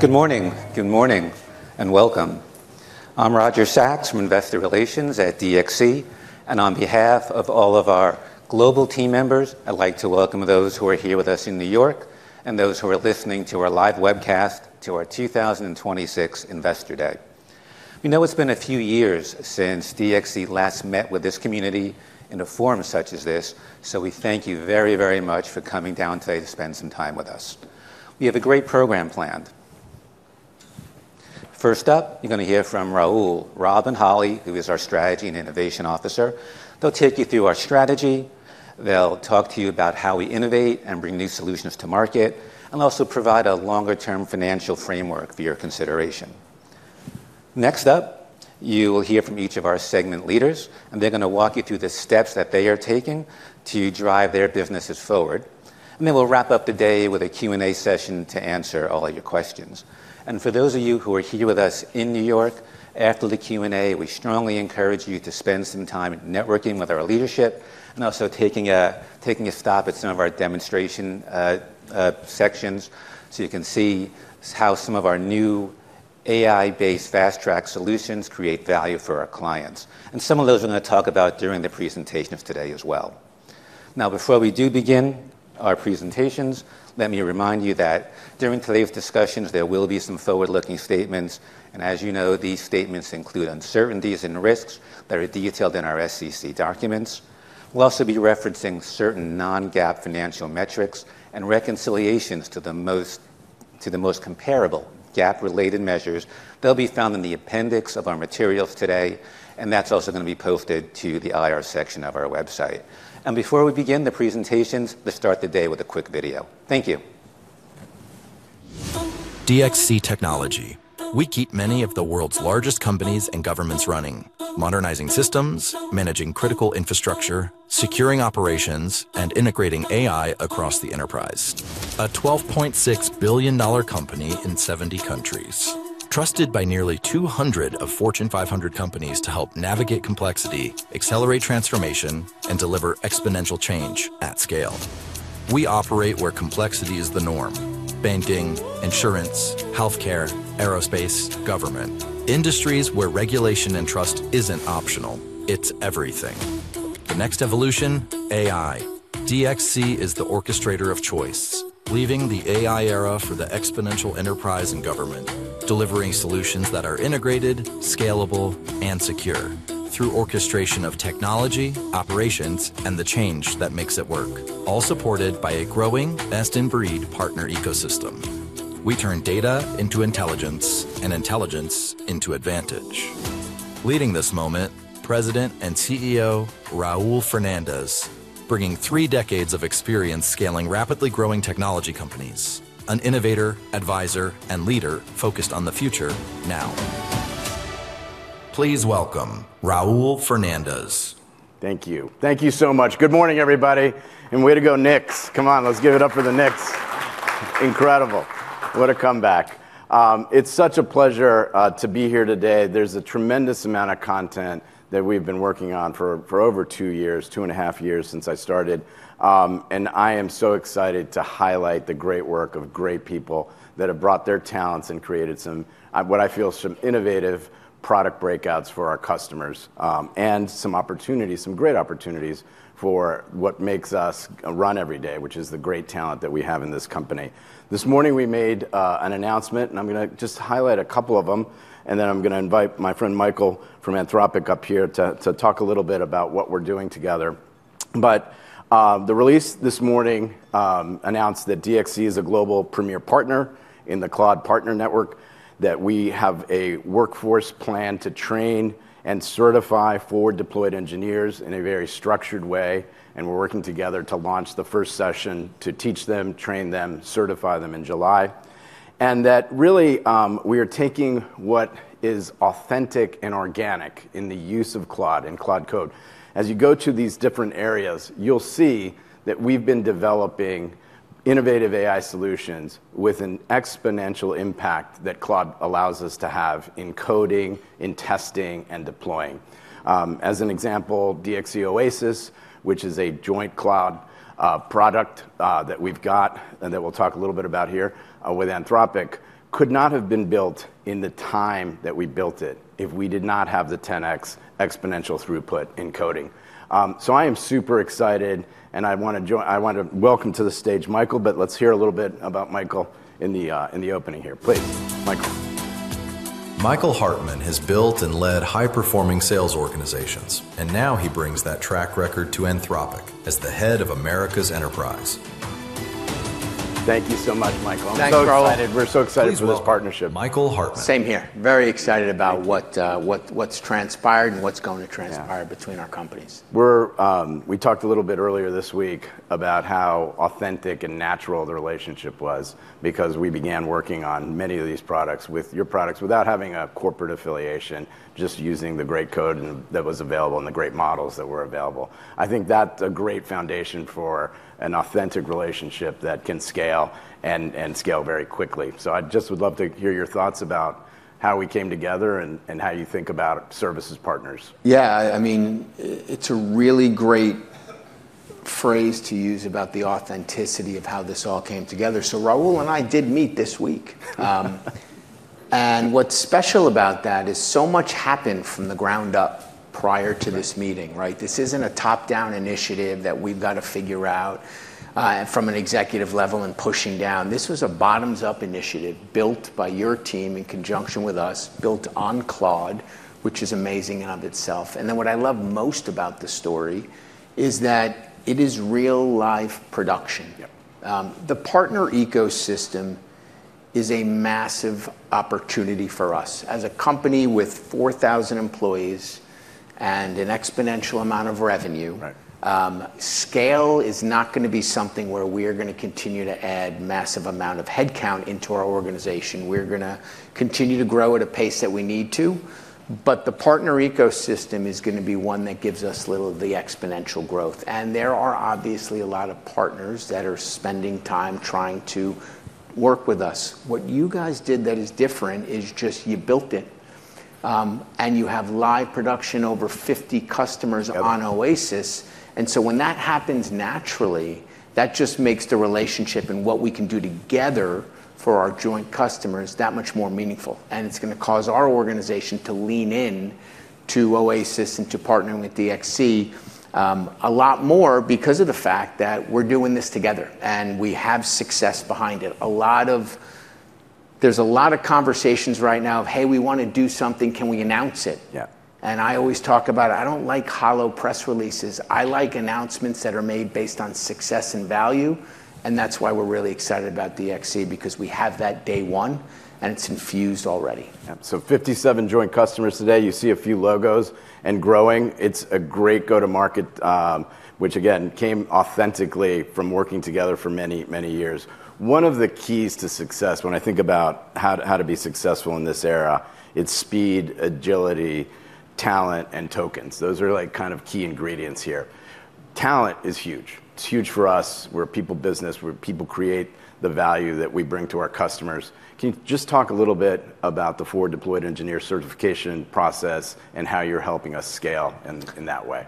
Good morning, welcome. I'm Roger Sachs from Investor Relations at DXC, and on behalf of all of our global team members, I'd like to welcome those who are here with us in New York, and those who are listening to our live webcast to our 2026 Investor Day. We know it's been a few years since DXC last met with this community in a forum such as this. We thank you very, very much for coming down today to spend some time with us. We have a great program planned. First up, you're going to hear from Raul, Rob, and Holly, who is our Strategy and Innovation Officer. They'll take you through our strategy, they'll talk to you about how we innovate and bring new solutions to market, and also provide a longer-term financial framework for your consideration. Next up, you will hear from each of our segment leaders. They're going to walk you through the steps that they are taking to drive their businesses forward. We'll wrap up the day with a Q&A session to answer all of your questions. For those of you who are here with us in New York, after the Q&A, we strongly encourage you to spend some time networking with our leadership, and also taking a stop at some of our demonstration sections so you can see how some of our new AI-based Fast Track solutions create value for our clients. Some of those we're going to talk about during the presentations today as well. Now, before we do begin our presentations, let me remind you that during today's discussions, there will be some forward-looking statements. As you know, these statements include uncertainties and risks that are detailed in our SEC documents. We'll also be referencing certain non-GAAP financial metrics and reconciliations to the most comparable GAAP-related measures. They'll be found in the appendix of our materials today. That's also going to be posted to the IR section of our website. Before we begin the presentations, let's start the day with a quick video. Thank you. DXC Technology. We keep many of the world's largest companies and governments running, modernizing systems, managing critical infrastructure, securing operations, and integrating AI across the enterprise. A $12.6 billion company in 70 countries, trusted by nearly 200 of Fortune 500 companies to help navigate complexity, accelerate transformation, and deliver exponential change at scale. We operate where complexity is the norm: banking, insurance, healthcare, aerospace, government. Industries where regulation and trust isn't optional, it's everything. The next evolution? AI. DXC is the orchestrator of choice, leading the AI era for the exponential enterprise in government. Delivering solutions that are integrated, scalable, and secure through orchestration of technology, operations, and the change that makes it work, all supported by a growing best-in-breed partner ecosystem. We turn data into intelligence and intelligence into advantage. Leading this moment, President and CEO Raul Fernandez, bringing three decades of experience scaling rapidly growing technology companies. An innovator, advisor, and leader focused on the future now. Please welcome Raul Fernandez. Thank you. Thank you so much. Good morning, everybody. Way to go, Knicks. Come on, let's give it up for the Knicks. Incredible. What a comeback. It's such a pleasure to be here today. There's a tremendous amount of content that we've been working on for over two years, two and a half years since I started. I am so excited to highlight the great work of great people that have brought their talents and created what I feel is some innovative product breakouts for our customers. Some opportunities, some great opportunities, for what makes us run every day, which is the great talent that we have in this company. This morning we made an announcement, I'm going to just highlight a couple of them, then I'm going to invite my friend Michael from Anthropic up here to talk a little bit about what we're doing together. The release this morning announced that DXC is a global premier partner in the Claude Partner Network, that we have a workforce plan to train and certify forward-deployed engineers in a very structured way. We're working together to launch the first session to teach them, train them, certify them in July. That really, we are taking what is authentic and organic in the use of Claude and Claude Code. As you go to these different areas, you'll see that we've been developing innovative AI solutions with an exponential impact that Claude allows us to have in coding, in testing, and deploying. As an example, DXC OASIS, which is a joint cloud product that we've got and that we'll talk a little bit about here, with Anthropic, could not have been built in the time that we built it if we did not have the 10x exponential throughput in coding. I am super excited I want to welcome to the stage Michael, let's hear a little bit about Michael in the opening here. Please, Michael. Michael Hartman has built and led high-performing sales organizations, now he brings that track record to Anthropic as the Head of Americas Enterprise. Thank you so much, Michael. Thanks, Roger. I'm so excited. We're so excited. Please welcome- for this partnership Michael Hartman. Same here. Very excited about- Thank you what's transpired and what's going to transpire Yeah between our companies. We talked a little bit earlier this week about how authentic and natural the relationship was because we began working on many of these products, with your products, without having a corporate affiliation, just using the great code that was available and the great models that were available. I think that's a great foundation for an authentic relationship that can scale, and scale very quickly. I just would love to hear your thoughts about how we came together and how you think about service as partners. It's a really great phrase to use about the authenticity of how this all came together. Raul and I did meet this week. What's special about that is so much happened from the ground up prior to this meeting, right? This isn't a top-down initiative that we've got to figure out from an executive level and pushing down. This was a bottoms-up initiative built by your team in conjunction with us, built on Claude, which is amazing in of itself. What I love most about this story is that it is real life production. The partner ecosystem is a massive opportunity for us. As a company with 4,000 employees and an exponential amount of revenue scale is not going to be something where we are going to continue to add massive amount of headcount into our organization. We're going to continue to grow at a pace that we need to, the partner ecosystem is going to be one that gives us a little of the exponential growth, there are obviously a lot of partners that are spending time trying to work with us. What you guys did that is different is just you built it. You have live production over 50 customers on OASIS. When that happens naturally, that just makes the relationship and what we can do together for our joint customers that much more meaningful, and it's going to cause our organization to lean in to OASIS and to partnering with DXC a lot more because of the fact that we're doing this together, and we have success behind it. There's a lot of conversations right now of, "Hey, we want to do something. Can we announce it? Yeah. I always talk about it. I don't like hollow press releases. I like announcements that are made based on success and value, and that's why we're really excited about DXC because we have that day one, and it's infused already. 57 joint customers today, you see a few logos, and growing. It's a great go-to-market, which again, came authentically from working together for many, many years. One of the keys to success when I think about how to be successful in this era, it's speed, agility, talent, and tokens. Those are key ingredients here. Talent is huge. It's huge for us. We're a people business. People create the value that we bring to our customers. Can you just talk a little bit about the forward deployed engineer certification process and how you're helping us scale in that way?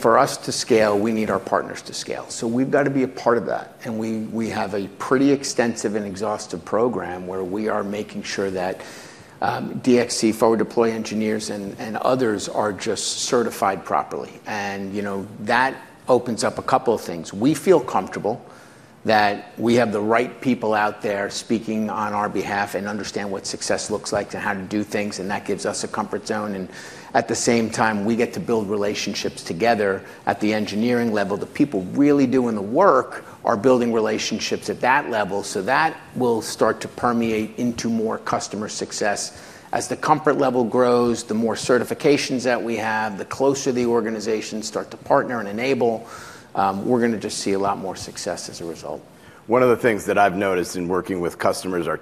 For us to scale, we need our partners to scale. We've got to be a part of that, and we have a pretty extensive and exhaustive program where we are making sure that DXC forward deploy engineers and others are just certified properly. That opens up a couple of things. We feel comfortable that we have the right people out there speaking on our behalf and understand what success looks like and how to do things, and that gives us a comfort zone. At the same time, we get to build relationships together at the engineering level. The people really doing the work are building relationships at that level. That will start to permeate into more customer success. As the comfort level grows, the more certifications that we have, the closer the organizations start to partner and enable, we're going to just see a lot more success as a result. One of the things that I've noticed in working with customers, the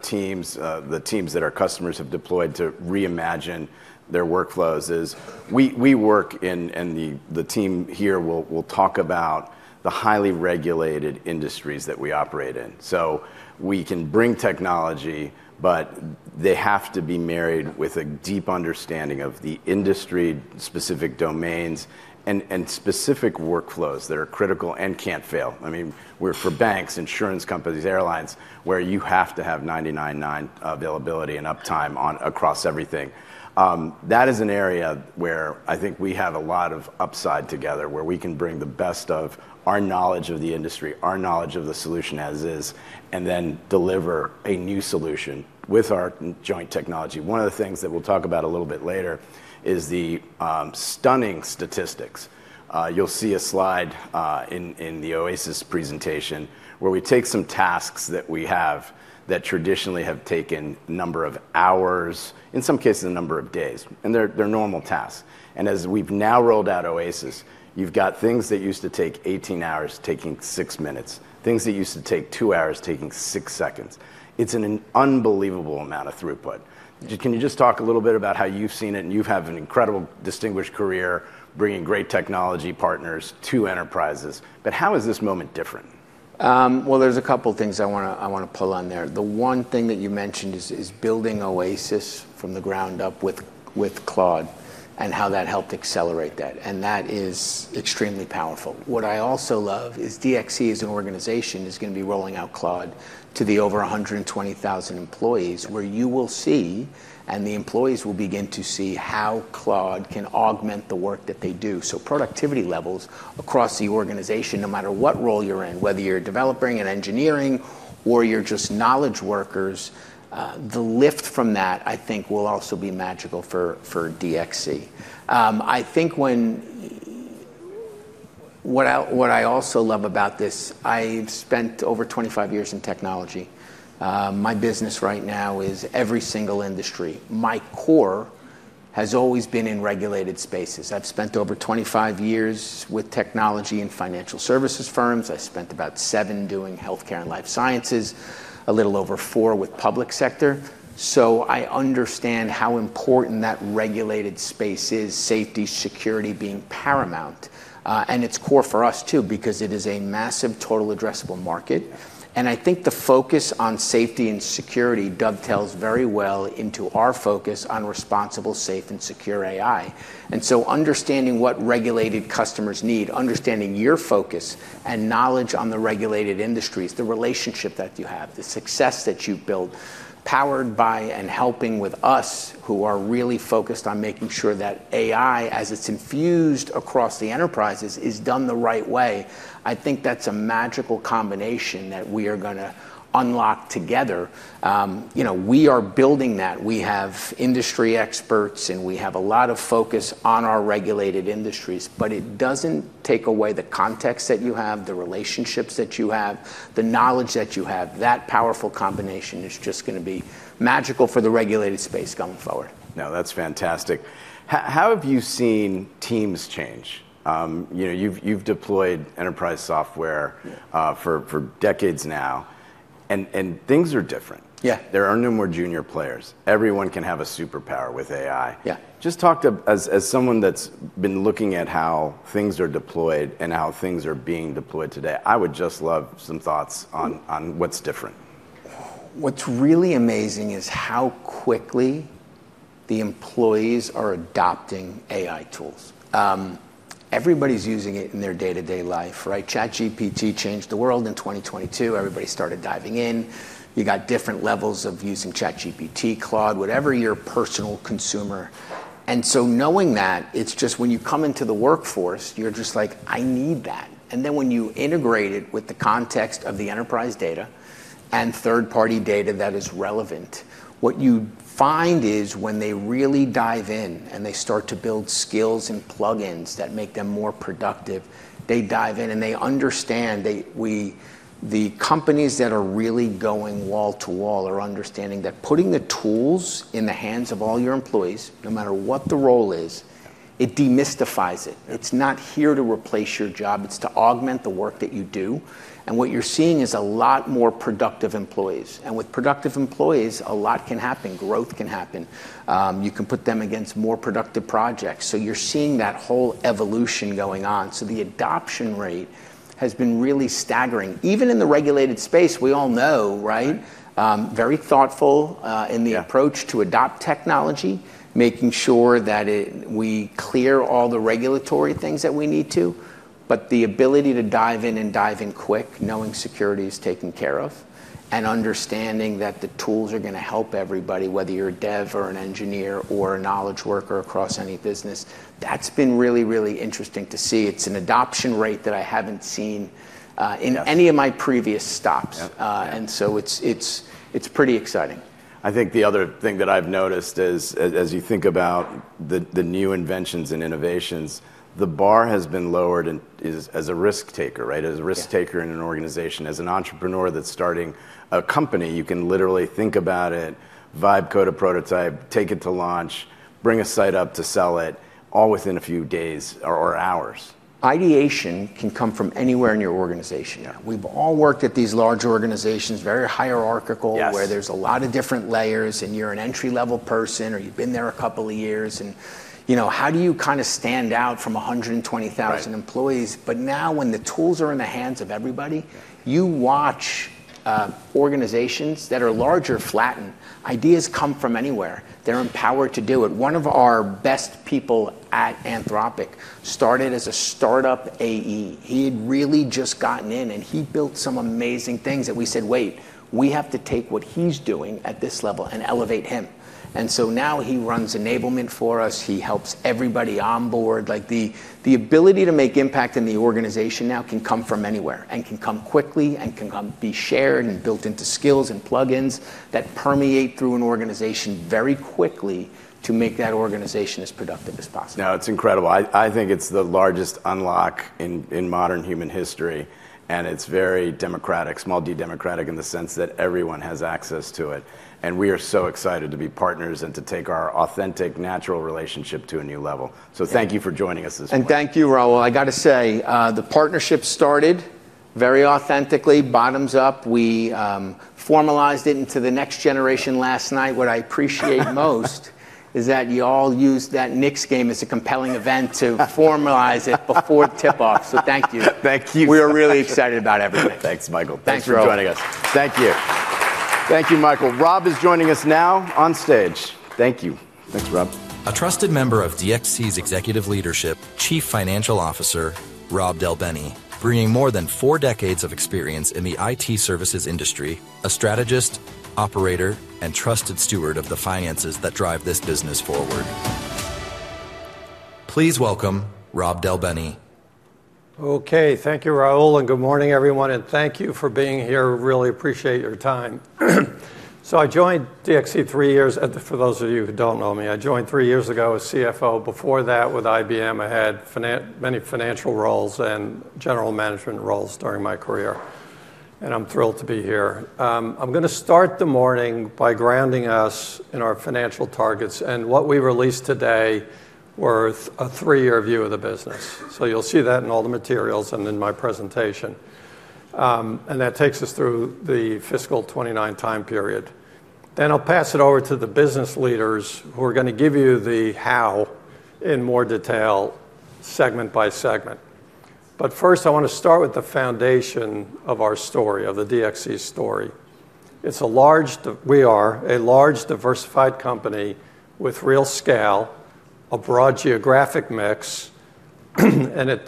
teams that our customers have deployed to reimagine their workflows is we work, and the team here will talk about the highly regulated industries that we operate in. We can bring technology, but they have to be married with a deep understanding of the industry-specific domains and specific workflows that are critical and can't fail. We're for banks, insurance companies, airlines, where you have to have 99.9 availability and uptime across everything. That is an area where I think we have a lot of upside together, where we can bring the best of our knowledge of the industry, our knowledge of the solution as is, and then deliver a new solution with our joint technology. One of the things that we'll talk about a little bit later is the stunning statistics. You'll see a slide in the OASIS presentation where we take some tasks that we have that traditionally have taken a number of hours, in some cases a number of days, and they're normal tasks. As we've now rolled out OASIS, you've got things that used to take 18 hours taking six minutes, things that used to take two hours, taking six seconds. It's an unbelievable amount of throughput. Can you just talk a little bit about how you've seen it, and you've had an incredible distinguished career bringing great technology partners to enterprises, How is this moment different? Well, there's a couple of things I want to pull on there. The one thing that you mentioned is building OASIS from the ground up with Claude and how that helped accelerate that. That is extremely powerful. What I also love is DXC as an organization is going to be rolling out Claude to the over 120,000 employees where you will see, and the employees will begin to see how Claude can augment the work that they do. Productivity levels across the organization, no matter what role you're in, whether you're developing and engineering or you're just knowledge workers, the lift from that, I think will also be magical for DXC. What I also love about this, I've spent over 25 years in technology. My business right now is every single industry. My core has always been in regulated spaces. I've spent over 25 years with technology and financial services firms. I spent about seven doing healthcare and life sciences, a little over four with public sector. I understand how important that regulated space is, safety, security being paramount. It's core for us too, because it is a massive total addressable market, and I think the focus on safety and security dovetails very well into our focus on responsible, safe, and secure AI. Understanding what regulated customers need, understanding your focus and knowledge on the regulated industries, the relationship that you have, the success that you have built, powered by and helping with us, who are really focused on making sure that AI, as it's infused across the enterprises, is done the right way. I think that's a magical combination that we are going to unlock together. We are building that. We have industry experts, and we have a lot of focus on our regulated industries. It doesn't take away the context that you have, the relationships that you have, the knowledge that you have. That powerful combination is just going to be magical for the regulated space going forward. No, that's fantastic. How have you seen teams change? You've deployed enterprise software. Yeah For decades now, and things are different. Yeah. There are no more junior players. Everyone can have a superpower with AI. Yeah. As someone that's been looking at how things are deployed and how things are being deployed today, I would just love some thoughts on what's different. What's really amazing is how quickly the employees are adopting AI tools. Everybody's using it in their day-to-day life, right? ChatGPT changed the world in 2022. Everybody started diving in. You got different levels of using ChatGPT, Claude, whatever your personal consumer. Knowing that, it's just when you come into the workforce, you're just like, "I need that." When you integrate it with the context of the enterprise data and third-party data that is relevant, what you find is when they really dive in and they start to build skills and plugins that make them more productive, they dive in, and they understand. The companies that are really going wall to wall are understanding that putting the tools in the hands of all your employees, no matter what the role is, it demystifies it. It's not here to replace your job. It's to augment the work that you do. What you're seeing is a lot more productive employees. With productive employees, a lot can happen. Growth can happen. You can put them against more productive projects. You're seeing that whole evolution going on. The adoption rate has been really staggering. Even in the regulated space, we all know, right? Very thoughtful in the approach to adopt technology, making sure that we clear all the regulatory things that we need to. The ability to dive in and dive in quick, knowing security is taken care of, and understanding that the tools are going to help everybody, whether you're a dev or an engineer or a knowledge worker across any business. That's been really, really interesting to see. It's an adoption rate that I haven't seen in any- Yeah of my previous stops. Yep. It's pretty exciting. I think the other thing that I've noticed is, as you think about the new inventions and innovations, the bar has been lowered as a risk-taker, right? Yeah. As a risk-taker in an organization. As an entrepreneur that's starting a company, you can literally think about it, vibe code a prototype, take it to launch, bring a site up to sell it, all within a few days or hours. Ideation can come from anywhere in your organization. Yeah. We've all worked at these large organizations, very hierarchical. Yes where there's a lot of different layers, and you're an entry-level person, or you've been there a couple of years. How do you stand out from 120,000 employees? Right. Now when the tools are in the hands of everybody, you watch organizations that are larger, flatten. Ideas come from anywhere. They're empowered to do it. One of our best people at Anthropic started as a startup AE. He had really just gotten in, and he built some amazing things that we said, "Wait, we have to take what he's doing at this level and elevate him." Now he runs enablement for us. He helps everybody onboard. The ability to make impact in the organization now can come from anywhere and can come quickly and can be shared and built into skills and plugins that permeate through an organization very quickly to make that organization as productive as possible. No, it's incredible. I think it's the largest unlock in modern human history, and it's very democratic, small D democratic, in the sense that everyone has access to it. We are so excited to be partners and to take our authentic, natural relationship to a new level. Yeah. Thank you for joining us this morning. Thank you, Raul. I got to say, the partnership started very authentically, bottoms up. We formalized it into the next generation last night. What I appreciate most is that you all used that Knicks game as a compelling event to formalize it before tip-off. Thank you. Thank you. We are really excited about everything. Thanks, Michael. Thanks, Raul. Thanks for joining us. Thank you. Thank you, Michael. Rob is joining us now on stage. Thank you. Thanks, Rob. A trusted member of DXC's executive leadership, Chief Financial Officer Rob Del Bene, bringing more than four decades of experience in the IT services industry, a strategist, operator, and trusted steward of the finances that drive this business forward. Please welcome Rob Del Bene. Okay, thank you, Raul. Good morning, everyone. Thank you for being here. Really appreciate your time. I joined DXC three years For those of you who don't know me, I joined three years ago as CFO. Before that, with IBM, I had many financial roles and general management roles during my career, I'm thrilled to be here. I'm going to start the morning by grounding us in our financial targets, what we released today were a three-year view of the business. You'll see that in all the materials and in my presentation. That takes us through the fiscal 2029 time period. I'll pass it over to the business leaders, who are going to give you the how in more detail, segment by segment. First, I want to start with the foundation of our story, of the DXC story. We are a large, diversified company with real scale, a broad geographic mix,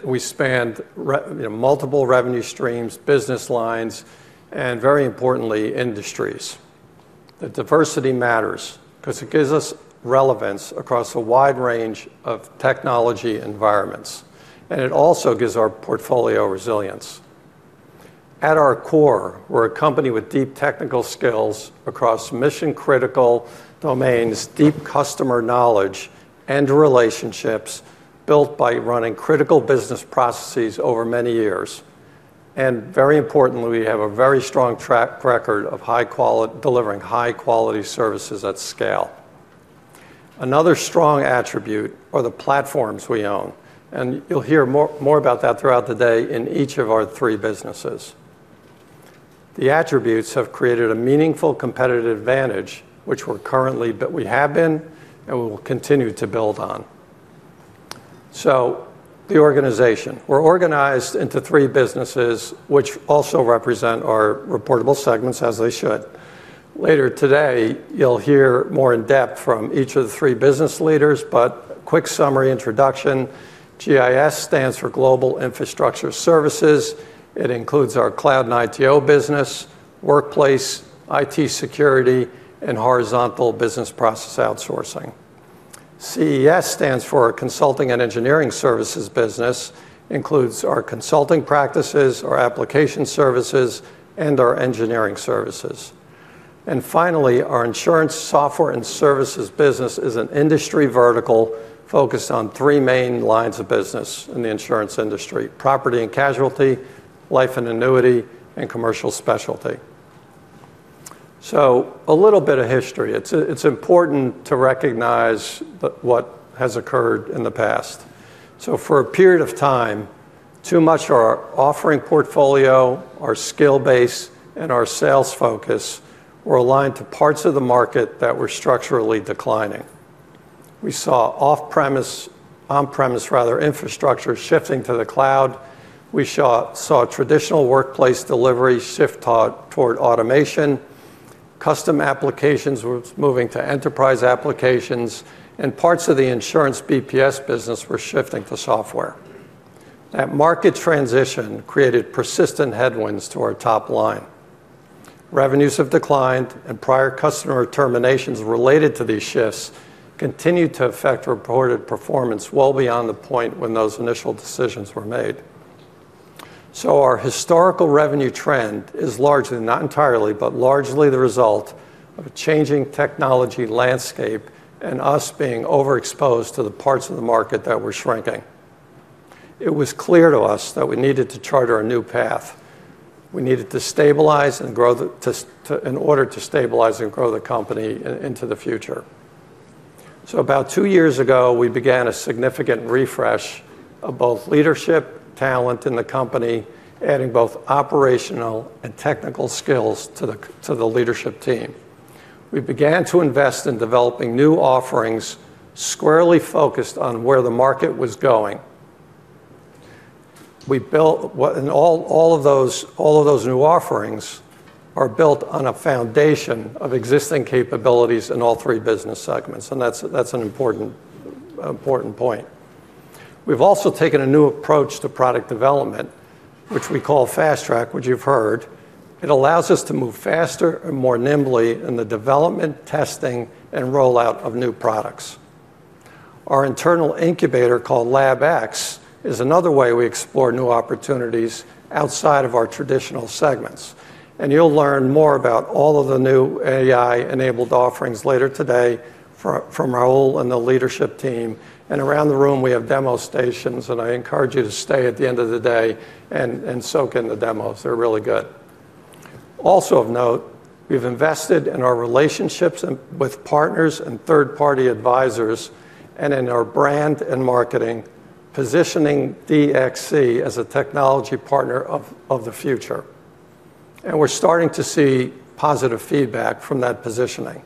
we span multiple revenue streams, business lines, and very importantly, industries. The diversity matters because it gives us relevance across a wide range of technology environments, it also gives our portfolio resilience. At our core, we're a company with deep technical skills across mission-critical domains, deep customer knowledge and relationships built by running critical business processes over many years. Very importantly, we have a very strong track record of delivering high-quality services at scale. Another strong attribute are the platforms we own, you'll hear more about that throughout the day in each of our three businesses. The attributes have created a meaningful competitive advantage, which we have been and will continue to build on. The organization. We're organized into three businesses, which also represent our reportable segments as they should. Later today, you'll hear more in depth from each of the three business leaders, quick summary introduction. GIS stands for Global Infrastructure Services. It includes our cloud and ITO business, workplace, IT security, horizontal business process outsourcing. CES stands for our Consulting & Engineering Services business, includes our consulting practices, our application services, our engineering services. Finally, our Insurance Software and Services business is an industry vertical focused on three main lines of business in the insurance industry: property and casualty, life and annuity, and commercial specialty. A little bit of history. It's important to recognize what has occurred in the past. For a period of time, too much our offering portfolio, our skill base, our sales focus were aligned to parts of the market that were structurally declining. We saw on-premise rather, infrastructure shifting to the cloud. We saw traditional workplace delivery shift toward automation. Custom applications was moving to enterprise applications, and parts of the Insurance BPS business were shifting to software. That market transition created persistent headwinds to our top line. Revenues have declined and prior customer terminations related to these shifts continue to affect reported performance well beyond the point when those initial decisions were made. Our historical revenue trend is largely, not entirely, but largely the result of a changing technology landscape and us being overexposed to the parts of the market that were shrinking. It was clear to us that we needed to charter a new path. We needed in order to stabilize and grow the company into the future. About two years ago, we began a significant refresh of both leadership talent in the company, adding both operational and technical skills to the leadership team. We began to invest in developing new offerings squarely focused on where the market was going. All of those new offerings are built on a foundation of existing capabilities in all three business segments, and that's an important point. We've also taken a new approach to product development, which we call Fast Track, which you've heard. It allows us to move faster and more nimbly in the development, testing, and rollout of new products. Our internal incubator, called LabX, is another way we explore new opportunities outside of our traditional segments. You'll learn more about all of the new AI-enabled offerings later today from Raul and the leadership team. Around the room, we have demo stations, and I encourage you to stay at the end of the day and soak in the demos. They're really good. Also of note, we've invested in our relationships with partners and third-party advisors and in our brand and marketing, positioning DXC as a technology partner of the future. We're starting to see positive feedback from that positioning.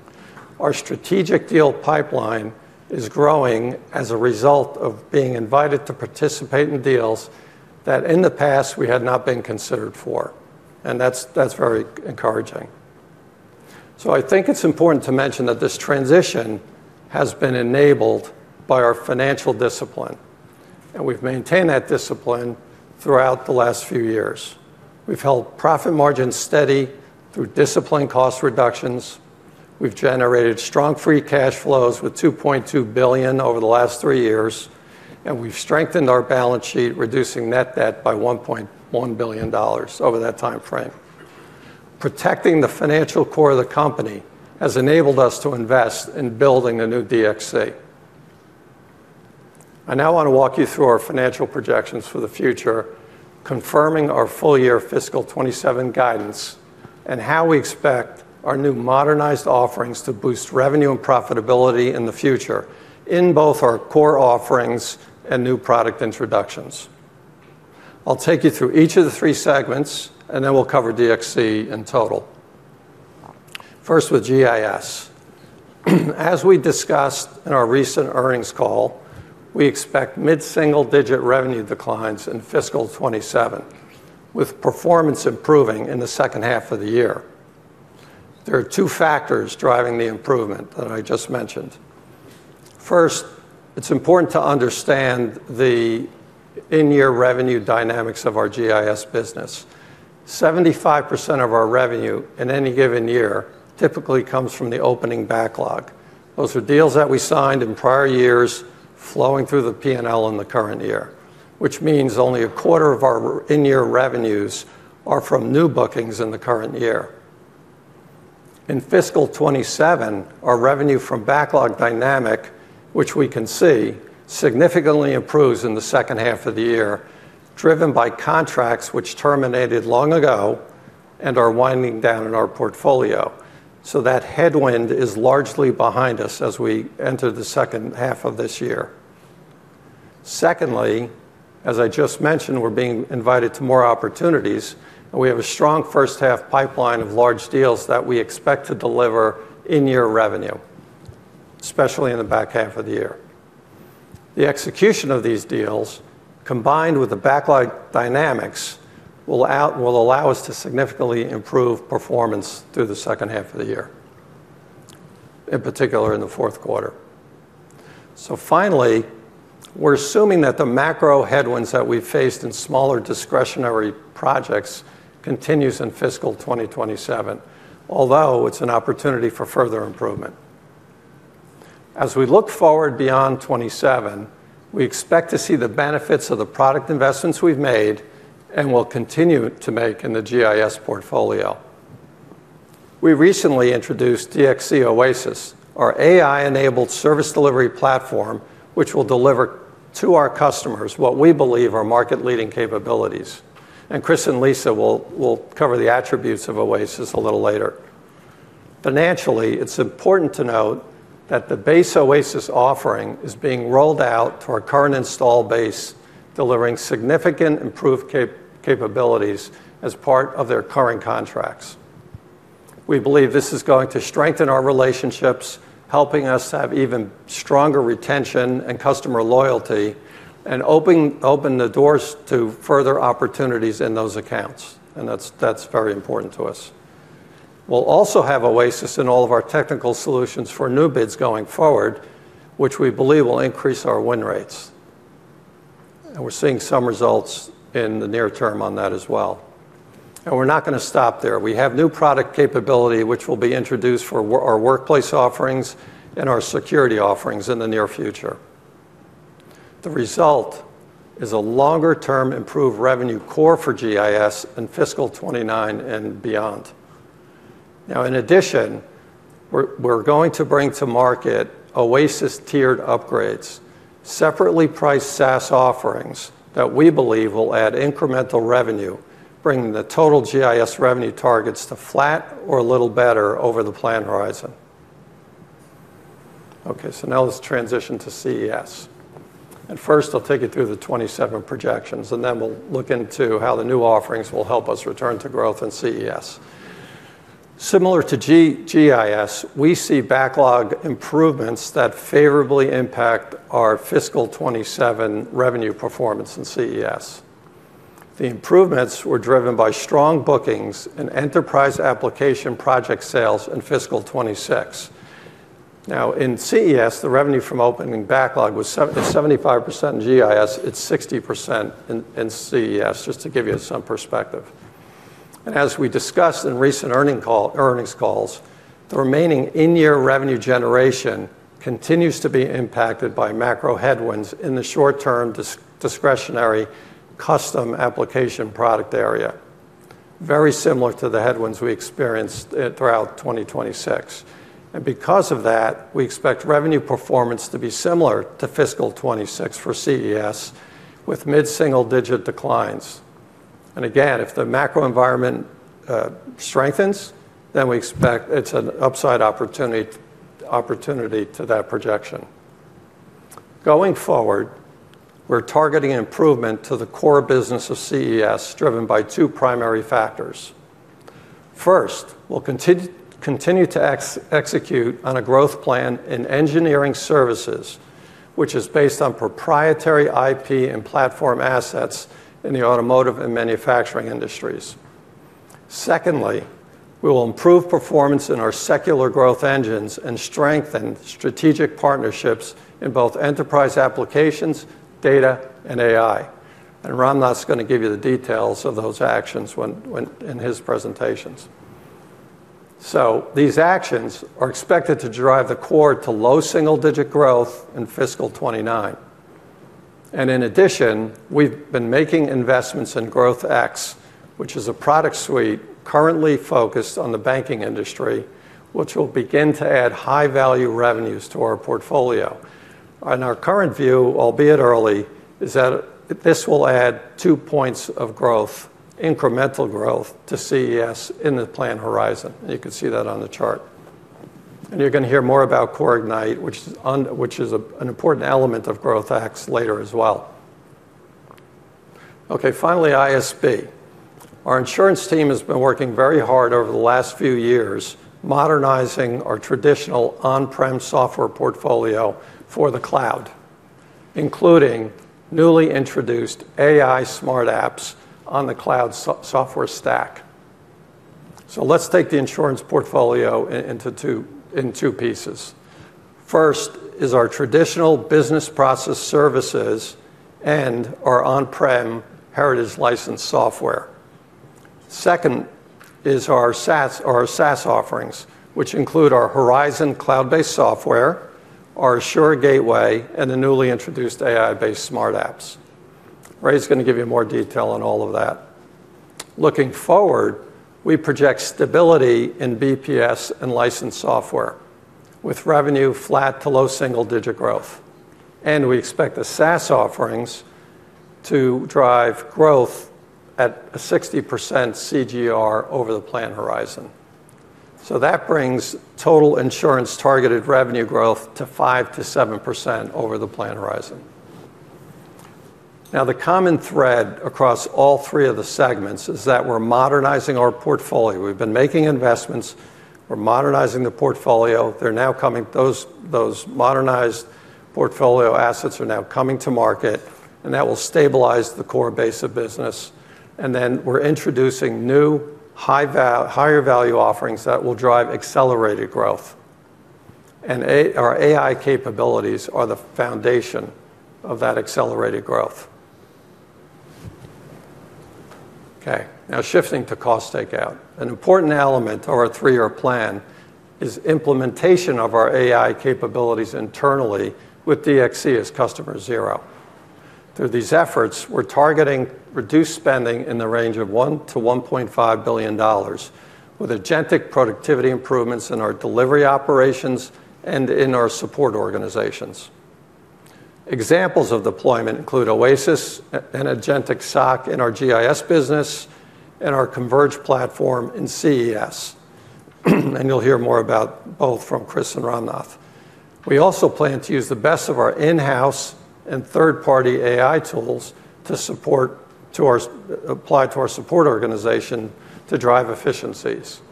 Our strategic deal pipeline is growing as a result of being invited to participate in deals that in the past we had not been considered for, and that's very encouraging. I think it's important to mention that this transition has been enabled by our financial discipline, and we've maintained that discipline throughout the last few years. We've held profit margins steady through disciplined cost reductions. We've generated strong free cash flows with $2.2 billion over the last three years, and we've strengthened our balance sheet, reducing net debt by $1.1 billion over that timeframe. Protecting the financial core of the company has enabled us to invest in building a new DXC. I now want to walk you through our financial projections for the future, confirming our full year fiscal 2027 guidance and how we expect our new modernized offerings to boost revenue and profitability in the future in both our core offerings and new product introductions. I'll take you through each of the three segments, and then we'll cover DXC in total. First with GIS. As we discussed in our recent earnings call, we expect mid-single-digit revenue declines in fiscal 2027, with performance improving in the second half of the year. There are two factors driving the improvement that I just mentioned. First, it's important to understand the in-year revenue dynamics of our GIS business. 75% of our revenue in any given year typically comes from the opening backlog. Those are deals that we signed in prior years flowing through the P&L in the current year, which means only a quarter of our in-year revenues are from new bookings in the current year. In fiscal 2027, our revenue from backlog dynamic, which we can see, significantly improves in the second half of the year, driven by contracts which terminated long ago and are winding down in our portfolio. That headwind is largely behind us as we enter the second half of this year. Secondly, as I just mentioned, we are being invited to more opportunities. We have a strong first-half pipeline of large deals that we expect to deliver in-year revenue, especially in the back half of the year. The execution of these deals, combined with the backlog dynamics, will allow us to significantly improve performance through the second half of the year. In particular, in the fourth quarter. Finally, we are assuming that the macro headwinds that we faced in smaller discretionary projects continues in fiscal 2027. Although, it is an opportunity for further improvement. As we look forward beyond 2027, we expect to see the benefits of the product investments we have made and will continue to make in the GIS portfolio. We recently introduced DXC OASIS, our AI-enabled service delivery platform, which will deliver to our customers what we believe are market-leading capabilities. Chris and Lisa will cover the attributes of OASIS a little later. Financially, it is important to note that the base OASIS offering is being rolled out to our current install base, delivering significant improved capabilities as part of their current contracts. We believe this is going to strengthen our relationships, helping us to have even stronger retention and customer loyalty. That is very important to us. We will also have OASIS in all of our technical solutions for new bids going forward, which we believe will increase our win rates. We are seeing some results in the near term on that as well. We are not going to stop there. We have new product capability which will be introduced for our workplace offerings and our security offerings in the near future. The result is a longer-term improved revenue core for GIS in fiscal 2029 and beyond. In addition, we are going to bring to market OASIS tiered upgrades, separately priced SaaS offerings that we believe will add incremental revenue, bringing the total GIS revenue targets to flat or a little better over the plan horizon. Let us transition to CES. First, I will take you through the 2027 projections. Then we will look into how the new offerings will help us return to growth in CES. Similar to GIS, we see backlog improvements that favorably impact our fiscal 2027 revenue performance in CES. The improvements were driven by strong bookings in enterprise application project sales in fiscal 2026. In CES, the revenue from opening backlog was 75%. In GIS, it is 60%, just to give you some perspective. As we discussed in recent earnings calls, the remaining in-year revenue generation continues to be impacted by macro headwinds in the short term discretionary custom application product area, very similar to the headwinds we experienced throughout 2026. Because of that, we expect revenue performance to be similar to fiscal 2026 for CES, with mid-single-digit declines. Again, if the macro environment strengthens, then we expect it's an upside opportunity to that projection. Going forward, we're targeting improvement to the core business of CES, driven by two primary factors. First, we'll continue to execute on a growth plan in engineering services, which is based on proprietary IP and platform assets in the automotive and manufacturing industries. Secondly, we will improve performance in our secular growth engines and strengthen strategic partnerships in both enterprise applications, data, and AI. Ramnath's going to give you the details of those actions in his presentations. These actions are expected to drive the core to low single-digit growth in fiscal 2029. In addition, we've been making investments in GrowthX, which is a product suite currently focused on the banking industry, which will begin to add high-value revenues to our portfolio. Our current view, albeit early, is that this will add two points of growth, incremental growth, to CES in the plan horizon. You can see that on the chart. You're going to hear more about CoreIgnite, which is an important element of GrowthX, later as well. Finally, ISB. Our insurance team has been working very hard over the last few years modernizing our traditional on-prem software portfolio for the cloud, including newly introduced AI Smart Apps on the cloud software stack. Let's take the insurance portfolio in two pieces. First is our traditional business process services and our on-prem heritage licensed software. Second is our SaaS offerings, which include our Horizon cloud-based software, our Assure Gateway, and the newly introduced AI-based Smart Apps. Ray's going to give you more detail on all of that. Looking forward, we project stability in BPS and licensed software with revenue flat to low double-digit growth. We expect the SaaS offerings to drive growth at a 60% CAGR over the plan horizon. That brings total insurance targeted revenue growth to 5%-7% over the plan horizon. The common thread across all three of the segments is that we're modernizing our portfolio. We've been making investments. We're modernizing the portfolio. Those modernized portfolio assets are now coming to market, and that will stabilize the core base of business. Then we're introducing new higher value offerings that will drive accelerated growth. Our AI capabilities are the foundation of that accelerated growth. Now shifting to cost takeout. An important element of our three-year plan is implementation of our AI capabilities internally with DXC as customer zero. Through these efforts, we're targeting reduced spending in the range of $1 billion-$1.5 billion with Agentic productivity improvements in our delivery operations and in our support organizations. Examples of deployment include OASIS, an Agentic SOC in our GIS business, and our Converge platform in CES. You'll hear more about both from Chris and Ramnath. We also plan to use the best of our in-house and third-party AI tools applied to our support organization to drive efficiencies.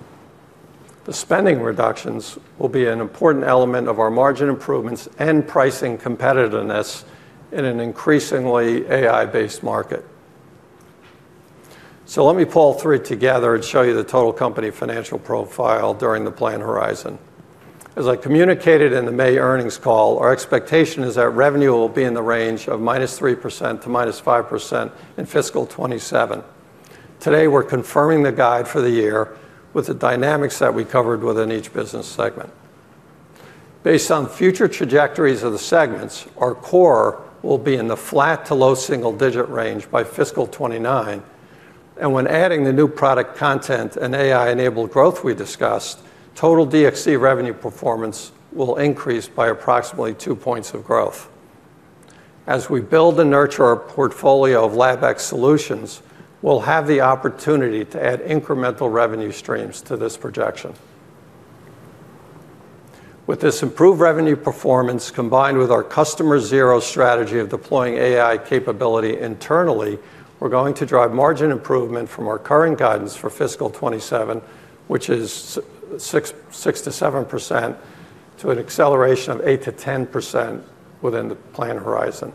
The spending reductions will be an important element of our margin improvements and pricing competitiveness in an increasingly AI-based market. Let me pull three together and show you the total company financial profile during the plan horizon. As I communicated in the May earnings call, our expectation is that revenue will be in the range of -3% to -5% in fiscal 2027. Today, we're confirming the guide for the year with the dynamics that we covered within each business segment. Based on future trajectories of the segments, our core will be in the flat to low single digit range by fiscal 2029. When adding the new product content and AI-enabled growth we discussed, total DXC revenue performance will increase by approximately two points of growth. As we build and nurture our portfolio of LabX solutions, we'll have the opportunity to add incremental revenue streams to this projection. With this improved revenue performance, combined with our customer zero strategy of deploying AI capability internally, we're going to drive margin improvement from our current guidance for fiscal 2027, which is 6%-7%, to an acceleration of 8%-10% within the plan horizon.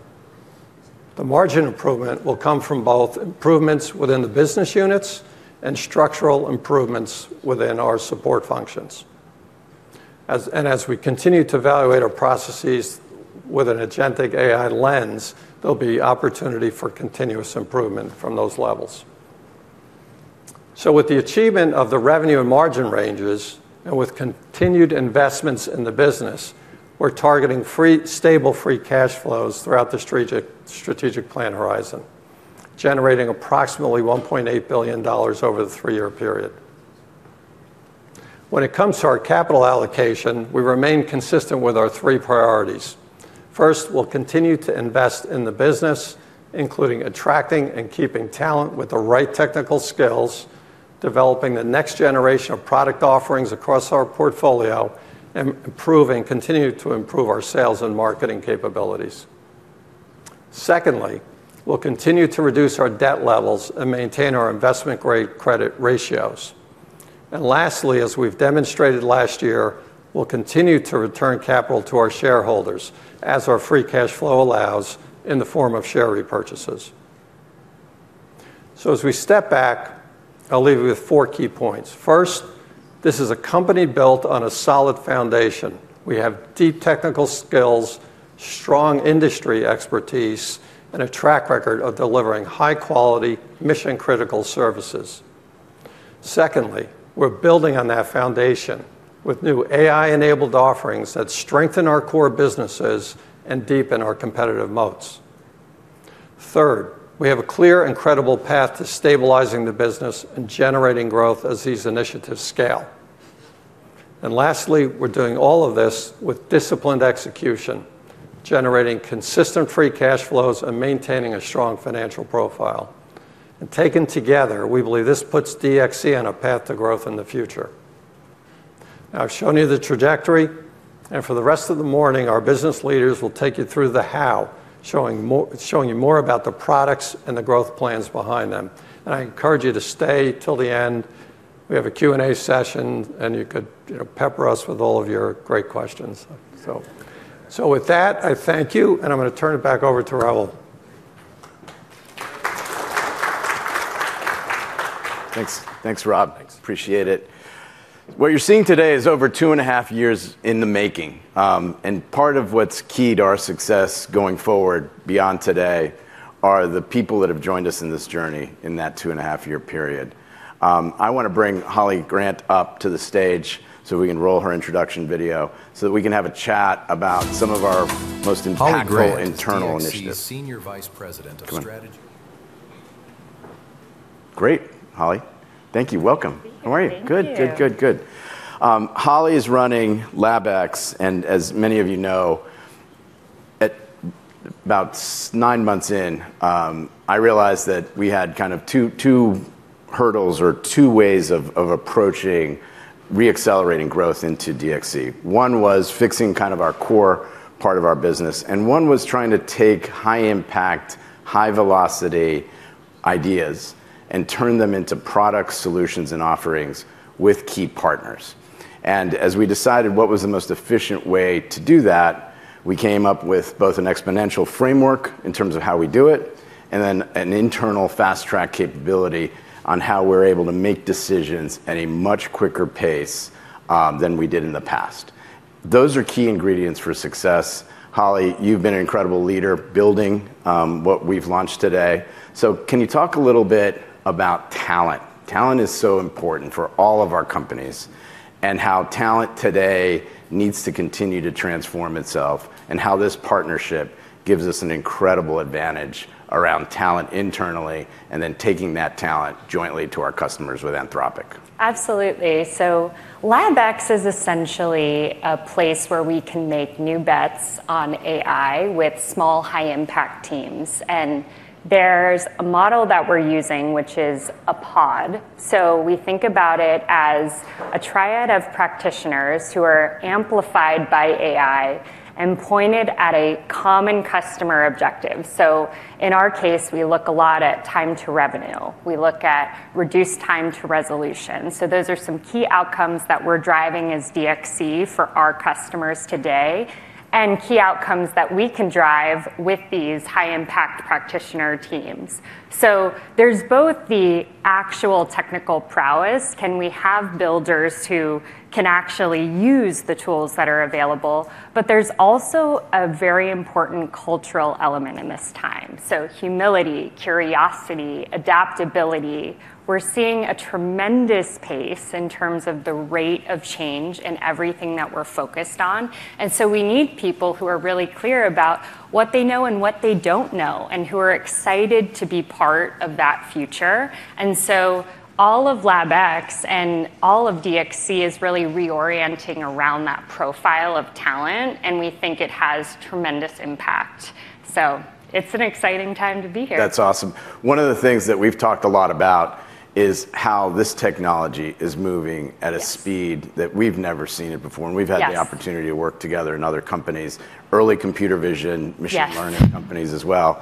The margin improvement will come from both improvements within the business units and structural improvements within our support functions. As we continue to evaluate our processes with an agentic AI lens, there'll be opportunity for continuous improvement from those levels. With the achievement of the revenue and margin ranges, and with continued investments in the business, we're targeting stable free cash flows throughout the strategic plan horizon, generating approximately $1.8 billion over the three-year period. When it comes to our capital allocation, we remain consistent with our three priorities. First, we'll continue to invest in the business, including attracting and keeping talent with the right technical skills, developing the next generation of product offerings across our portfolio, and continue to improve our sales and marketing capabilities. Secondly, we'll continue to reduce our debt levels and maintain our investment-grade credit ratios. Lastly, as we've demonstrated last year, we'll continue to return capital to our shareholders as our free cash flow allows in the form of share repurchases. As we step back, I'll leave you with four key points. First, this is a company built on a solid foundation. We have deep technical skills, strong industry expertise, and a track record of delivering high-quality, mission-critical services. Secondly, we're building on that foundation with new AI-enabled offerings that strengthen our core businesses and deepen our competitive moats. Third, we have a clear and credible path to stabilizing the business and generating growth as these initiatives scale. Lastly, we're doing all of this with disciplined execution, generating consistent free cash flows and maintaining a strong financial profile. Taken together, we believe this puts DXC on a path to growth in the future. I've shown you the trajectory, and for the rest of the morning, our business leaders will take you through the how, showing you more about the products and the growth plans behind them. I encourage you to stay till the end. We have a Q&A session and you could pepper us with all of your great questions. With that, I thank you, and I'm going to turn it back over to Raul. Thanks, Rob. Thanks. Appreciate it. What you're seeing today is over two and a half years in the making. Part of what's key to our success going forward beyond today are the people that have joined us in this journey in that two-and-a-half-year period. I want to bring Holly Grant up to the stage so we can roll her introduction video, so that we can have a chat about some of our most impactful. Holly Grant. internal initiatives DXC Senior Vice President of Strategy. Great, Holly. Thank you. Welcome. Thank you. How are you? Thank you. Good. Holly is running LabX. As many of you know, about nine months in, I realized that we had two hurdles or two ways of approaching re-accelerating growth into DXC. One was fixing our core part of our business. One was trying to take high impact, high velocity ideas and turn them into product solutions and offerings with key partners. As we decided what was the most efficient way to do that, we came up with both an exponential framework in terms of how we do it, and then an internal Fast Track capability on how we're able to make decisions at a much quicker pace than we did in the past. Those are key ingredients for success. Holly, you've been an incredible leader building what we've launched today. Can you talk a little bit about talent? Talent is so important for all of our companies. How talent today needs to continue to transform itself. How this partnership gives us an incredible advantage around talent internally, and then taking that talent jointly to our customers with Anthropic. Absolutely. LabX is essentially a place where we can make new bets on AI with small, high-impact teams. There's a model that we're using, which is a pod. We think about it as a triad of practitioners who are amplified by AI and pointed at a common customer objective. In our case, we look a lot at time to revenue. We look at reduced time to resolution. Those are some key outcomes that we're driving as DXC for our customers today, and key outcomes that we can drive with these high-impact practitioner teams. There's both the actual technical prowess, can we have builders who can actually use the tools that are available? There's also a very important cultural element in this time. Humility, curiosity, adaptability. We're seeing a tremendous pace in terms of the rate of change in everything that we're focused on. We need people who are really clear about what they know and what they don't know, and who are excited to be part of that future. All of LabX and all of DXC is really reorienting around that profile of talent, and we think it has tremendous impact. It's an exciting time to be here. That's awesome. One of the things that we've talked a lot about is how this technology is moving at a speed- Yes that we've never seen it before, and we've had- Yes the opportunity to work together in other companies. Early computer vision- Yes machine learning companies as well.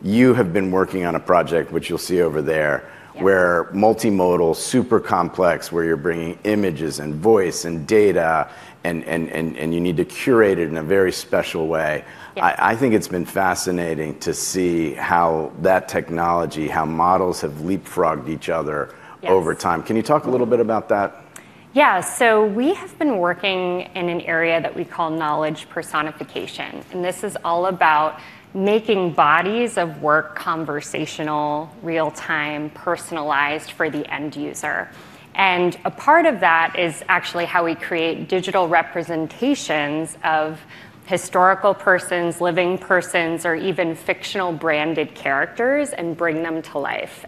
You have been working on a project which you'll see over there. Yeah where multimodal, super complex, where you're bringing images and voice and data and you need to curate it in a very special way. Yeah. I think it's been fascinating to see how that technology, how models have leapfrogged each other. Yes over time. Can you talk a little bit about that? We have been working in an area that we call knowledge personification. This is all about making bodies of work conversational, real-time, personalized for the end user. A part of that is actually how we create digital representations of historical persons, living persons, or even fictional branded characters, and bring them to life.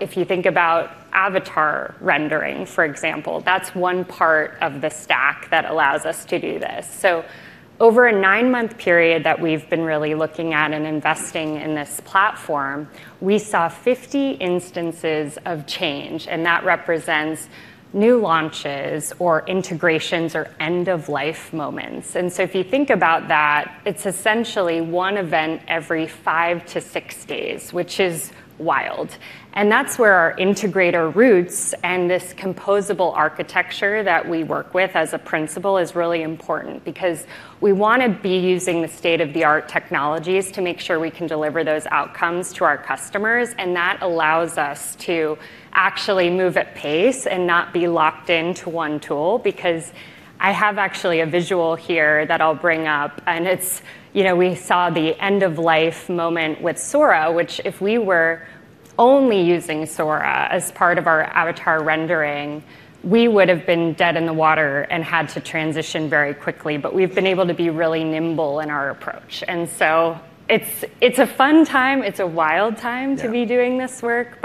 If you think about avatar rendering, for example, that's one part of the stack that allows us to do this. Over a nine-month period that we've been really looking at and investing in this platform, we saw 50 instances of change, and that represents new launches or integrations or end-of-life moments. If you think about that, it's essentially one event every five to six days, which is wild. That's where our integrator roots and this composable architecture that we work with as a principle is really important, because we want to be using the state-of-the-art technologies to make sure we can deliver those outcomes to our customers, and that allows us to actually move at pace and not be locked into one tool because I have actually a visual here that I'll bring up. We saw the end-of-life moment with Sora, which if we were only using Sora as part of our avatar rendering, we would've been dead in the water and had to transition very quickly. We've been able to be really nimble in our approach. It's a fun time. It's a wild time. Yeah To be doing this work,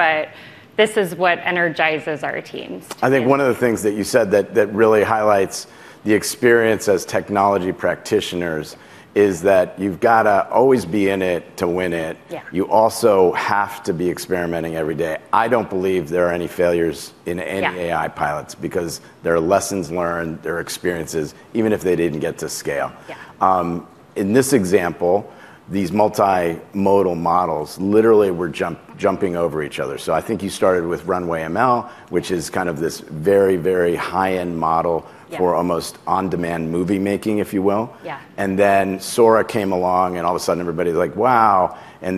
this is what energizes our teams. I think one of the things that you said that really highlights the experience as technology practitioners is that you've got to always be in it to win it. Yeah. You also have to be experimenting every day. I don't believe there are any failures in any- Yeah AI pilots because there are lessons learned, there are experiences, even if they didn't get to scale. Yeah. In this example, these multimodal models literally were jumping over each other. I think you started with RunwayML, which is kind of this very, very high-end model- Yeah for almost on-demand movie making, if you will. Yeah. Sora came along, and all of a sudden everybody's like, "Wow." I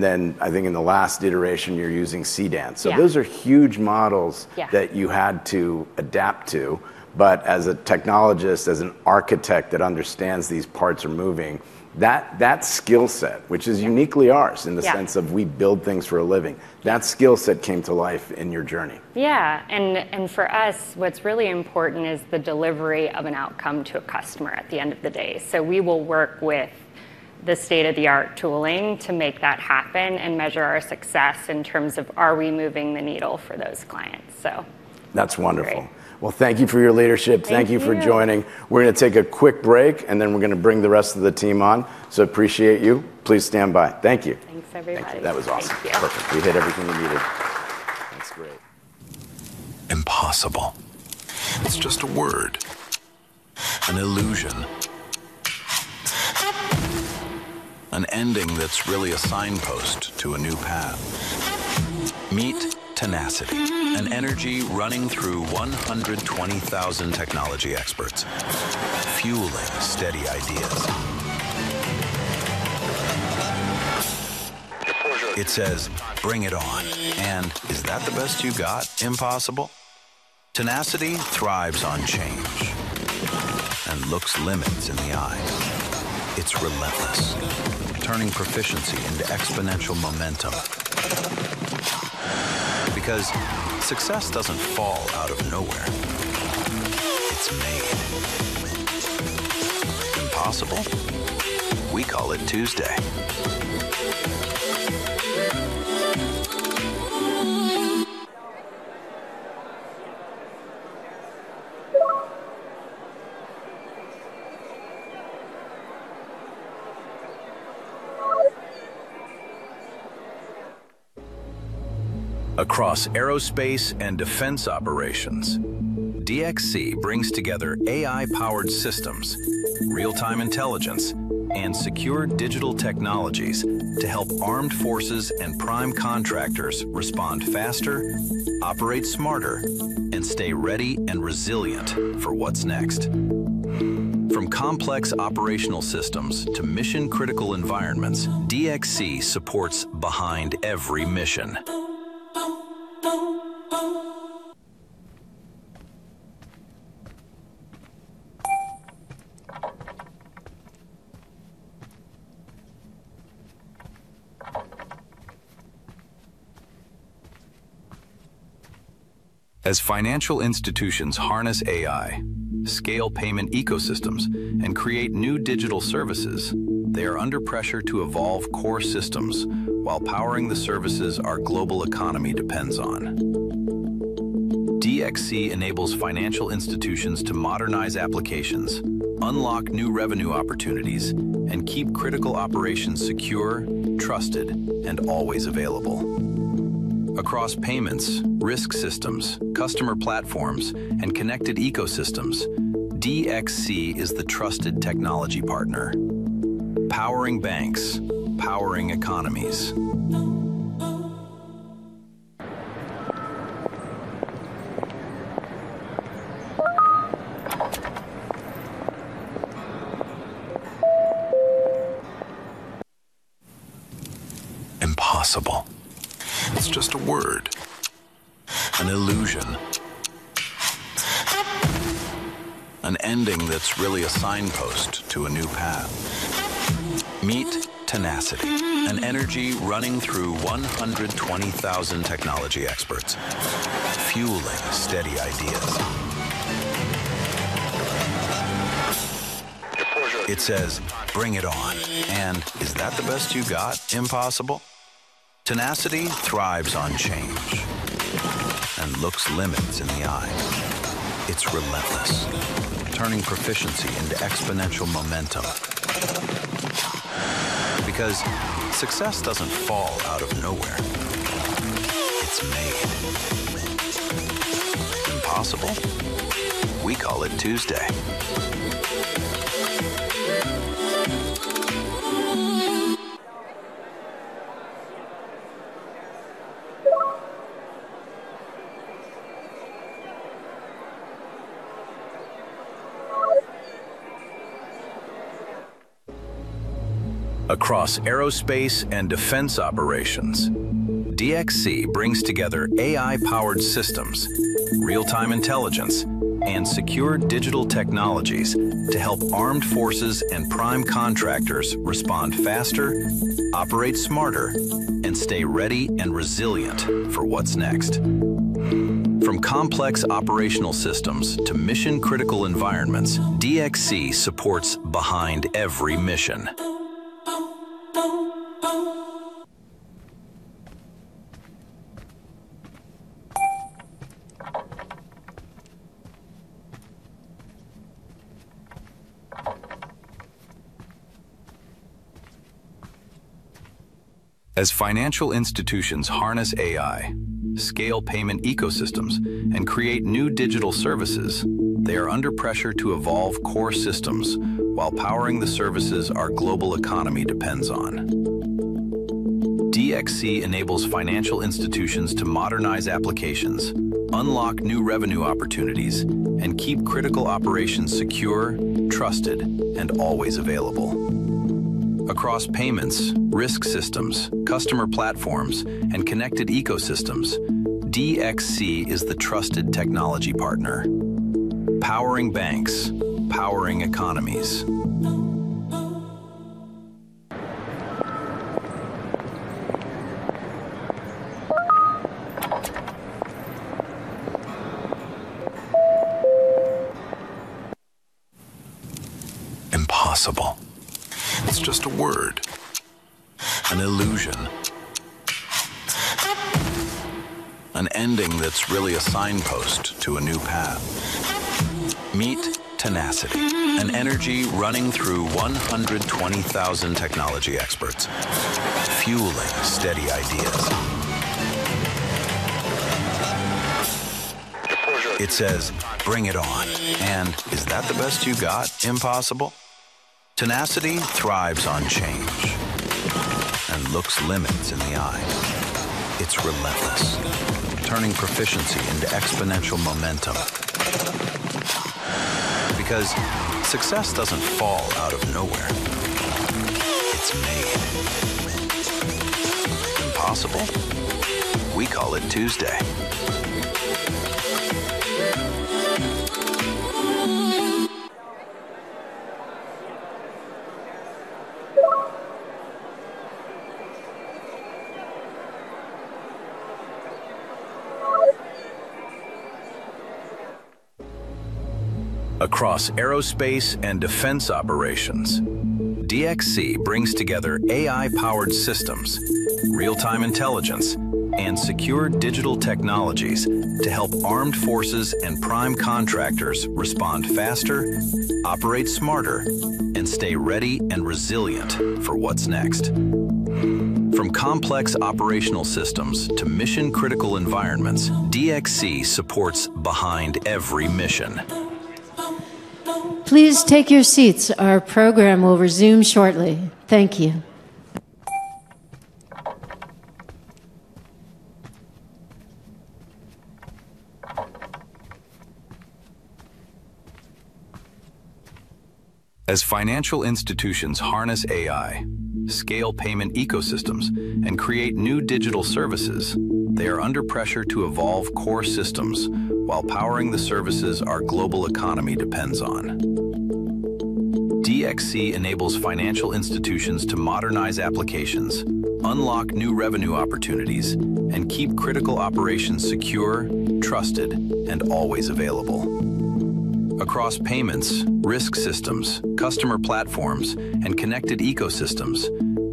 think in the last iteration, you're using Cadence. Yeah. Those are huge models- Yeah that you had to adapt to. As a technologist, as an architect that understands these parts are moving, that skillset, which is uniquely ours- Yeah in the sense of we build things for a living, that skillset came to life in your journey. Yeah. For us, what's really important is the delivery of an outcome to a customer at the end of the day. We will work with the state-of-the-art tooling to make that happen and measure our success in terms of are we moving the needle for those clients. That's wonderful. Great. Well, thank you for your leadership. Thank you. Thank you for joining. We're going to take a quick break, then we're going to bring the rest of the team on. Appreciate you. Please stand by. Thank you. Thanks, everybody. Thank you. That was awesome. Thank you. Perfect. We hit everything we needed. That's great. Impossible. It's just a word, an illusion. An ending that's really a signpost to a new path. Meet tenacity, an energy running through 120,000 technology experts, fueling steady ideas. It says, "Bring it on," and, "Is that the best you got, impossible?" Tenacity thrives on change and looks limits in the eyes. It's relentless, turning proficiency into exponential momentum. Because success doesn't fall out of nowhere. It's made. Impossible? We call it Tuesday. Across aerospace and defense operations, DXC brings together AI-powered systems, real-time intelligence, and secure digital technologies to help armed forces and prime contractors respond faster, operate smarter, and stay ready and resilient for what's next. From complex operational systems to mission-critical environments, DXC supports behind every mission. As financial institutions harness AI, scale payment ecosystems, and create new digital services, they are under pressure to evolve core systems while powering the services our global economy depends on. DXC enables financial institutions to modernize applications, unlock new revenue opportunities, and keep critical operations secure, trusted, and always available. Across payments, risk systems, customer platforms, and connected ecosystems, DXC is the trusted technology partner. Powering banks, powering economies. Impossible. It's just a word, an illusion. An ending that's really a signpost to a new path. Meet tenacity, an energy running through 120,000 technology experts, fueling steady ideas. It says, "Bring it on," and, "Is that the best you got, impossible?" Tenacity thrives on change and looks limits in the eyes. It's relentless, turning proficiency into exponential momentum. Because success doesn't fall out of nowhere. It's made. Impossible? We call it Tuesday. Across aerospace and defense operations, DXC brings together AI-powered systems, real-time intelligence and secure digital technologies to help armed forces and prime contractors respond faster, operate smarter, and stay ready and resilient for what's next. From complex operational systems to mission-critical environments, DXC supports behind every mission. As financial institutions harness AI, scale payment ecosystems, and create new digital services, they are under pressure to evolve core systems while powering the services our global economy depends on. DXC enables financial institutions to modernize applications, unlock new revenue opportunities, and keep critical operations secure, trusted, and always available. Across payments, risk systems, customer platforms, and connected ecosystems, DXC is the trusted technology partner, powering banks, powering economies. Impossible. It's just a word, an illusion. An ending that's really a signpost to a new path. Meet tenacity, an energy running through 120,000 technology experts, fueling steady ideas. It says, "Bring it on," and, "Is that the best you got, impossible?" Tenacity thrives on change and looks limits in the eyes. It's relentless, turning proficiency into exponential momentum. Because success doesn't fall out of nowhere. It's made. Impossible? We call it Tuesday. Across aerospace and defense operations, DXC brings together AI-powered systems, real-time intelligence, and secure digital technologies to help armed forces and prime contractors respond faster, operate smarter, and stay ready and resilient for what's next. From complex operational systems to mission-critical environments, DXC supports behind every mission. Please take your seats. Our program will resume shortly. Thank you. As financial institutions harness AI, scale payment ecosystems, and create new digital services, they are under pressure to evolve core systems while powering the services our global economy depends on. DXC enables financial institutions to modernize applications, unlock new revenue opportunities, and keep critical operations secure, trusted, and always available. Across payments, risk systems, customer platforms, and connected ecosystems,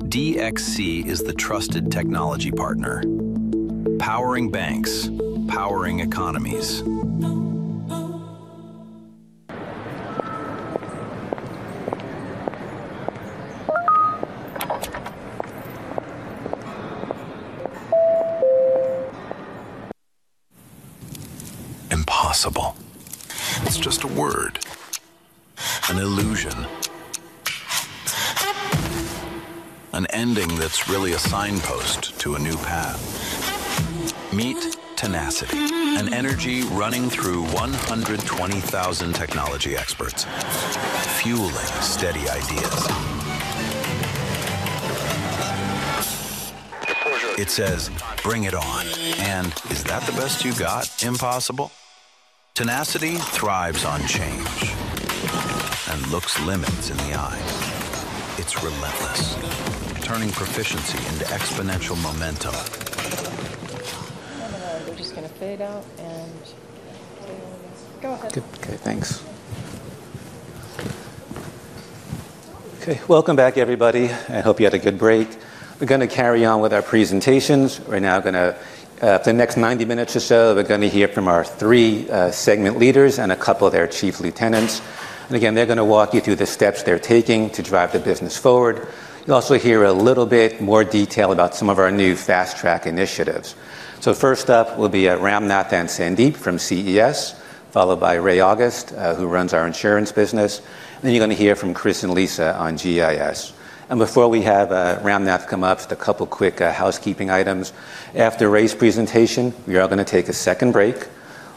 DXC is the trusted technology partner, powering banks, powering economies. Impossible. It's just a word, an illusion. An ending that's really a signpost to a new path. Meet tenacity, an energy running through 120,000 technology experts, fueling steady ideas. It says, "Bring it on" and "Is that the best you got, impossible?" Tenacity thrives on change and looks limits in the eyes. It's relentless, turning proficiency into exponential momentum. We're just going to fade out, and go ahead. Good. Okay, thanks. Okay. Welcome back, everybody. I hope you had a good break. We're going to carry on with our presentations. For the next 90 minutes or so, we're going to hear from our three segment leaders and a couple of their chief lieutenants. Again, they're going to walk you through the steps they're taking to drive the business forward. You'll also hear a little bit more detail about some of our new Fast Track initiatives. First up will be Ramnath and Sandeep from CES, followed by Ray August, who runs our insurance business. You're going to hear from Chris and Lisa on GIS. Before we have Ramnath come up, just a couple of quick housekeeping items. After Ray's presentation, we are going to take a second break.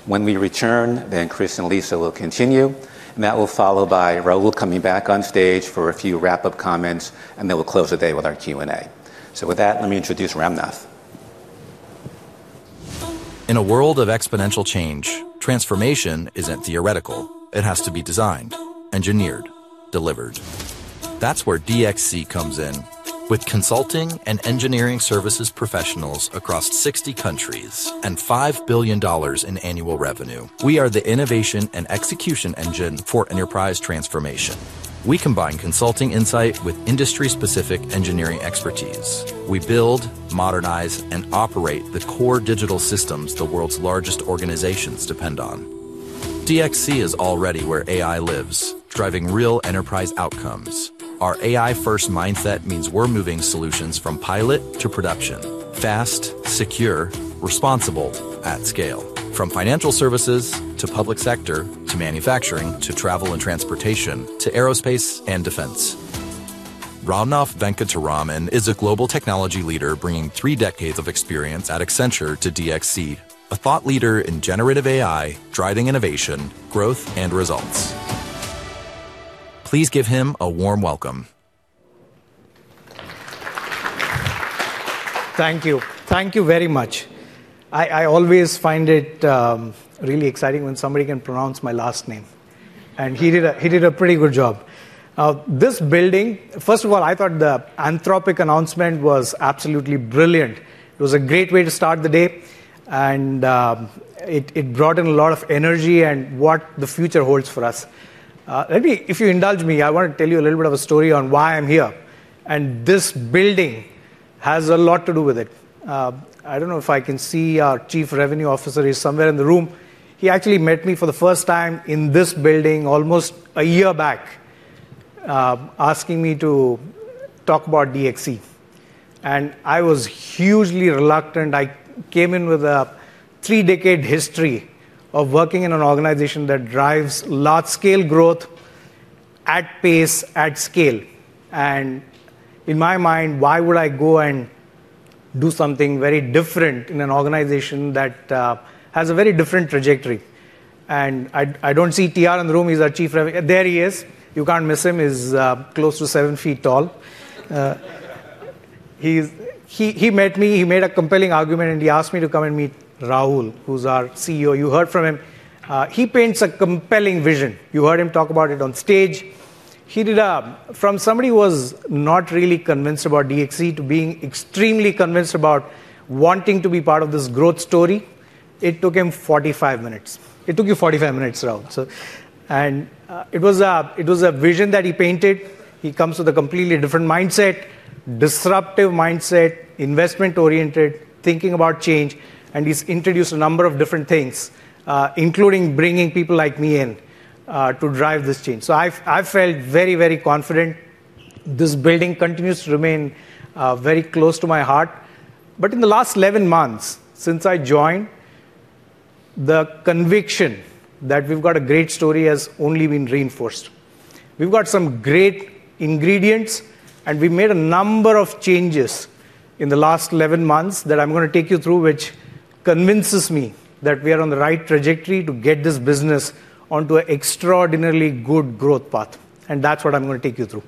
When we return, Chris and Lisa will continue, that will follow by Raul coming back on stage for a few wrap-up comments, we'll close the day with our Q&A. With that, let me introduce Ramnath In a world of exponential change, transformation isn't theoretical. It has to be designed, engineered, delivered. That's where DXC comes in. With Consulting & Engineering Services professionals across 60 countries and $5 billion in annual revenue, we are the innovation and execution engine for enterprise transformation. We combine consulting insight with industry-specific engineering expertise. We build, modernize, and operate the core digital systems the world's largest organizations depend on. DXC is already where AI lives, driving real enterprise outcomes. Our AI-first mindset means we're moving solutions from pilot to production fast, secure, responsible at scale. From financial services, to public sector, to manufacturing, to travel and transportation, to aerospace and defense. Ramnath Venkataraman is a global technology leader bringing three decades of experience at Accenture to DXC. A thought leader in generative AI, driving innovation, growth, and results. Please give him a warm welcome. Thank you. Thank you very much. I always find it really exciting when somebody can pronounce my last name, and he did a pretty good job. This building. First of all, I thought the Anthropic announcement was absolutely brilliant. It was a great way to start the day, and it brought in a lot of energy and what the future holds for us. Maybe if you indulge me, I want to tell you a little bit of a story on why I'm here, and this building has a lot to do with it. I don't know if I can see our Chief Revenue Officer. He's somewhere in the room. He actually met me for the first time in this building almost a year back, asking me to talk about DXC, and I was hugely reluctant. I came in with a three-decade history of working in an organization that drives large-scale growth at pace, at scale. In my mind, why would I go and do something very different in an organization that has a very different trajectory? I don't see TR in the room. He's our chief. There he is. You can't miss him. He's close to seven feet tall. He met me, he made a compelling argument, and he asked me to come and meet Raul, who's our CEO. You heard from him. He paints a compelling vision. You heard him talk about it on stage. From somebody who was not really convinced about DXC to being extremely convinced about wanting to be part of this growth story, it took him 45 minutes. It took you 45 minutes, Raul. It was a vision that he painted. He comes with a completely different mindset, disruptive mindset, investment oriented, thinking about change, and he's introduced a number of different things, including bringing people like me in to drive this change. I feel very confident. This building continues to remain very close to my heart. In the last 11 months since I joined, the conviction that we've got a great story has only been reinforced. We've got some great ingredients, and we made a number of changes in the last 11 months that I'm going to take you through, which convinces me that we are on the right trajectory to get this business onto an extraordinarily good growth path. That's what I'm going to take you through.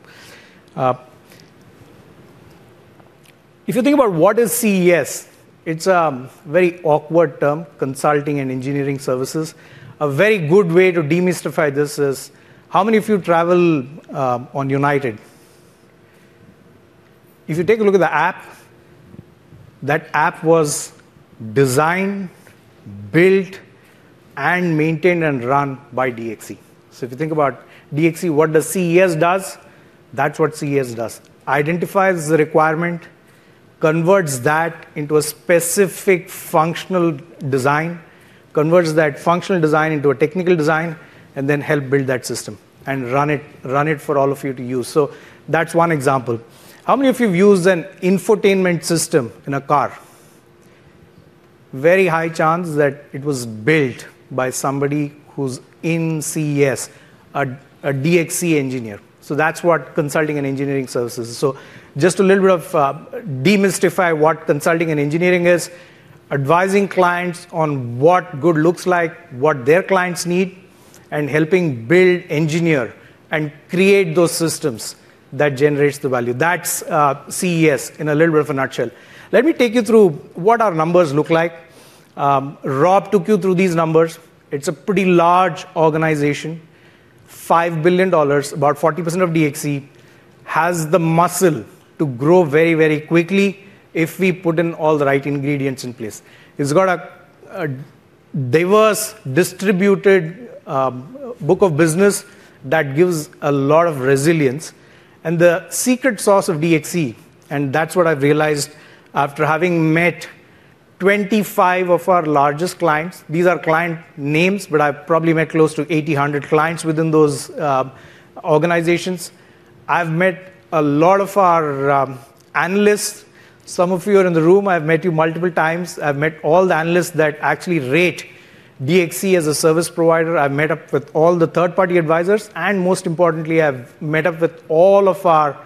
If you think about what is CES, it's a very awkward term, Consulting & Engineering Services. A very good way to demystify this is, how many of you travel on United? If you take a look at the app, that app was designed, built, and maintained, and run by DXC. If you think about DXC, what does CES does? That's what CES does. Identifies the requirement, converts that into a specific functional design, converts that functional design into a technical design, and then help build that system and run it for all of you to use. That's one example. How many of you have used an infotainment system in a car? Very high chance that it was built by somebody who's in CES, a DXC engineer. That's what Consulting & Engineering Services is. Just to little bit of demystify what consulting and engineering is, advising clients on what good looks like, what their clients need, and helping build, engineer, and create those systems that generates the value. That's CES in a little bit of a nutshell. Let me take you through what our numbers look like. Rob took you through these numbers. It's a pretty large organization. $5 billion. About 40% of DXC has the muscle to grow very quickly if we put in all the right ingredients in place. It's got a diverse distributed book of business that gives a lot of resilience. The secret sauce of DXC, and that's what I've realized after having met 25 of our largest clients. These are client names, but I've probably met close to 80-100 clients within those organizations. I've met a lot of our analysts. Some of you are in the room. I've met you multiple times. I've met all the analysts that actually rate DXC as a service provider. I've met up with all the third-party advisors, and most importantly, I've met up with all of our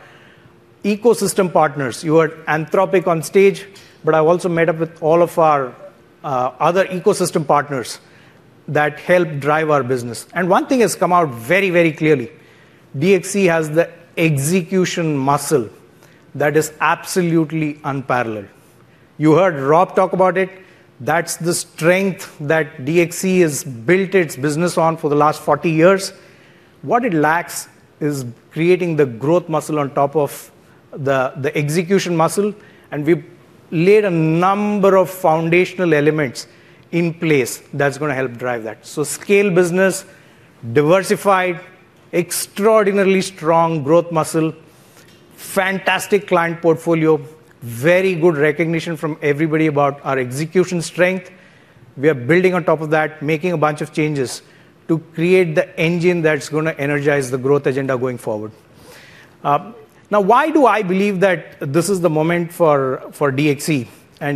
ecosystem partners. You heard Anthropic on stage, but I've also met up with all of our other ecosystem partners that help drive our business. One thing has come out very, very clearly. DXC has the execution muscle that is absolutely unparalleled. You heard Rob talk about it. That's the strength that DXC has built its business on for the last 40 years. What it lacks is creating the growth muscle on top of the execution muscle. We laid a number of foundational elements in place that's going to help drive that. Scale business, diversified, extraordinarily strong growth muscle, fantastic client portfolio, very good recognition from everybody about our execution strength. We are building on top of that, making a bunch of changes to create the engine that's going to energize the growth agenda going forward. Why do I believe that this is the moment for DXC?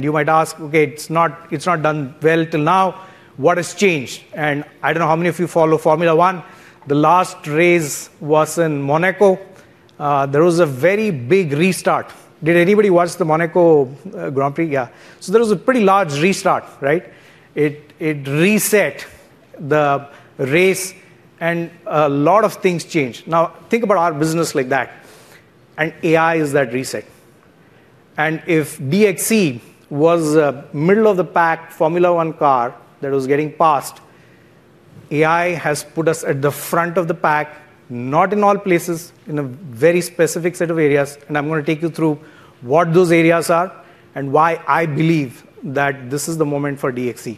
You might ask, "Okay, it's not done well till now. What has changed?" I don't know how many of you follow Formula 1. The last race was in Monaco. There was a very big restart. Did anybody watch the Monaco Grand Prix? Yeah. There was a pretty large restart, right? It reset the race and a lot of things changed. Think about our business like that. AI is that reset. If DXC was a middle-of-the-pack Formula 1 car that was getting passed, AI has put us at the front of the pack, not in all places, in a very specific set of areas. I'm going to take you through what those areas are and why I believe that this is the moment for DXC.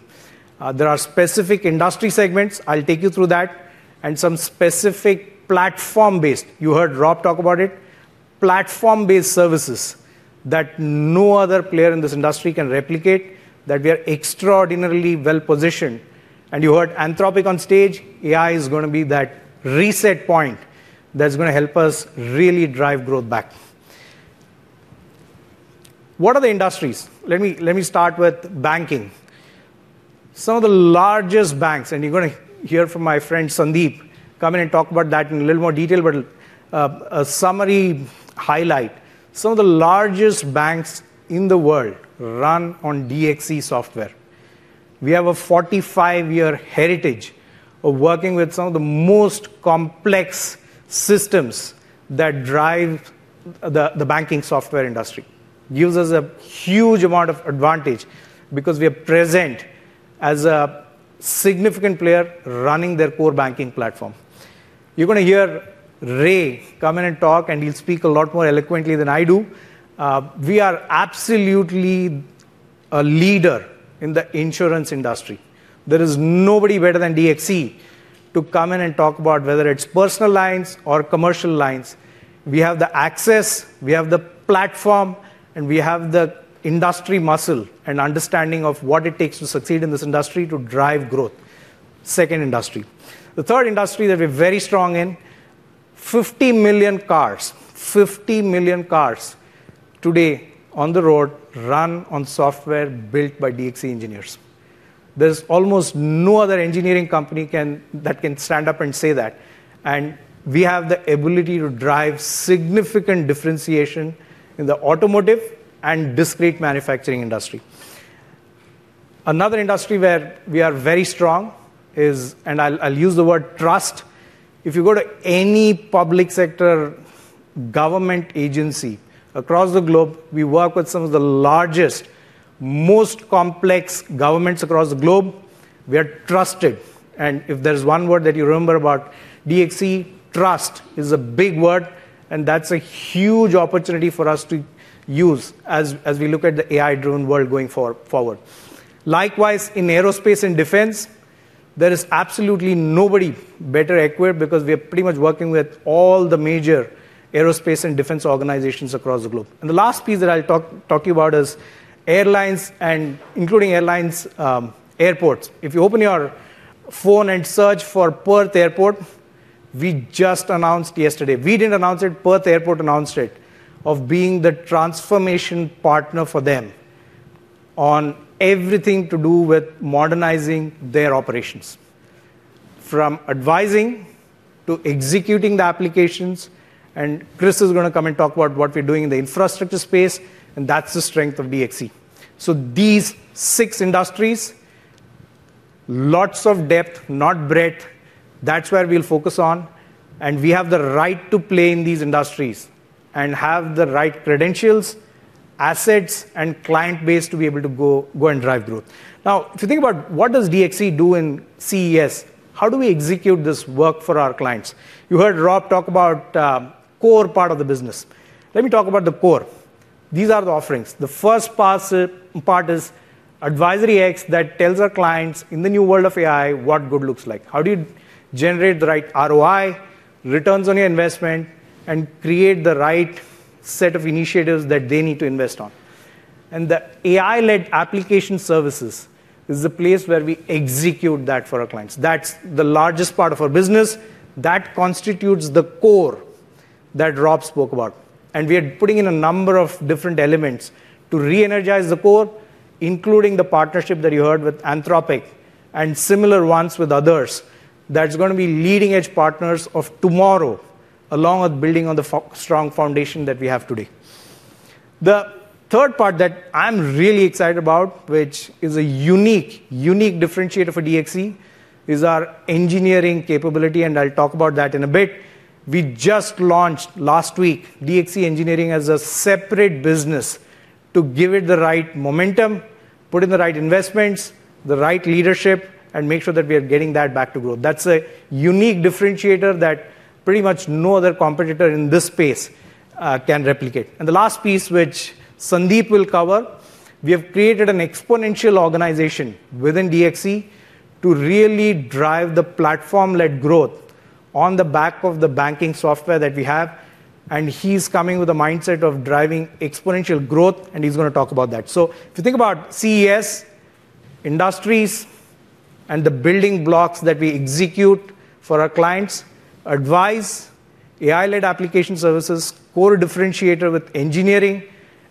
There are specific industry segments, I'll take you through that, and some specific platform-based, you heard Rob talk about it, platform-based services that no other player in this industry can replicate, that we are extraordinarily well-positioned. You heard Anthropic on stage. AI is going to be that reset point that's going to help us really drive growth back. What are the industries? Let me start with banking. Some of the largest banks, and you're going to hear from my friend Sandeep come in and talk about that in a little more detail. A summary highlight. Some of the largest banks in the world run on DXC software. We have a 45-year heritage of working with some of the most complex systems that drive the banking software industry. Gives us a huge amount of advantage because we are present as a significant player running their core banking platform. You're going to hear Ray come in and talk, and he'll speak a lot more eloquently than I do. We are absolutely a leader in the insurance industry. There is nobody better than DXC to come in and talk about whether it's personal lines or commercial lines. We have the access, we have the platform, and we have the industry muscle and understanding of what it takes to succeed in this industry to drive growth. Second industry. The third industry that we're very strong in, 50 million cars. 50 million cars today on the road run on software built by DXC engineers. There is almost no other engineering company that can stand up and say that. We have the ability to drive significant differentiation in the automotive and discrete manufacturing industry. Another industry where we are very strong is, I will use the word trust. If you go to any public sector government agency across the globe, we work with some of the largest, most complex governments across the globe. We are trusted, and if there is one word that you remember about DXC, trust is a big word, and that is a huge opportunity for us to use as we look at the AI-driven world going forward. Likewise, in aerospace and defense, there is absolutely nobody better equipped because we are pretty much working with all the major aerospace and defense organizations across the globe. The last piece that I will talk to you about is airlines and including airlines, airports. If you open your phone and search for Perth Airport, we just announced yesterday. We did not announce it, Perth Airport announced it, of being the transformation partner for them on everything to do with modernizing their operations, from advising to executing the applications. Chris is going to come and talk about what we are doing in the infrastructure space, and that is the strength of DXC. These six industries, lots of depth, not breadth. That is where we will focus on, and we have the right to play in these industries and have the right credentials, assets, and client base to be able to go and drive growth. Now, if you think about what does DXC do in CES? How do we execute this work for our clients? You heard Rob talk about core part of the business. Let me talk about the core. These are the offerings. The first part is AdvisoryX that tells our clients in the new world of AI, what good looks like. How do you generate the right ROI, returns on your investment, and create the right set of initiatives that they need to invest on? The AI-led application services is the place where we execute that for our clients. That is the largest part of our business. That constitutes the core that Rob spoke about. We are putting in a number of different elements to reenergize the core, including the partnership that you heard with Anthropic and similar ones with others that is going to be leading-edge partners of tomorrow, along with building on the strong foundation that we have today. The third part that I am really excited about, which is a unique differentiator for DXC, is our engineering capability, and I will talk about that in a bit. We just launched last week DXC Engineering as a separate business to give it the right momentum, put in the right investments, the right leadership, and make sure that we are getting that back to growth. That is a unique differentiator that pretty much no other competitor in this space can replicate. The last piece, which Sandeep will cover, we have created an exponential organization within DXC to really drive the platform-led growth on the back of the banking software that we have. He's coming with a mindset of driving exponential growth, and he's going to talk about that. If you think about CES, industries, and the building blocks that we execute for our clients, advise AI-led application services, core differentiator with engineering,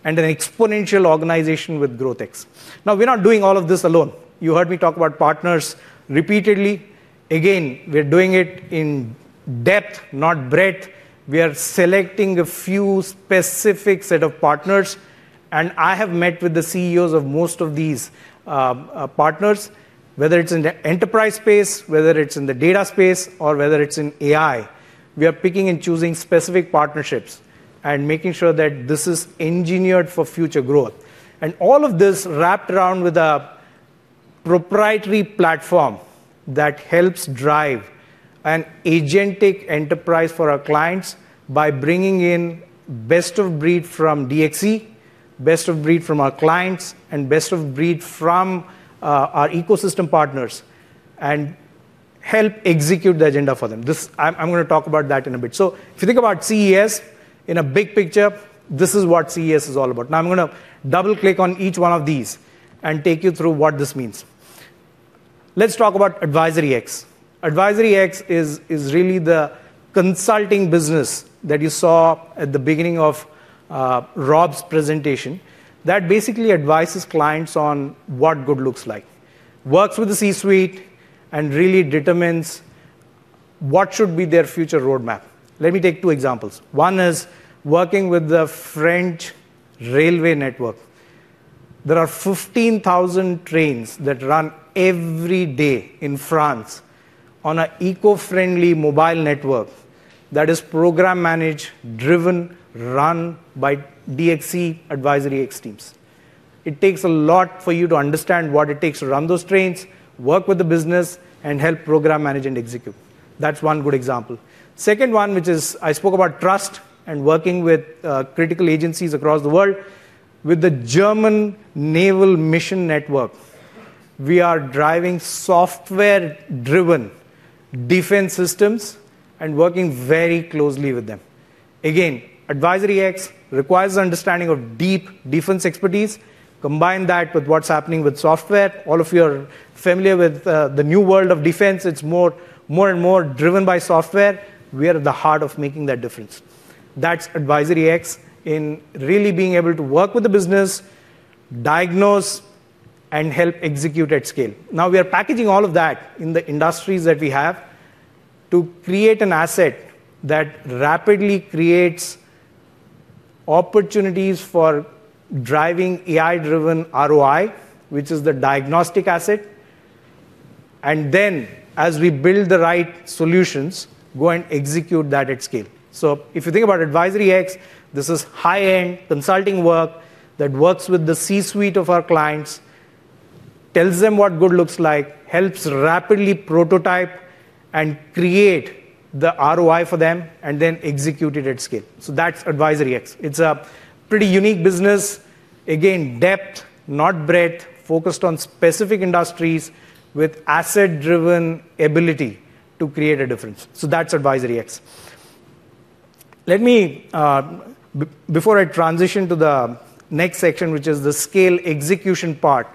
and an exponential organization with GrowthX. We're not doing all of this alone. You heard me talk about partners repeatedly. We're doing it in depth, not breadth. We are selecting a few specific set of partners, and I have met with the CEOs of most of these partners, whether it's in the enterprise space, whether it's in the data space, or whether it's in AI. We are picking and choosing specific partnerships and making sure that this is engineered for future growth. All of this wrapped around with a proprietary platform that helps drive an agentic enterprise for our clients by bringing in best of breed from DXC, best of breed from our clients, and best of breed from our ecosystem partners and help execute the agenda for them. I'm going to talk about that in a bit. If you think about CES in a big picture, this is what CES is all about. I'm going to double-click on each one of these and take you through what this means. Let's talk about AdvisoryX. AdvisoryX is really the consulting business that you saw at the beginning of Rob's presentation that basically advises clients on what good looks like, works with the C-suite, and really determines what should be their future roadmap. Let me take two examples. One is working with the French railway network. There are 15,000 trains that run every day in France on an eco-friendly mobile network that is program managed, driven, run by DXC AdvisoryX teams. It takes a lot for you to understand what it takes to run those trains, work with the business, and help program, manage, and execute. That's one good example. Second one, which is I spoke about trust and working with critical agencies across the world. With the German Mission Network, we are driving software-driven defense systems and working very closely with them. AdvisoryX requires an understanding of deep defense expertise. Combine that with what's happening with software. All of you are familiar with the new world of defense. It's more and more driven by software. We are at the heart of making that difference. That's AdvisoryX in really being able to work with the business, diagnose, and help execute at scale. We are packaging all of that in the industries that we have to create an asset that rapidly creates opportunities for driving AI-driven ROI, which is the diagnostic asset, and then as we build the right solutions, go and execute that at scale. If you think about AdvisoryX, this is high-end consulting work that works with the C-suite of our clients, tells them what good looks like, helps rapidly prototype and create the ROI for them, and then execute it at scale. That's AdvisoryX. It's a pretty unique business. Depth, not breadth, focused on specific industries with asset-driven ability to create a difference. That's AdvisoryX. Before I transition to the next section, which is the scale execution part,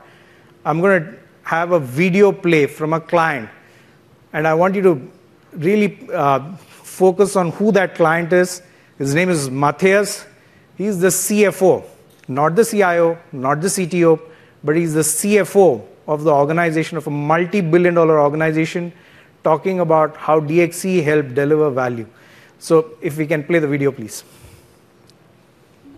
I'm going to have a video play from a client, and I want you to really focus on who that client is. His name is Matthias. He's the CFO, not the CIO, not the CTO, but he's the CFO of the organization, of a multi-billion-dollar organization, talking about how DXC helped deliver value. If we can play the video, please.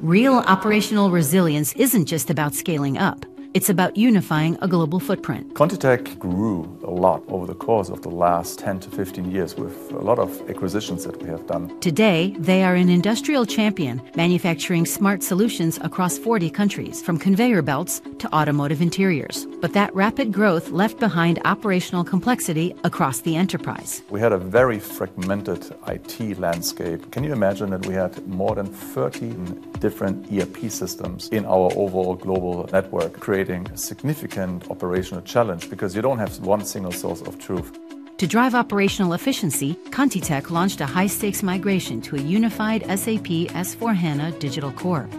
Real operational resilience isn't just about scaling up. It's about unifying a global footprint. ContiTech grew a lot over the course of the last 10-15 years with a lot of acquisitions that we have done. Today, they are an industrial champion, manufacturing smart solutions across 40 countries, from conveyor belts to automotive interiors. That rapid growth left behind operational complexity across the enterprise. We had a very fragmented IT landscape. Can you imagine that we had more than 13 different ERP systems in our overall global network, creating significant operational challenge because you don't have one single source of truth. To drive operational efficiency, ContiTech launched a high-stakes migration to a unified SAP S/4HANA digital core.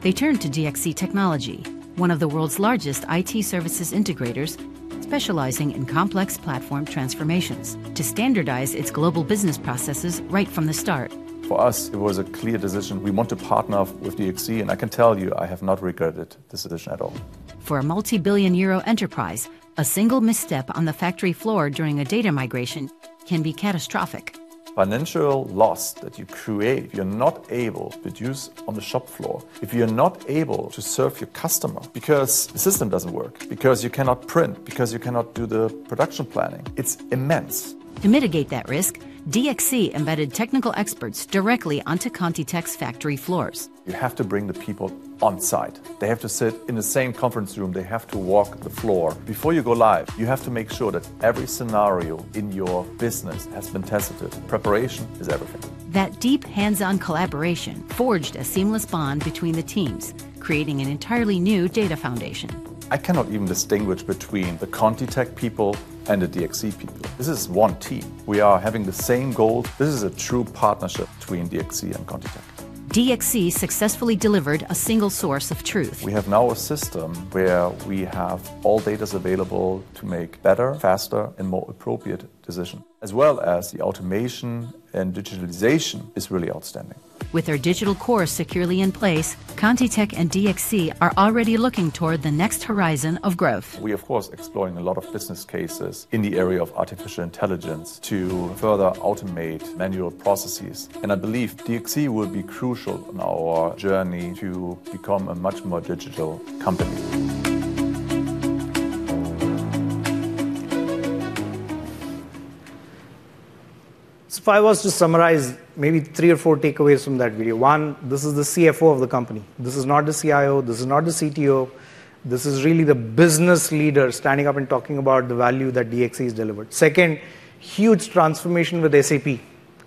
They turned to DXC Technology, one of the world's largest IT services integrators specializing in complex platform transformations, to standardize its global business processes right from the start. For us, it was a clear decision. We want to partner with DXC. I can tell you, I have not regretted this decision at all. For a multi-billion euro enterprise, a single misstep on the factory floor during a data migration can be catastrophic. Financial loss that you create, you're not able to produce on the shop floor, if you're not able to serve your customer because the system doesn't work, because you cannot print, because you cannot do the production planning, it's immense. To mitigate that risk, DXC embedded technical experts directly onto ContiTech's factory floors. You have to bring the people on-site. They have to sit in the same conference room. They have to walk the floor. Before you go live, you have to make sure that every scenario in your business has been tested. Preparation is everything. That deep hands-on collaboration forged a seamless bond between the teams, creating an entirely new data foundation. I cannot even distinguish between the ContiTech people and the DXC people. This is one team. We are having the same goal. This is a true partnership between DXC and ContiTech. DXC successfully delivered a single source of truth. We have now a system where we have all data available to make better, faster, and more appropriate decisions, as well as the automation and digitalization is really outstanding. With their digital core securely in place, ContiTech and DXC are already looking toward the next horizon of growth. We, of course, are exploring a lot of business cases in the area of artificial intelligence to further automate manual processes. I believe DXC will be crucial in our journey to become a much more digital company. If I was to summarize maybe three or four takeaways from that video. One, this is the CFO of the company. This is not the CIO, this is not the CTO, this is really the business leader standing up and talking about the value that DXC has delivered. Second, huge transformation with SAP, a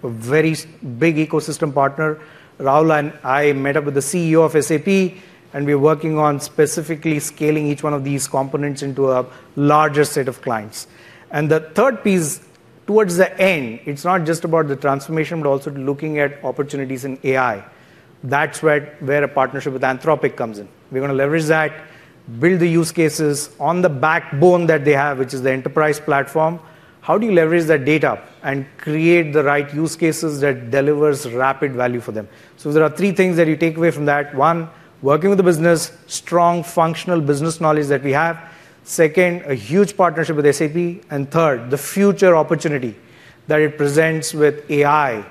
very big ecosystem partner. Raul and I met up with the CEO of SAP, and we're working on specifically scaling each one of these components into a larger set of clients. The third piece towards the end, it's not just about the transformation, but also looking at opportunities in AI. That's where a partnership with Anthropic comes in. We're going to leverage that, build the use cases on the backbone that they have, which is the enterprise platform. How do you leverage that data and create the right use cases that delivers rapid value for them? There are three things that you take away from that. One, working with the business, strong functional business knowledge that we have. Second, a huge partnership with SAP. Third, the future opportunity that it presents with AI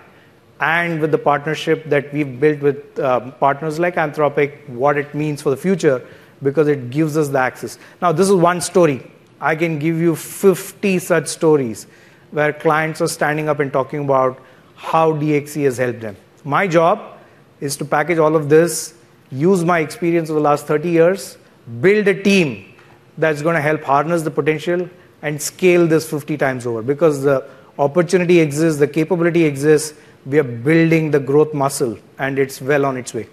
and with the partnership that we've built with partners like Anthropic, what it means for the future, because it gives us the access. This is one story. I can give you 50 such stories where clients are standing up and talking about how DXC has helped them. My job is to package all of this, use my experience over the last 30 years, build a team that's going to help partners the potential, and scale this 50 times over because the opportunity exists, the capability exists. We are building the growth muscle and it's well on its way.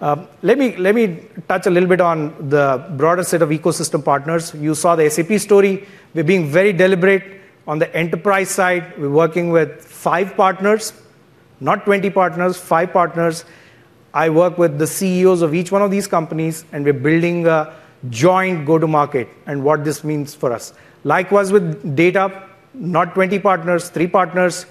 Let me touch a little bit on the broader set of ecosystem partners. You saw the SAP story. We're being very deliberate on the enterprise side. We're working with five partners, not 20 partners, five partners. I work with the CEOs of each one of these companies, and we're building a joint go-to-market and what this means for us. Likewise with data, not 20 partners, three partners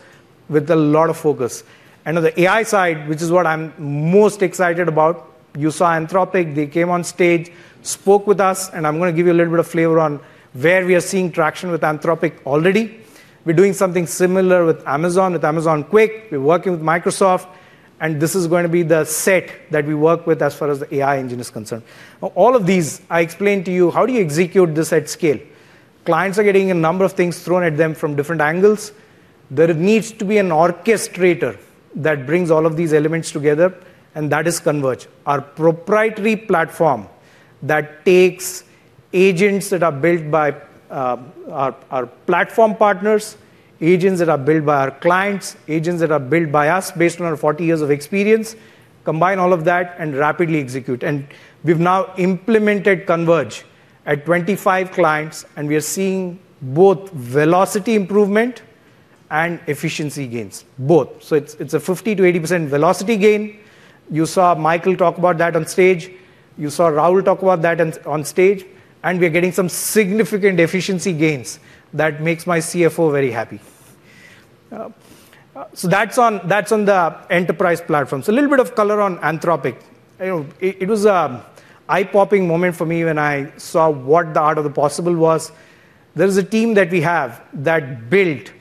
with a lot of focus. On the AI side, which is what I'm most excited about, you saw Anthropic. They came on stage, spoke with us. I'm going to give you a little bit of flavor on where we are seeing traction with Anthropic already. We're doing something similar with Amazon, with Amazon Q. We're working with Microsoft, this is going to be the set that we work with as far as the AI engine is concerned. All of these, I explained to you, how do you execute this at scale? Clients are getting a number of things thrown at them from different angles. There needs to be an orchestrator that brings all of these elements together, and that is Converge. Our proprietary platform that takes agents that are built by our platform partners, agents that are built by our clients, agents that are built by us based on our 40 years of experience, combine all of that and rapidly execute. We've now implemented Converge at 25 clients, and we are seeing both velocity improvement and efficiency gains, both. It's a 50%-80% velocity gain. You saw Michael talk about that on stage. You saw Raul talk about that on stage, we are getting some significant efficiency gains that makes my CFO very happy. That's on the enterprise platform. A little bit of color on Anthropic. It was an eye-popping moment for me when I saw what the art of the possible was. There is a team that we have that built.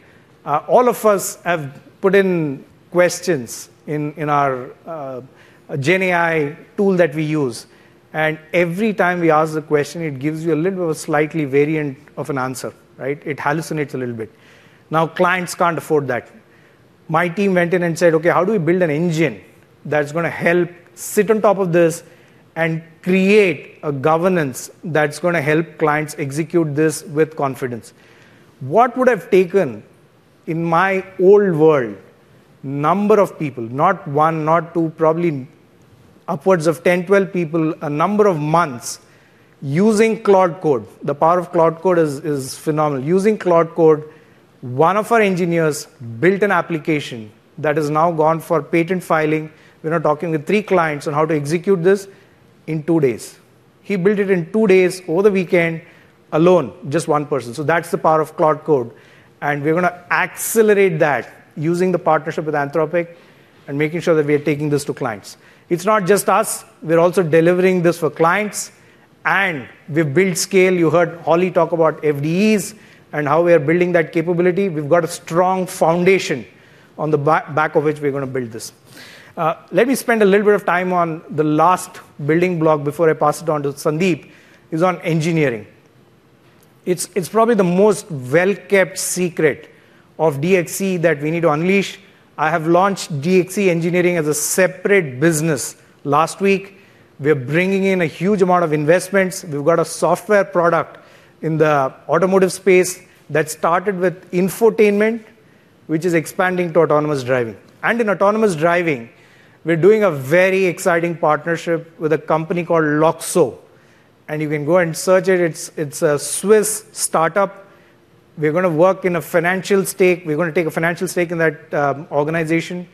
All of us have put in questions in our GenAI tool that we use, and every time we ask the question, it gives you a little bit of a slightly variant of an answer, right? It hallucinates a little bit. Clients can't afford that. My team went in and said, "Okay, how do we build an engine that's going to help sit on top of this and create a governance that's going to help clients execute this with confidence?" What would have taken, in my old world, a number of people, not one, not two, probably upwards of 10, 12 people, a number of months using Claude Code. The power of Claude Code is phenomenal. Using Claude Code, one of our engineers built an application that has now gone for patent filing. We are now talking with three clients on how to execute this in two days. He built it in two days over the weekend alone, just one person. That's the power of Claude Code, we're going to accelerate that using the partnership with Anthropic and making sure that we are taking this to clients. It's not just us. We're also delivering this for clients. We've built scale. You heard Holly talk about FDEs and how we are building that capability. We've got a strong foundation, on the back of which we're going to build this. Let me spend a little bit of time on the last building block before I pass it on to Sandeep, is on engineering. It's probably the most well-kept secret of DXC that we need to unleash. I have launched DXC Engineering as a separate business last week. We're bringing in a huge amount of investments. We've got a software product in the automotive space that started with infotainment, which is expanding to autonomous driving. In autonomous driving, we're doing a very exciting partnership with a company called Luxoft, you can go and search it. It's a Swiss startup. We're going to take a financial stake in that organization.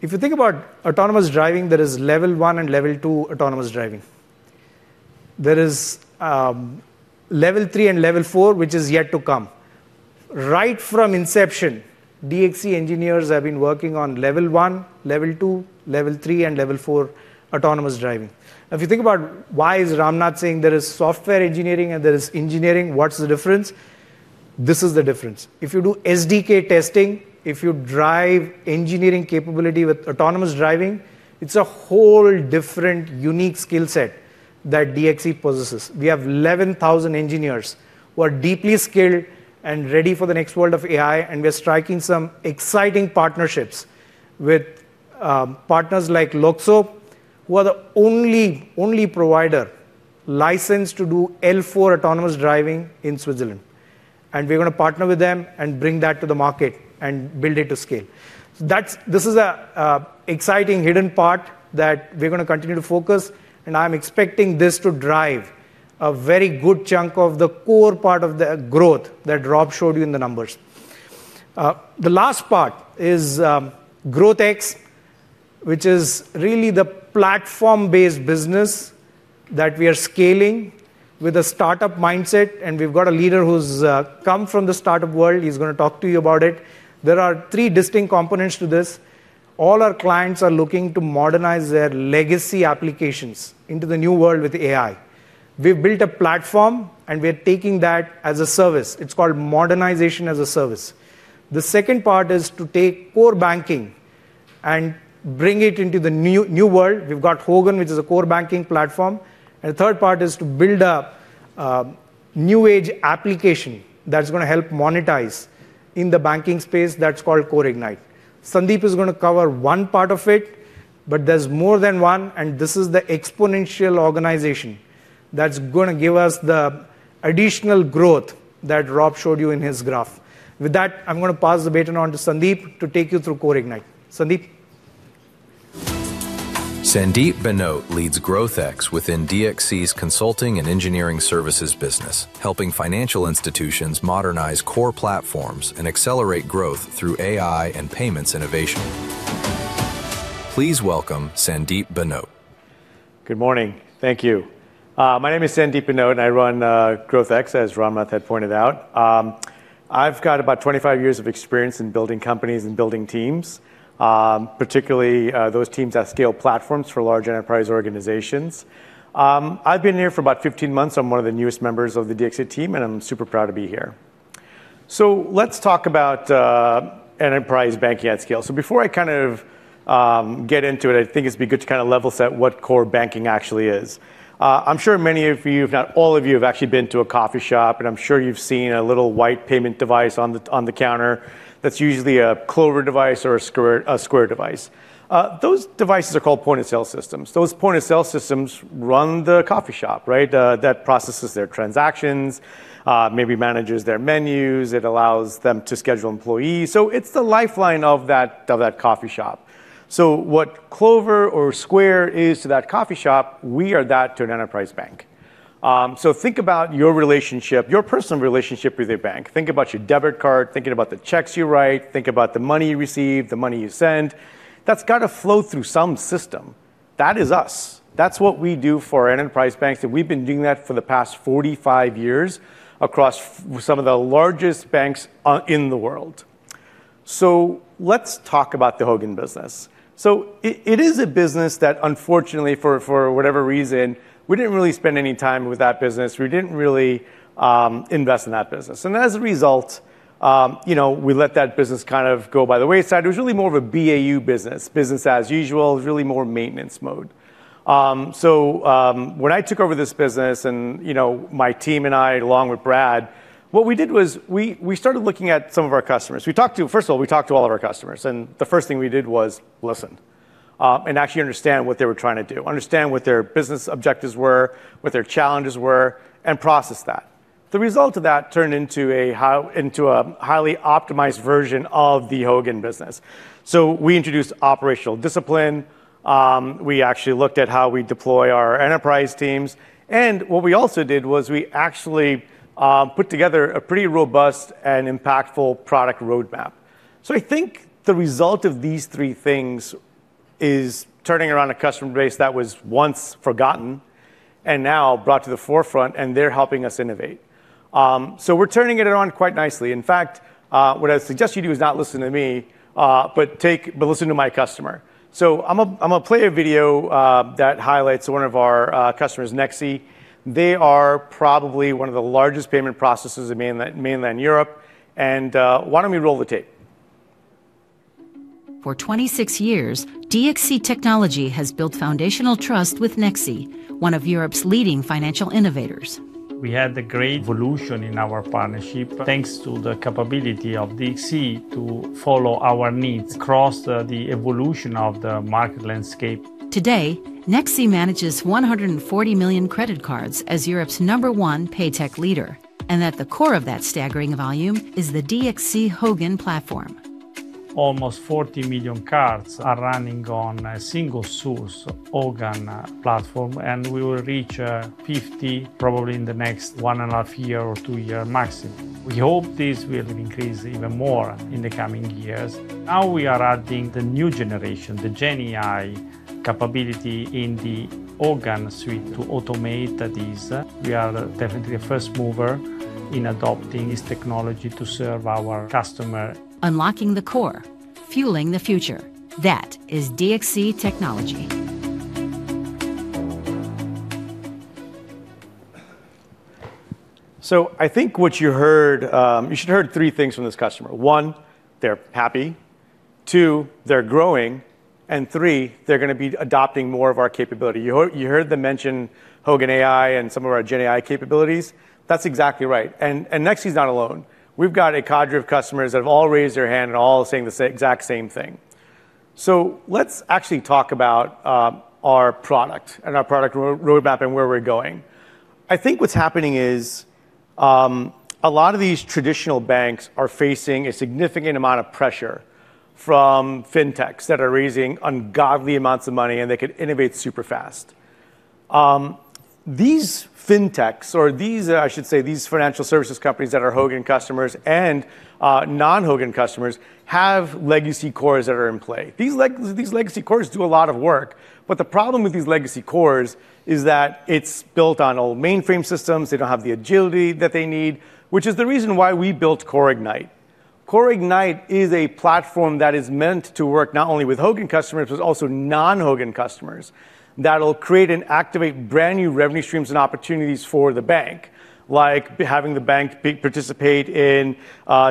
If you think about autonomous driving, there is Level 1 and Level 2 autonomous driving. There is Level 3 and Level 4, which is yet to come. Right from inception, DXC engineers have been working on Level 1, Level 2, Level 3, and Level 4 autonomous driving. If you think about why is Ramnath saying there is software engineering and there is engineering, what's the difference? This is the difference. If you do SDK testing, if you drive engineering capability with autonomous driving, it's a whole different unique skill set that DXC possesses. We have 11,000 engineers who are deeply skilled and ready for the next world of AI, and we're striking some exciting partnerships with partners like Luxoft, who are the only provider licensed to do L4 autonomous driving in Switzerland. We're going to partner with them and bring that to the market and build it to scale. This is an exciting hidden part that we're going to continue to focus, and I'm expecting this to drive a very good chunk of the core part of the growth that Rob showed you in the numbers. The last part is GrowthX, which is really the platform-based business that we are scaling with a startup mindset, and we've got a leader who's come from the startup world. He's going to talk to you about it. There are three distinct components to this. All our clients are looking to modernize their legacy applications into the new world with AI. We've built a platform, and we're taking that as a service. It's called Modernization as a Service. The second part is to take core banking and bring it into the new world. We've got Hogan, which is a core banking platform. The third part is to build up a new age application that's going to help monetize in the banking space. That's called CoreIgnite. Sandeep is going to cover one part of it, but there's more than one, and this is the exponential organization that's going to give us the additional growth that Rob showed you in his graph. With that, I'm going to pass the baton on to Sandeep to take you through CoreIgnite. Sandeep. Sandeep Bhanote leads GrowthX within DXC's Consulting & Engineering Services business, helping financial institutions modernize core platforms and accelerate growth through AI and payments innovation. Please welcome Sandeep Bhanote. Good morning. Thank you. My name is Sandeep Bhanote, and I run GrowthX, as Ramnath had pointed out. I've got about 25 years of experience in building companies and building teams, particularly those teams that scale platforms for large enterprise organizations. I've been here for about 15 months. I'm one of the newest members of the DXC team, and I'm super proud to be here. Let's talk about enterprise banking at scale. Before I kind of get into it, I think it'd be good to kind of level-set what core banking actually is. I'm sure many of you, if not all of you, have actually been to a coffee shop, and I'm sure you've seen a little white payment device on the counter that's usually a Clover device or a Square device. Those devices are called point-of-sale systems. Those point-of-sale systems run the coffee shop, right? That processes their transactions, maybe manages their menus, it allows them to schedule employees. It's the lifeline of that coffee shop. What Clover or Square is to that coffee shop, we are that to an enterprise bank. Think about your personal relationship with a bank. Think about your debit card, thinking about the checks you write, think about the money you receive, the money you send. That's got to flow through some system. That is us. That's what we do for enterprise banks, and we've been doing that for the past 45 years across some of the largest banks in the world. Let's talk about the Hogan business. It is a business that unfortunately, for whatever reason, we didn't really spend any time with that business. We didn't really invest in that business. As a result, we let that business kind of go by the wayside. It was really more of a BAU business as usual. It was really more maintenance mode. When I took over this business and my team and I, along with Brad, what we did was we started looking at some of our customers. First of all, we talked to all of our customers, and the first thing we did was listen and actually understand what they were trying to do, understand what their business objectives were, what their challenges were, and process that. The result of that turned into a highly optimized version of the Hogan business. We introduced operational discipline. We actually looked at how we deploy our enterprise teams. What we also did was we actually put together a pretty robust and impactful product roadmap. I think the result of these three things is turning around a customer base that was once forgotten and now brought to the forefront, and they're helping us innovate. We're turning it around quite nicely. In fact, what I suggest you do is not listen to me, but listen to my customer. I'm going to play a video that highlights one of our customers, Nexi. They are probably one of the largest payment processors in mainland Europe. Why don't we roll the tape? For 26 years, DXC Technology has built foundational trust with Nexi, one of Europe's leading financial innovators. We had a great evolution in our partnership, thanks to the capability of DXC to follow our needs across the evolution of the market landscape. Today, Nexi manages 140 million credit cards as Europe's number one pay tech leader, and at the core of that staggering volume is the DXC Hogan platform. Almost 40 million cards are running on a single source Hogan platform. We will reach 50 probably in the next one and a half year or two year maximum. We hope this will increase even more in the coming years. Now we are adding the new generation, the Gen AI capability in the Hogan suite to automate this. We are definitely a first mover in adopting this technology to serve our customer. Unlocking the core, fueling the future. That is DXC Technology. I think you should have heard three things from this customer. One, they're happy. Two, they're growing, and three, they're going to be adopting more of our capability. You heard them mention Hogan AI and some of our GenAI capabilities. That's exactly right. Nexi's not alone. We've got a cadre of customers that have all raised their hand and all are saying the exact same thing. Let's actually talk about our product and our product roadmap and where we're going. I think what's happening is a lot of these traditional banks are facing a significant amount of pressure from fintechs that are raising ungodly amounts of money, and they could innovate super fast. These fintechs, or I should say these financial services companies that are Hogan customers and non-Hogan customers, have legacy cores that are in play. These legacy cores do a lot of work, but the problem with these legacy cores is that it's built on old mainframe systems. They don't have the agility that they need, which is the reason why we built CoreIgnite. CoreIgnite is a platform that is meant to work not only with Hogan customers, but also non-Hogan customers that'll create and activate brand-new revenue streams and opportunities for the bank, like having the bank participate in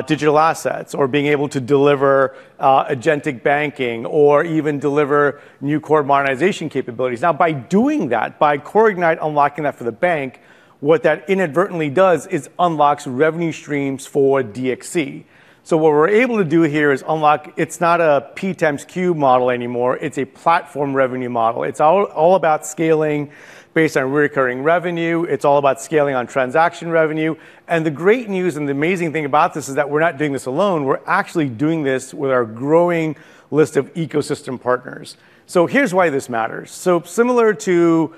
digital assets or being able to deliver agentic banking or even deliver new core modernization capabilities. Now, by doing that, by CoreIgnite unlocking that for the bank, what that inadvertently does is unlocks revenue streams for DXC. What we're able to do here is unlock. It's not a P x Q model anymore. It's a platform revenue model. It's all about scaling based on recurring revenue. It's all about scaling on transaction revenue. The great news and the amazing thing about this is that we're not doing this alone. We're actually doing this with our growing list of ecosystem partners. Here's why this matters. Similar to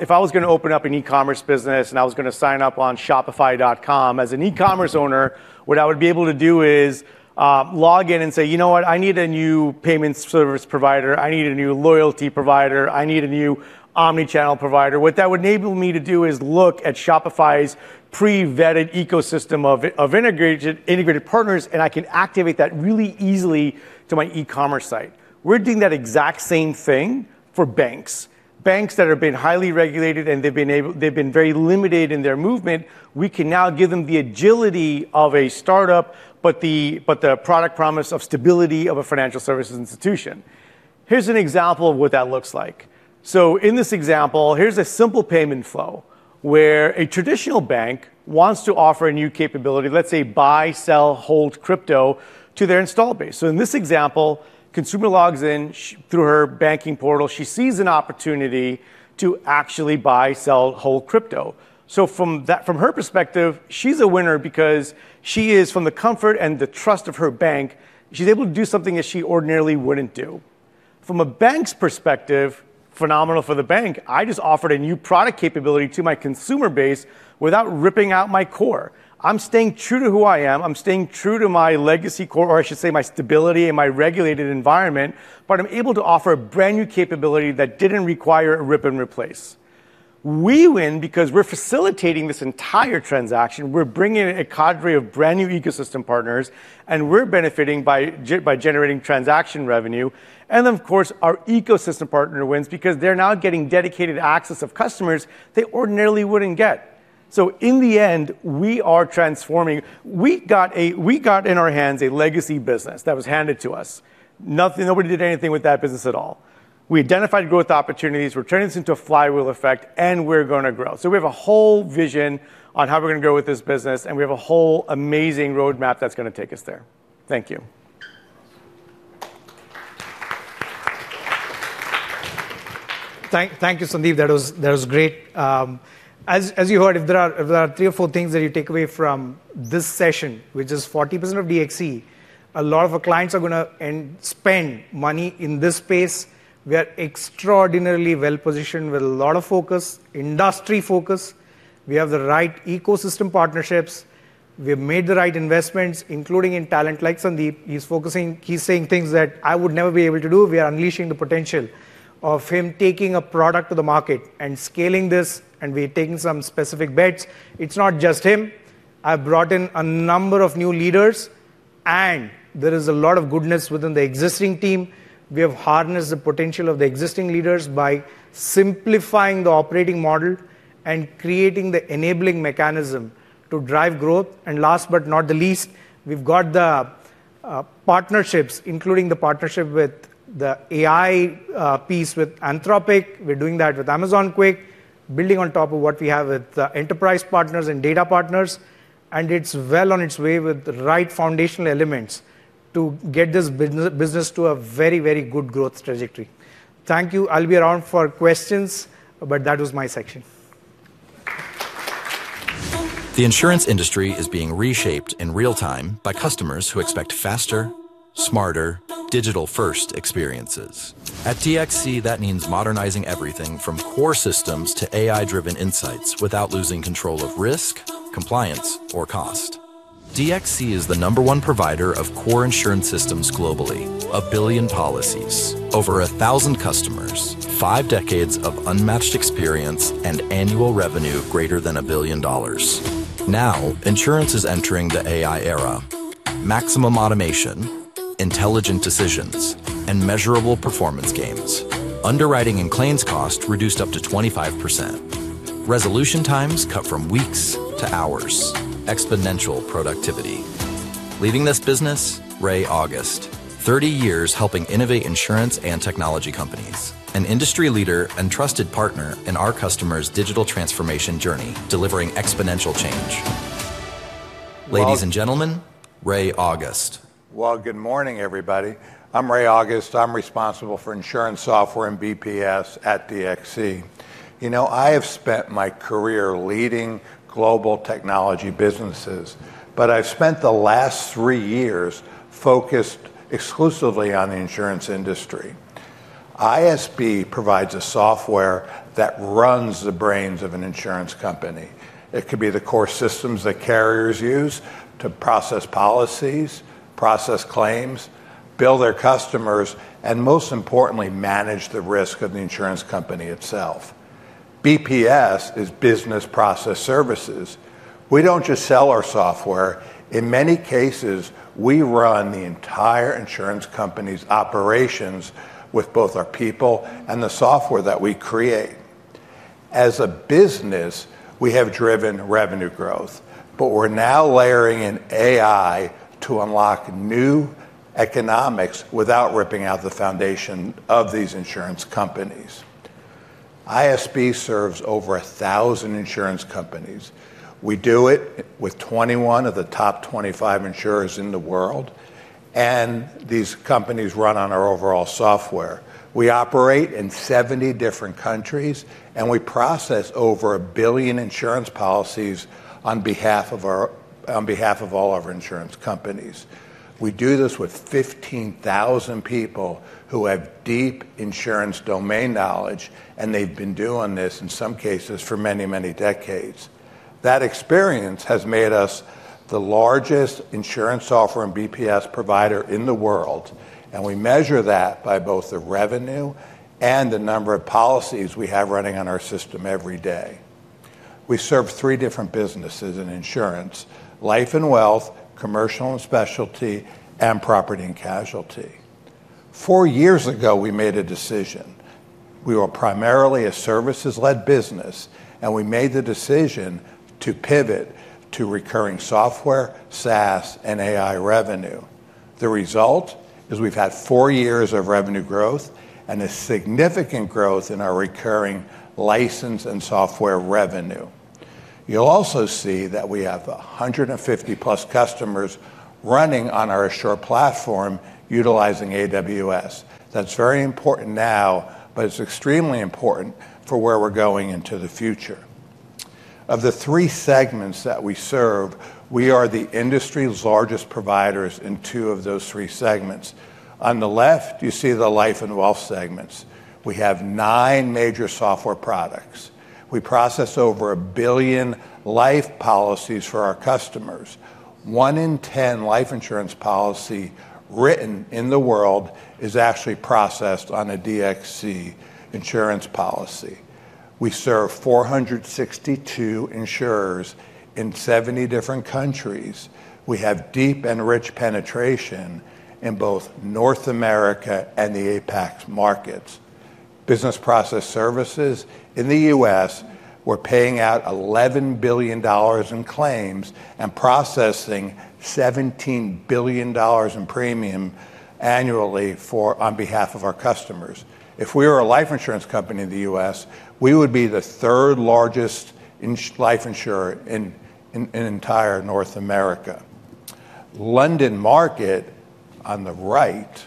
if I was going to open up an e-commerce business and I was going to sign up on shopify.com as an e-commerce owner, what I would be able to do is log in and say, "You know what? I need a new payment service provider. I need a new loyalty provider. I need a new omnichannel provider." What that would enable me to do is look at Shopify's pre-vetted ecosystem of integrated partners, and I can activate that really easily to my e-commerce site. We're doing that exact same thing for banks. Banks that have been highly regulated, they've been very limited in their movement, we can now give them the agility of a startup, the product promise of stability of a financial services institution. Here's an example of what that looks like. In this example, here's a simple payment flow where a traditional bank wants to offer a new capability, let's say buy, sell, hold crypto to their installed base. In this example, consumer logs in through her banking portal. She sees an opportunity to actually buy, sell, hold crypto. From her perspective, she's a winner because she is from the comfort and the trust of her bank, she's able to do something that she ordinarily wouldn't do. From a bank's perspective, phenomenal for the bank. I just offered a new product capability to my consumer base without ripping out my core. I'm staying true to who I am. I'm staying true to my legacy core, or I should say my stability and my regulated environment, I'm able to offer a brand-new capability that didn't require a rip and replace. We win because we're facilitating this entire transaction. We're bringing in a cadre of brand-new ecosystem partners, we're benefiting by generating transaction revenue. Of course, our ecosystem partner wins because they're now getting dedicated access of customers they ordinarily wouldn't get. In the end, we are transforming. We got in our hands a legacy business that was handed to us. Nobody did anything with that business at all. We identified growth opportunities. We're turning this into a flywheel effect, and we're going to grow. We have a whole vision on how we're going to grow with this business, and we have a whole amazing roadmap that's going to take us there. Thank you. Thank you, Sandeep. That was great. As you heard, if there are three or four things that you take away from this session, which is 40% of DXC, a lot of our clients are going to spend money in this space. We are extraordinarily well-positioned with a lot of focus, industry focus. We have the right ecosystem partnerships. We have made the right investments, including in talent like Sandeep. He's saying things that I would never be able to do. We are unleashing the potential of him taking a product to the market and scaling this. We are taking some specific bets. It's not just him. I've brought in a number of new leaders. There is a lot of goodness within the existing team. We have harnessed the potential of the existing leaders by simplifying the operating model and creating the enabling mechanism to drive growth. Last but not the least, we've got the partnerships, including the partnership with the AI piece with Anthropic. We're doing that with Amazon Q, building on top of what we have with enterprise partners and data partners. It's well on its way with the right foundational elements to get this business to a very, very good growth trajectory. Thank you. I'll be around for questions, but that was my section. The insurance industry is being reshaped in real time by customers who expect faster, smarter, digital-first experiences. At DXC, that means modernizing everything from core systems to AI-driven insights without losing control of risk, compliance, or cost. DXC is the number one provider of core insurance systems globally. 1 billion policies, over 1,000 customers, five decades of unmatched experience, and annual revenue greater than $1 billion. Now, insurance is entering the AI era. Maximum automation, intelligent decisions, and measurable performance gains. Underwriting and claims cost reduced up to 25%. Resolution times cut from weeks to hours. Exponential productivity. Leading this business, Ray August. 30 years helping innovate insurance and technology companies. An industry leader and trusted partner in our customers' digital transformation journey, delivering exponential change. Ladies and gentlemen, Ray August. Good morning, everybody. I'm Ray August. I'm responsible for Insurance Software and BPS at DXC. I have spent my career leading global technology businesses. I've spent the last three years focused exclusively on the insurance industry. ISB provides a software that runs the brains of an insurance company. It could be the core systems that carriers use to process policies, process claims, bill their customers, and most importantly, manage the risk of the insurance company itself. BPS is business process services. We don't just sell our software. In many cases, we run the entire insurance company's operations with both our people and the software that we create. As a business, we have driven revenue growth. We're now layering in AI to unlock new economics without ripping out the foundation of these insurance companies. ISB serves over 1,000 insurance companies. We do it with 21 of the top 25 insurers in the world, and these companies run on our overall software. We operate in 70 different countries, and we process over 1 billion insurance policies on behalf of all of our insurance companies. We do this with 15,000 people who have deep insurance domain knowledge, and they've been doing this, in some cases, for many, many decades. That experience has made us the largest Insurance Software and BPS provider in the world, and we measure that by both the revenue and the number of policies we have running on our system every day. We serve three different businesses in insurance: life and wealth, commercial and specialty, and property and casualty. Four years ago, we made a decision. We were primarily a services-led business, and we made the decision to pivot to recurring software, SaaS, and AI revenue. The result is we've had four years of revenue growth and a significant growth in our recurring license and software revenue. You'll also see that we have 150+ customers running on our Assure platform utilizing AWS. That's very important now, but it's extremely important for where we're going into the future. Of the three segments that we serve, we are the industry's largest providers in two of those three segments. On the left, you see the life and wealth segments. We have nine major software products. We process over 1 billion life policies for our customers. One in 10 life insurance policy written in the world is actually processed on a DXC insurance policy. We serve 462 insurers in 70 different countries. We have deep and rich penetration in both North America and the APAC markets. Business Process Services in the U.S., we're paying out $11 billion in claims and processing $17 billion in premium annually on behalf of our customers. If we were a life insurance company in the U.S., we would be the third-largest life insurer in entire North America. London Market, on the right,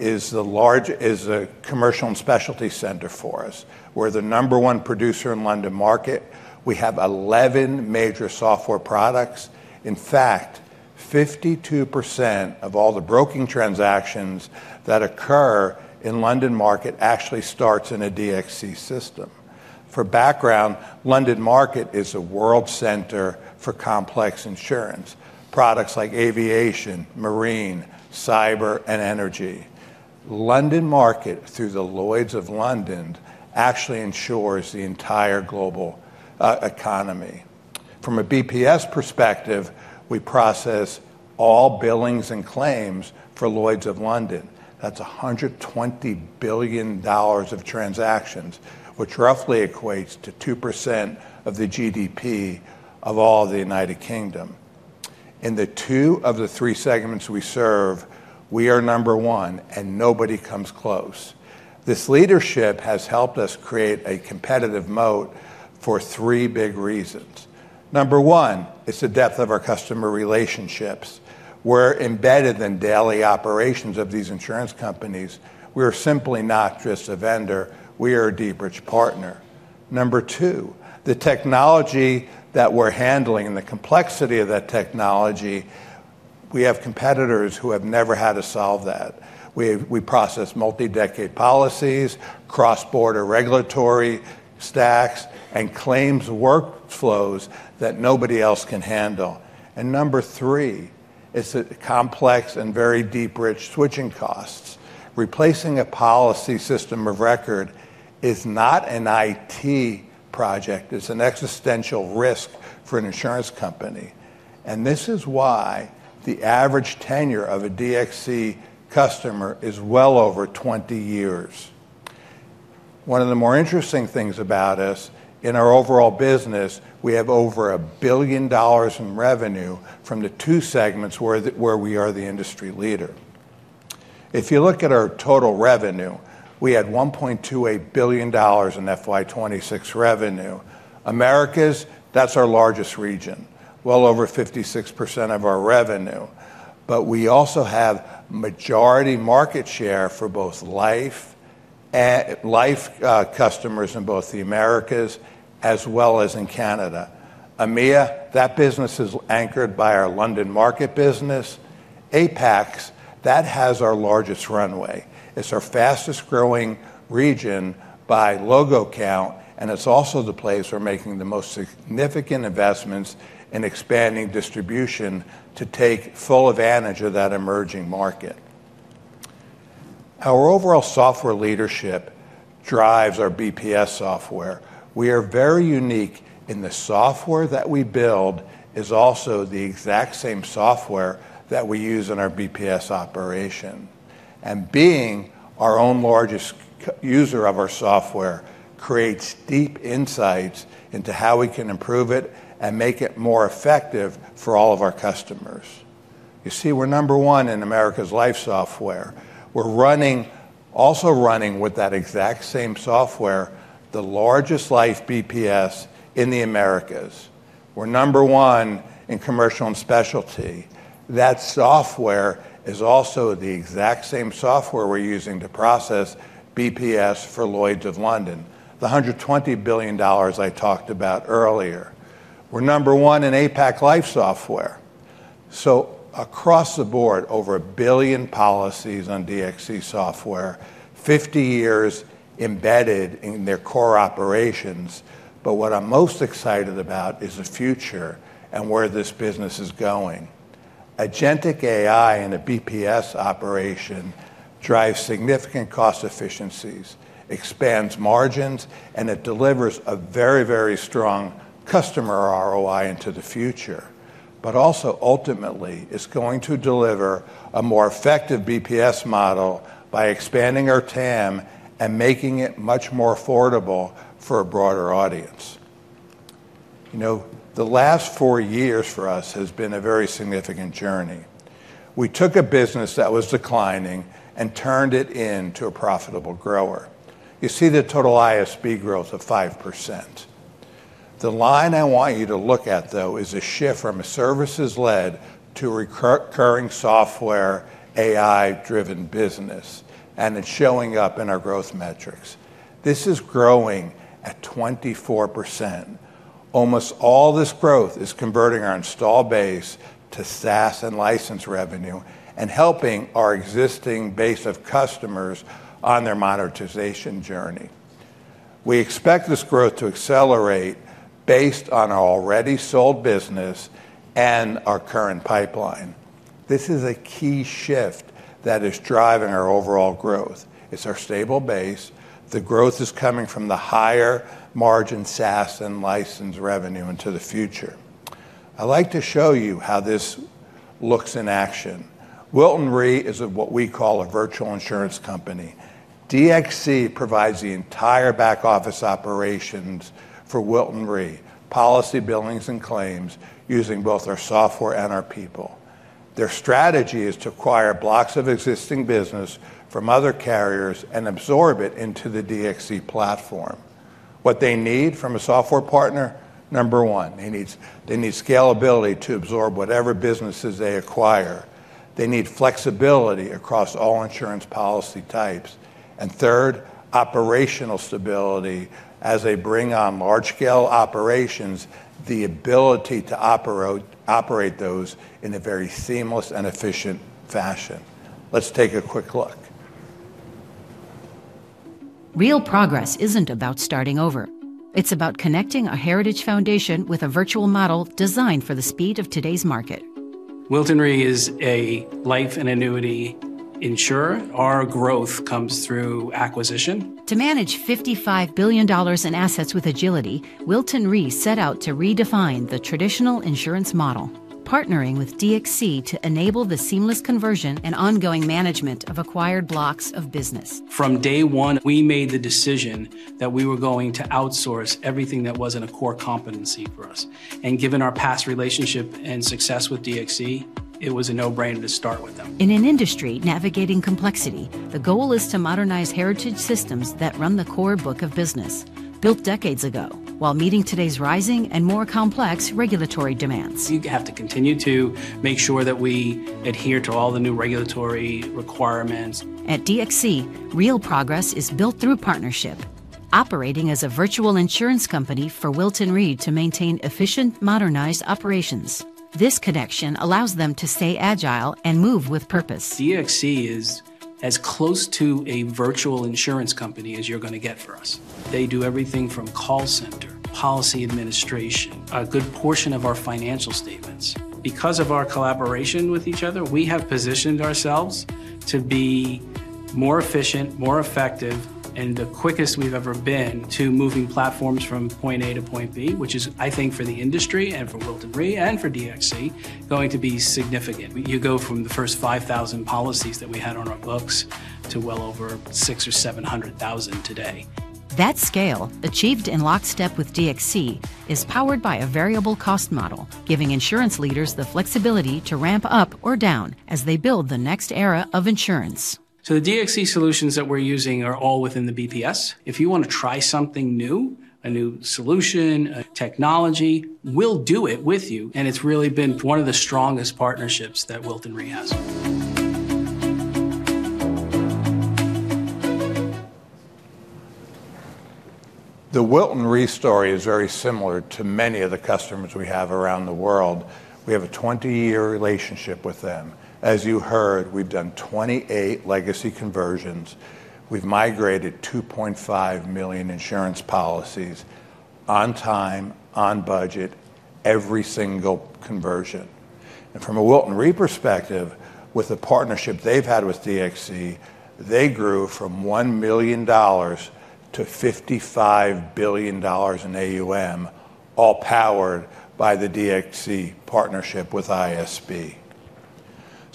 is a commercial and specialty center for us. We're the number one producer in London Market. We have 11 major software products. In fact, 52% of all the broking transactions that occur in London Market actually starts in a DXC system. For background, London Market is a world center for complex insurance, products like aviation, marine, cyber, and energy. London Market, through the Lloyd's of London, actually ensures the entire global economy. From a BPS perspective, we process all billings and claims for Lloyd's of London. That's $120 billion of transactions, which roughly equates to 2% of the GDP of all the U.K. In the two of the three segments we serve, we are number one, and nobody comes close. This leadership has helped us create a competitive moat for three big reasons. Number one, it's the depth of our customer relationships. We're embedded in daily operations of these insurance companies. We are simply not just a vendor. We are a deep bridge partner. Number two, the technology that we're handling and the complexity of that technology, we have competitors who have never had to solve that. We process multi-decade policies, cross-border regulatory stacks, and claims workflows that nobody else can handle. Number three, it's the complex and very deep bridge switching costs. Replacing a policy system of record is not an IT project. It's an existential risk for an insurance company. This is why the average tenure of a DXC customer is well over 20 years. One of the more interesting things about us in our overall business, we have over $1 billion in revenue from the two segments where we are the industry leader. If you look at our total revenue, we had $1.28 billion in FY 2026 revenue. Americas, that is our largest region, well over 56% of our revenue. We also have majority market share for both life customers in both the Americas as well as in Canada. EMEA, that business is anchored by our London market business. APAC, that has our largest runway. It is our fastest-growing region by logo count, and it is also the place we are making the most significant investments in expanding distribution to take full advantage of that emerging market. Our overall software leadership drives our BPS software. We are very unique in the software that we build is also the exact same software that we use in our BPS operation. Being our own largest user of our software creates deep insights into how we can improve it and make it more effective for all of our customers. You see, we are number one in Americas life software. We are also running with that exact same software, the largest life BPS in the Americas. We are number one in commercial and specialty. That software is also the exact same software we are using to process BPS for Lloyd's of London, the $120 billion I talked about earlier. We are number one in APAC life software. Across the board, over 1 billion policies on DXC software, 50 years embedded in their core operations. What I am most excited about is the future and where this business is going. Agentic AI in a BPS operation drives significant cost efficiencies, expands margins, and it delivers a very, very strong customer ROI into the future, but also ultimately is going to deliver a more effective BPS model by expanding our TAM and making it much more affordable for a broader audience. The last four years for us has been a very significant journey. We took a business that was declining and turned it into a profitable grower. You see the total ISB growth of 5%. The line I want you to look at, though, is a shift from a services-led to a recurring software AI-driven business, and it is showing up in our growth metrics. This is growing at 24%. Almost all this growth is converting our install base to SaaS and license revenue and helping our existing base of customers on their monetization journey. We expect this growth to accelerate based on our already sold business and our current pipeline. This is a key shift that is driving our overall growth. It is our stable base. The growth is coming from the higher margin SaaS and license revenue into the future. I would like to show you how this looks in action. Wilton Re is what we call a virtual insurance company. DXC provides the entire back-office operations for Wilton Re, policy billings and claims, using both our software and our people. Their strategy is to acquire blocks of existing business from other carriers and absorb it into the DXC platform. What they need from a software partner? Number one, they need scalability to absorb whatever businesses they acquire. They need flexibility across all insurance policy types. Third, operational stability as they bring on large-scale operations, the ability to operate those in a very seamless and efficient fashion. Let's take a quick look. Real progress isn't about starting over. It's about connecting a heritage foundation with a virtual model designed for the speed of today's market. Wilton Re is a life and annuity insurer. Our growth comes through acquisition. To manage $55 billion in assets with agility, Wilton Re set out to redefine the traditional insurance model, partnering with DXC to enable the seamless conversion and ongoing management of acquired blocks of business. From day one, we made the decision that we were going to outsource everything that wasn't a core competency for us. Given our past relationship and success with DXC, it was a no-brainer to start with them. In an industry navigating complexity, the goal is to modernize heritage systems that run the core book of business, built decades ago, while meeting today's rising and more complex regulatory demands. You have to continue to make sure that we adhere to all the new regulatory requirements. At DXC, real progress is built through partnership. Operating as a virtual insurance company for Wilton Re to maintain efficient, modernized operations. This connection allows them to stay agile and move with purpose. DXC is as close to a virtual insurance company as you're going to get for us. They do everything from call center, policy administration, a good portion of our financial statements. Because of our collaboration with each other, we have positioned ourselves to be more efficient, more effective, and the quickest we've ever been to moving platforms from point A to point B, which is, I think, for the industry and for Wilton Re, and for DXC, going to be significant. You go from the first 5,000 policies that we had on our books to well over six or 700,000 today. That scale, achieved in lockstep with DXC, is powered by a variable cost model, giving insurance leaders the flexibility to ramp up or down as they build the next era of insurance. The DXC solutions that we're using are all within the BPS. If you want to try something new, a new solution, a technology, we'll do it with you. It's really been one of the strongest partnerships that Wilton Re has. The Wilton Re story is very similar to many of the customers we have around the world. We have a 20-year relationship with them. As you heard, we've done 28 legacy conversions. We've migrated 2.5 million insurance policies on time, on budget, every single conversion. From a Wilton Re perspective, with the partnership they've had with DXC, they grew from $1 million to $55 billion in AUM, all powered by the DXC partnership with ISB.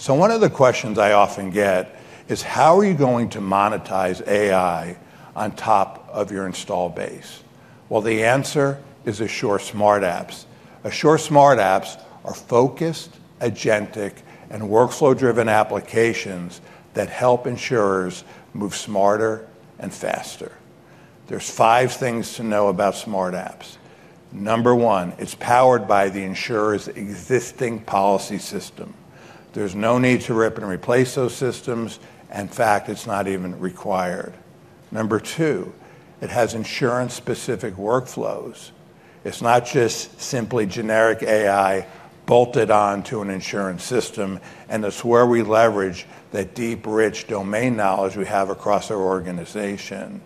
One of the questions I often get is, how are you going to monetize AI on top of your install base? The answer is Assure Smart Apps. Assure Smart Apps are focused, agentic, and workflow-driven applications that help insurers move smarter and faster. There's five things to know about Smart Apps. Number one, it's powered by the insurer's existing policy system. There's no need to rip and replace those systems. In fact, it's not even required. Number two, it has insurance-specific workflows. It's not just simply generic AI bolted onto an insurance system, it's where we leverage that deep, rich domain knowledge we have across our organization.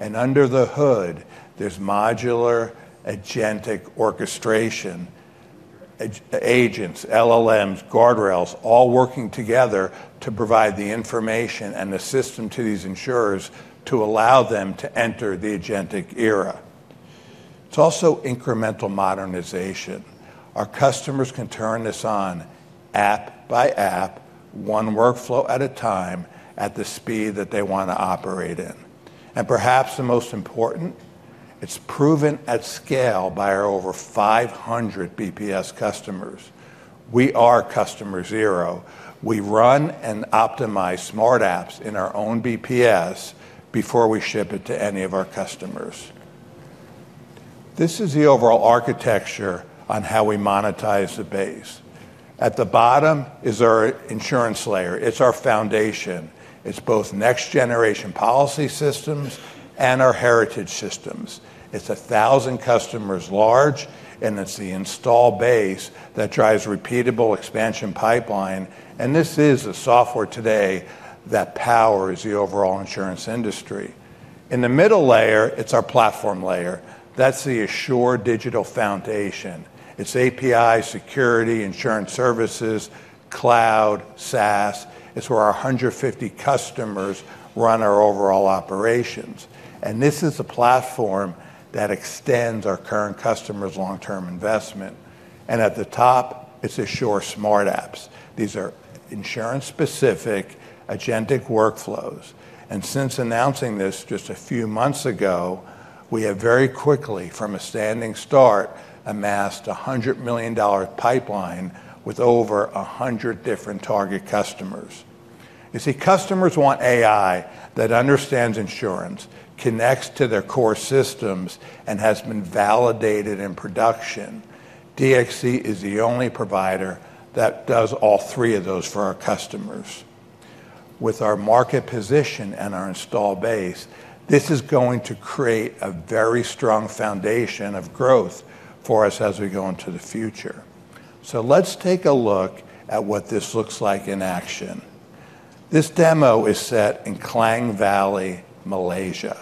Under the hood, there's modular agentic orchestration, agents, LLMs, guardrails, all working together to provide the information and the system to these insurers to allow them to enter the agentic era. It's also incremental modernization. Our customers can turn this on app by app, one workflow at a time, at the speed that they want to operate in. Perhaps the most important, it's proven at scale by our over 500 BPS customers. We are customer zero. We run and optimize Smart Apps in our own BPS before we ship it to any of our customers. This is the overall architecture on how we monetize the base. At the bottom is our insurance layer. It's our foundation. It's both next-generation policy systems and our heritage systems. It's 1,000 customers large, it's the install base that drives repeatable expansion pipeline, this is the software today that powers the overall insurance industry. In the middle layer, it's our platform layer. That's the Assure digital foundation. It's API, security, insurance services, cloud, SaaS. It's where our 150 customers run our overall operations. This is the platform that extends our current customers' long-term investment. At the top, it's Assure Smart Apps. These are insurance-specific agentic workflows. Since announcing this just a few months ago, we have very quickly, from a standing start, amassed a $100 million pipeline with over 100 different target customers. You see, customers want AI that understands insurance, connects to their core systems, and has been validated in production. DXC is the only provider that does all three of those for our customers. With our market position and our install base, this is going to create a very strong foundation of growth for us as we go into the future. Let's take a look at what this looks like in action. This demo is set in Klang Valley, Malaysia,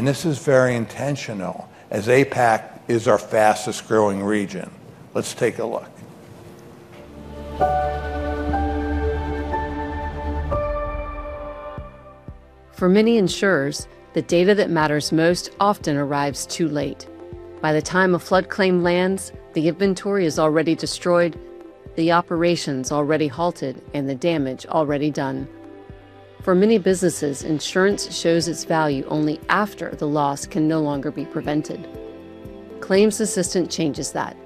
this is very intentional as APAC is our fastest growing region. Let's take a look. For many insurers, the data that matters most often arrives too late. By the time a flood claim lands, the inventory is already destroyed, the operations already halted, and the damage already done. For many businesses, insurance shows its value only after the loss can no longer be prevented. Claims Assistant changes that.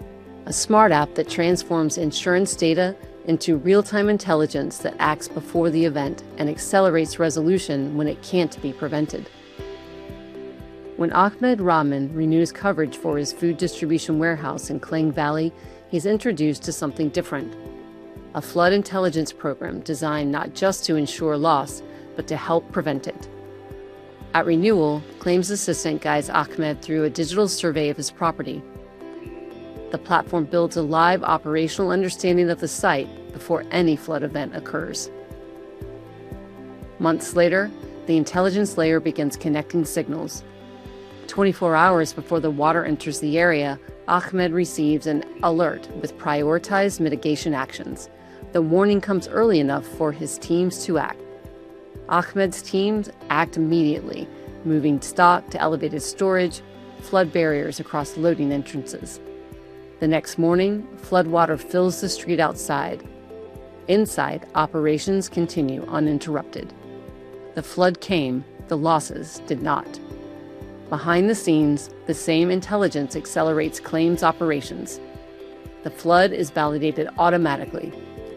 A smart app that transforms insurance data into real-time intelligence that acts before the event and accelerates resolution when it can't be prevented. When Ahmed Raman renews coverage for his food distribution warehouse in Klang Valley, he's introduced to something different, a flood intelligence program designed not just to ensure loss, but to help prevent it. At renewal, Claims Assistant guides Ahmed through a digital survey of his property. The platform builds a live operational understanding of the site before any flood event occurs. Months later, the intelligence layer begins connecting signals. 24 hours before the water enters the area, Ahmed receives an alert with prioritized mitigation actions. The warning comes early enough for his teams to act. Ahmed's teams act immediately, moving stock to elevated storage, flood barriers across loading entrances. The next morning, floodwater fills the street outside. Inside, operations continue uninterrupted. The flood came, the losses did not. Behind the scenes, the same intelligence accelerates claims operations. The flood is validated automatically.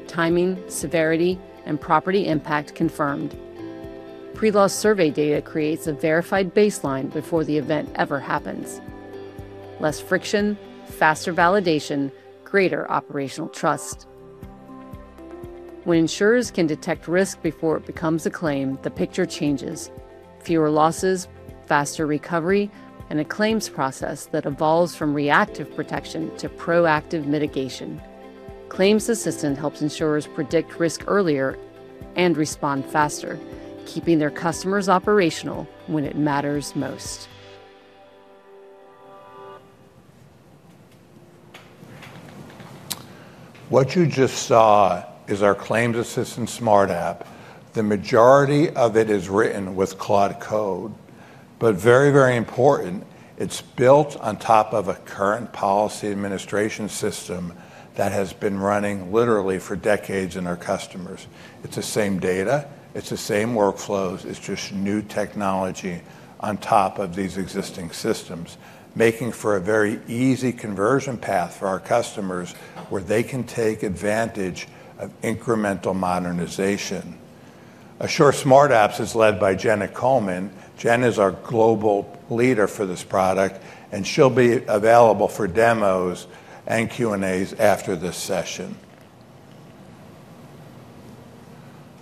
Timing, severity, and property impact confirmed. Pre-loss survey data creates a verified baseline before the event ever happens. Less friction, faster validation, greater operational trust. When insurers can detect risk before it becomes a claim, the picture changes. Fewer losses, faster recovery, and a claims process that evolves from reactive protection to proactive mitigation. Claims Assistant helps insurers predict risk earlier and respond faster, keeping their customers operational when it matters most. What you just saw is our Claims Assistant Smart App. The majority of it is written with Claude Code, but very important, it's built on top of a current policy administration system that has been running literally for decades in our customers. It's the same data, it's the same workflows. It's just new technology on top of these existing systems, making for a very easy conversion path for our customers where they can take advantage of incremental modernization. Assure Smart Apps is led by Jenna Coleman. Jen is our global leader for this product, and she'll be available for demos and Q&As after this session.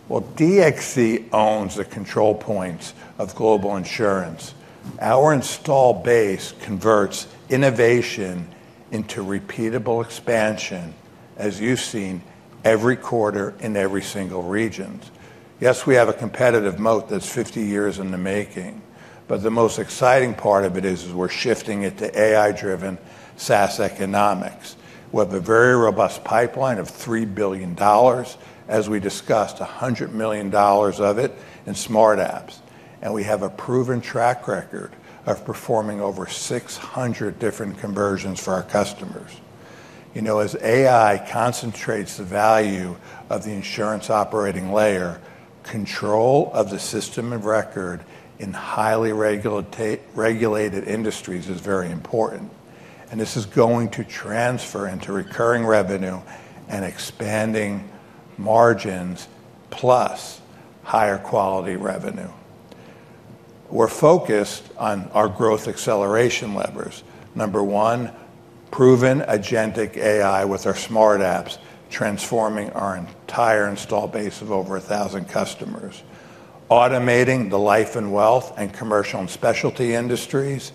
Well, DXC owns the control points of global insurance. Our install base converts innovation into repeatable expansion, as you've seen every quarter in every single region. Yes, we have a competitive moat that's 50 years in the making, but the most exciting part of it is we're shifting it to AI-driven SaaS economics. We have a very robust pipeline of $3 billion, as we discussed, $100 million of it in Smart Apps. We have a proven track record of performing over 600 different conversions for our customers. As AI concentrates the value of the insurance operating layer, control of the system of record in highly regulated industries is very important, and this is going to transfer into recurring revenue and expanding margins, plus higher quality revenue. We're focused on our growth acceleration levers. Number one, proven agentic AI with our Smart Apps, transforming our entire install base of over 1,000 customers. Automating the life and wealth and commercial and specialty industries,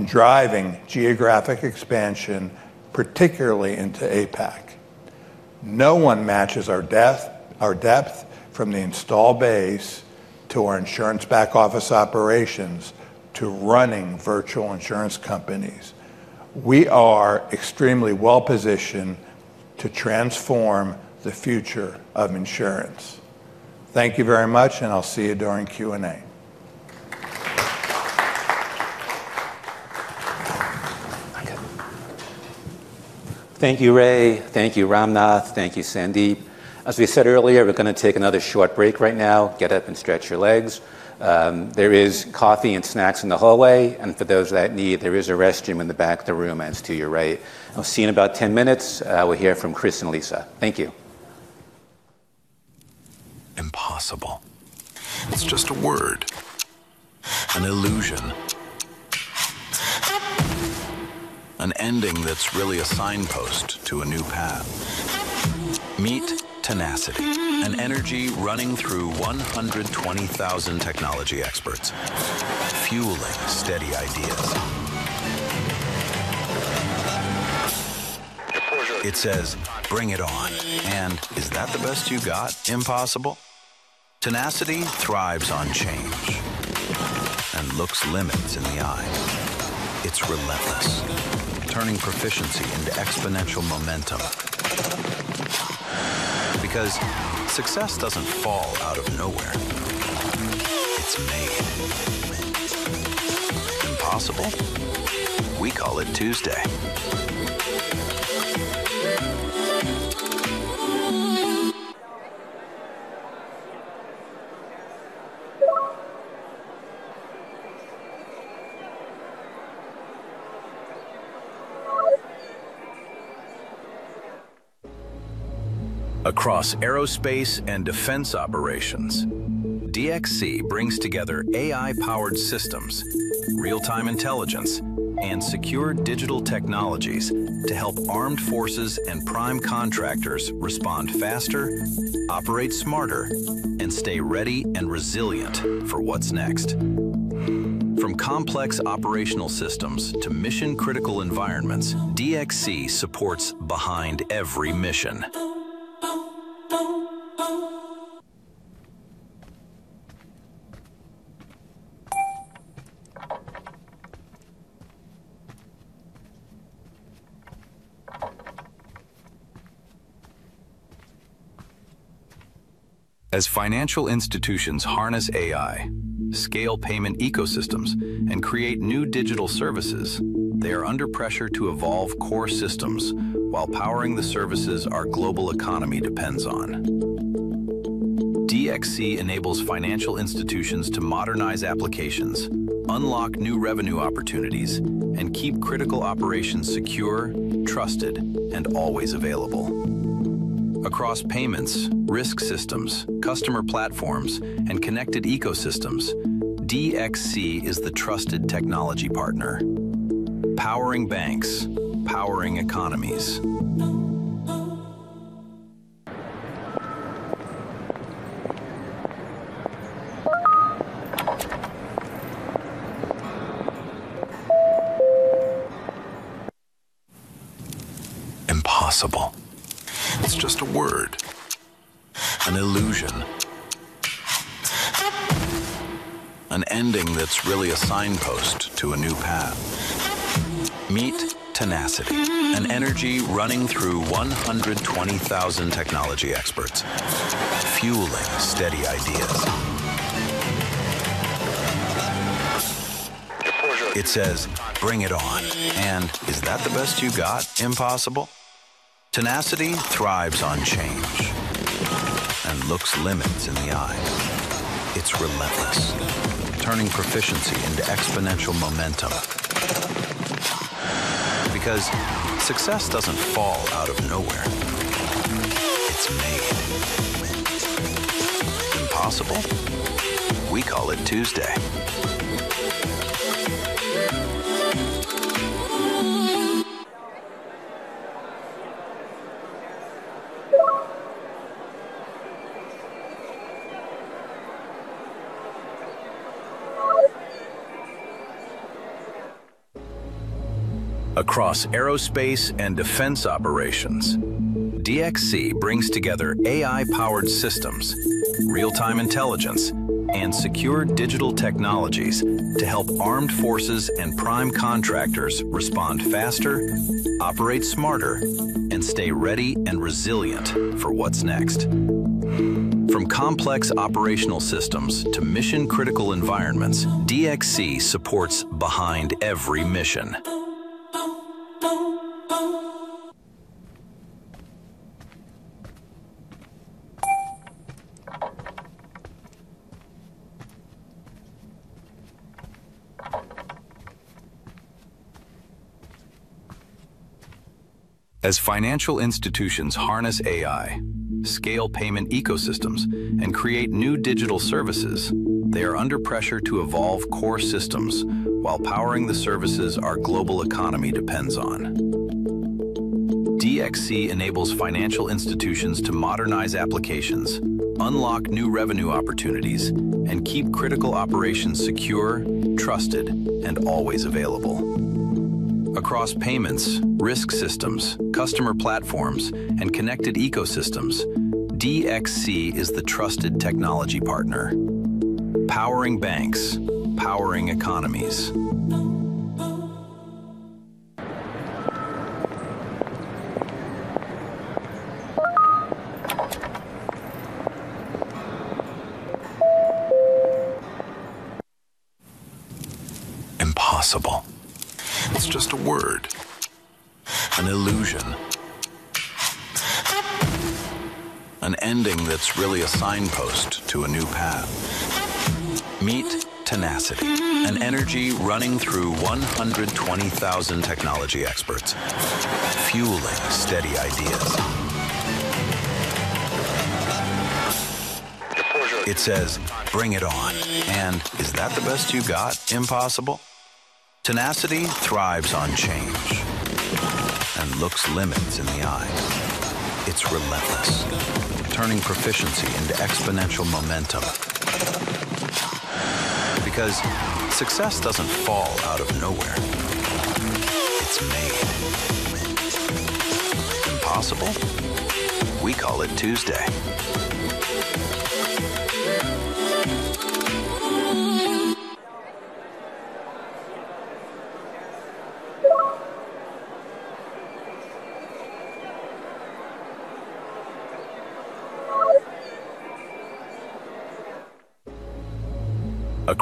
driving geographic expansion, particularly into APAC. No one matches our depth from the install base to our insurance back-office operations to running virtual insurance companies. We are extremely well-positioned to transform the future of insurance. Thank you very much, and I'll see you during Q&A. Thank you, Ray. Thank you, Ramnath. Thank you, Sandeep. As we said earlier, we're going to take another short break right now. Get up and stretch your legs. There is coffee and snacks in the hallway, and for those that need, there is a restroom in the back of the room and it's to your right. I'll see you in about 10 minutes. We'll hear from Chris and Lisa. Thank you. Impossible. It's just a word, an illusion. An ending that's really a signpost to a new path. Meet tenacity, an energy running through 120,000 technology experts, fueling steady ideas. It says, "Bring it on," and, "Is that the best you got, impossible?" Tenacity thrives on change and looks limits in the eyes. It's relentless, turning proficiency into exponential momentum. Because success doesn't fall out of nowhere. It's made. Impossible? We call it Tuesday. Across aerospace and defense operations, DXC brings together AI-powered systems, real-time intelligence, and secure digital technologies to help armed forces and prime contractors respond faster, operate smarter, and stay ready and resilient for what's next. From complex operational systems to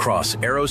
mission-critical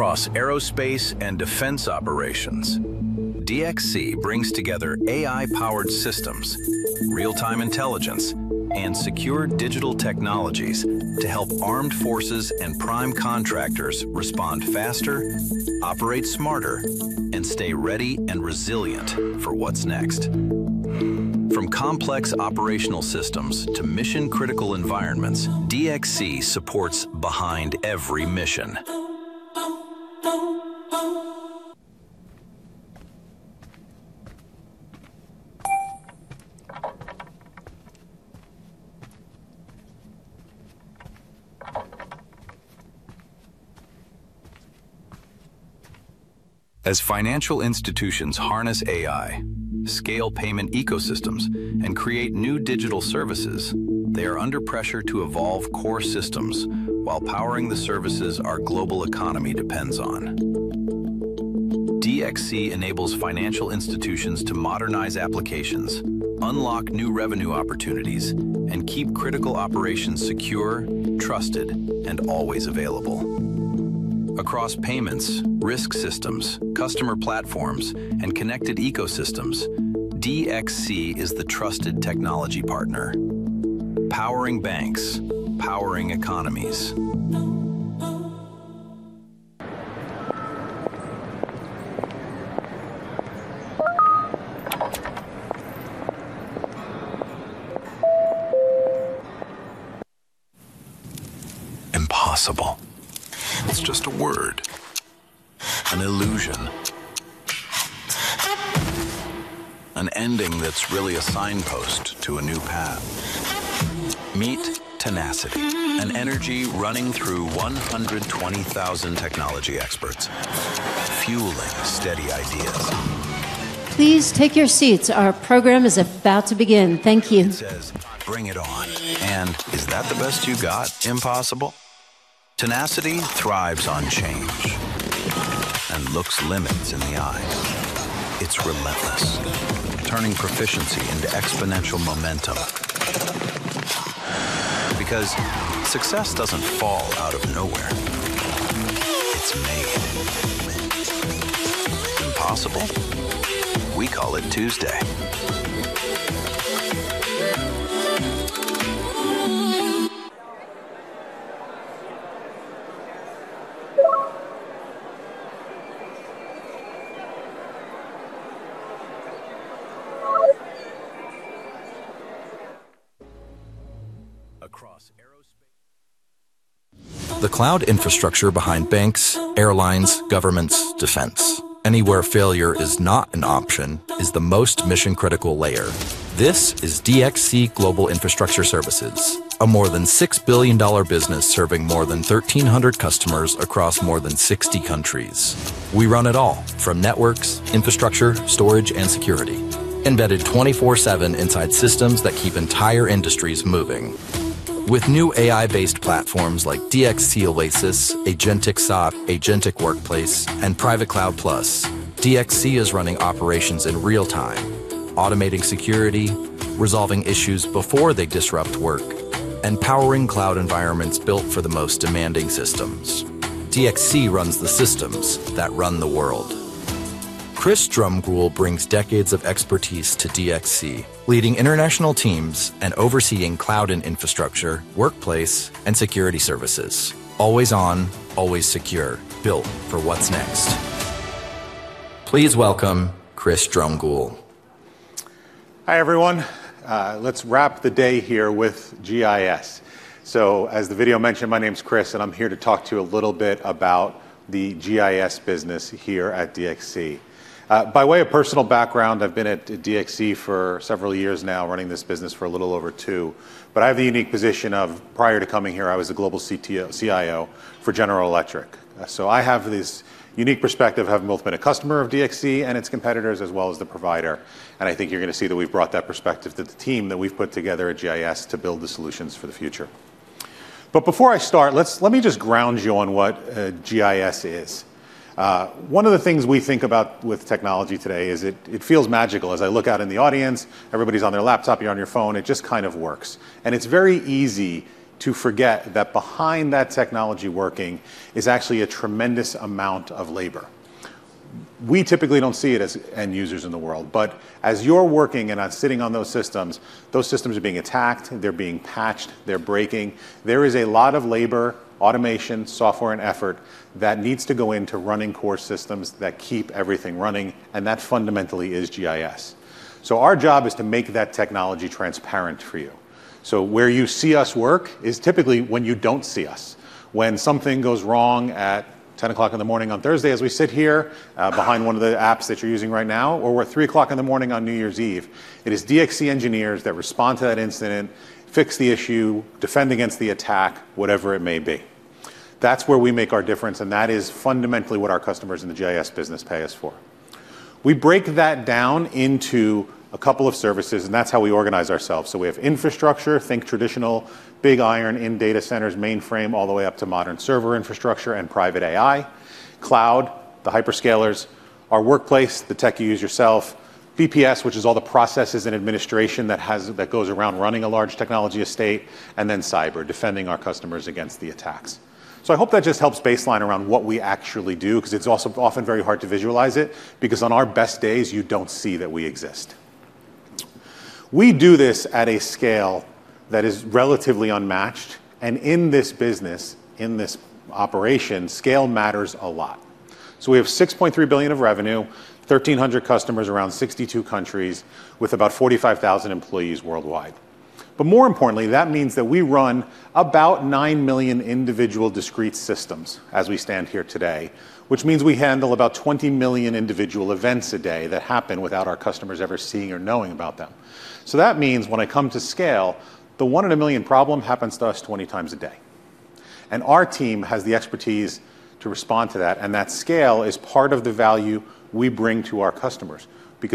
environments, DXC supports behind every mission. As financial institutions harness AI, scale payment ecosystems, and create new digital services, they are under pressure to evolve core systems while powering the services our global economy depends on. DXC enables financial institutions to modernize applications, unlock new revenue opportunities, and keep critical operations secure, trusted, and always available. Across payments, risk systems, customer platforms, and connected ecosystems, DXC is the trusted technology partner, powering banks, powering economies. Impossible. It's just a word, an illusion. An ending that's really a signpost to a new path. Meet tenacity, an energy running through 120,000 technology experts, fueling steady ideas. It says, "Bring it on," and, "Is that the best you got, impossible?" Tenacity thrives on change and looks limits in the eyes. It's relentless, turning proficiency into exponential momentum. Because success doesn't fall out of nowhere. It's made. Impossible? We call it Tuesday. Across aerospace and defense operations, DXC brings together AI-powered systems, real-time intelligence, and secure digital technologies to help armed forces and prime contractors respond faster, With new AI-based platforms like DXC OASIS, Agentic SOC, Agentic Workplace, and Private Cloud Plus, DXC is running operations in real time, automating security, resolving issues before they disrupt work, and powering cloud environments built for the most demanding systems. DXC runs the systems that run the world. Chris Drumgoole brings decades of expertise to DXC, leading international teams and overseeing cloud and infrastructure, workplace, and security services. Always on, always secure, built for what's next. Please welcome Chris Drumgoole. Hi, everyone. Let's wrap the day here with GIS. As the video mentioned, my name's Chris, and I'm here to talk to you a little bit about the GIS business here at DXC. By way of personal background, I've been at DXC for several years now, running this business for a little over two. I have the unique position of, prior to coming here, I was a global CIO for General Electric. I have this unique perspective, having both been a customer of DXC and its competitors, as well as the provider. I think you're going to see that we've brought that perspective to the team that we've put together at GIS to build the solutions for the future. Before I start, let me just ground you on what GIS is. One of the things we think about with technology today is it feels magical. As I look out in the audience, everybody's on their laptop, you're on your phone. It just kind of works. It's very easy to forget that behind that technology working is actually a tremendous amount of labor. We typically don't see it as end users in the world, but as you're working and are sitting on those systems, those systems are being attacked, they're being patched, they're breaking. There is a lot of labor, automation, software, and effort that needs to go into running core systems that keep everything running, and that fundamentally is GIS. Our job is to make that technology transparent for you. Where you see us work is typically when you don't see us. When something goes wrong at 10:00 A.M. on Thursday as we sit here behind one of the apps that you're using right now, or we're 3:00 A.M. on New Year's Eve, it is DXC engineers that respond to that incident, fix the issue, defend against the attack, whatever it may be. That's where we make our difference, and that is fundamentally what our customers in the GIS business pay us for. We break that down into a couple of services, and that's how we organize ourselves. We have infrastructure, think traditional, big iron in data centers, mainframe, all the way up to modern server infrastructure and private AI. Cloud, the hyperscalers. Our workplace, the tech you use yourself. BPS, which is all the processes and administration that goes around running a large technology estate. Then cyber, defending our customers against the attacks. I hope that just helps baseline around what we actually do, because it's also often very hard to visualize it, because on our best days, you don't see that we exist. We do this at a scale that is relatively unmatched, and in this business, in this operation, scale matters a lot. We have $6.3 billion of revenue, 1,300 customers around 62 countries, with about 45,000 employees worldwide. More importantly, that means that we run about nine million individual discrete systems as we stand here today, which means we handle about 20 million individual events a day that happen without our customers ever seeing or knowing about them. That means when it comes to scale, the one-in-a-million problem happens to us 20 times a day, Our team has the expertise to respond to that, That scale is part of the value we bring to our customers.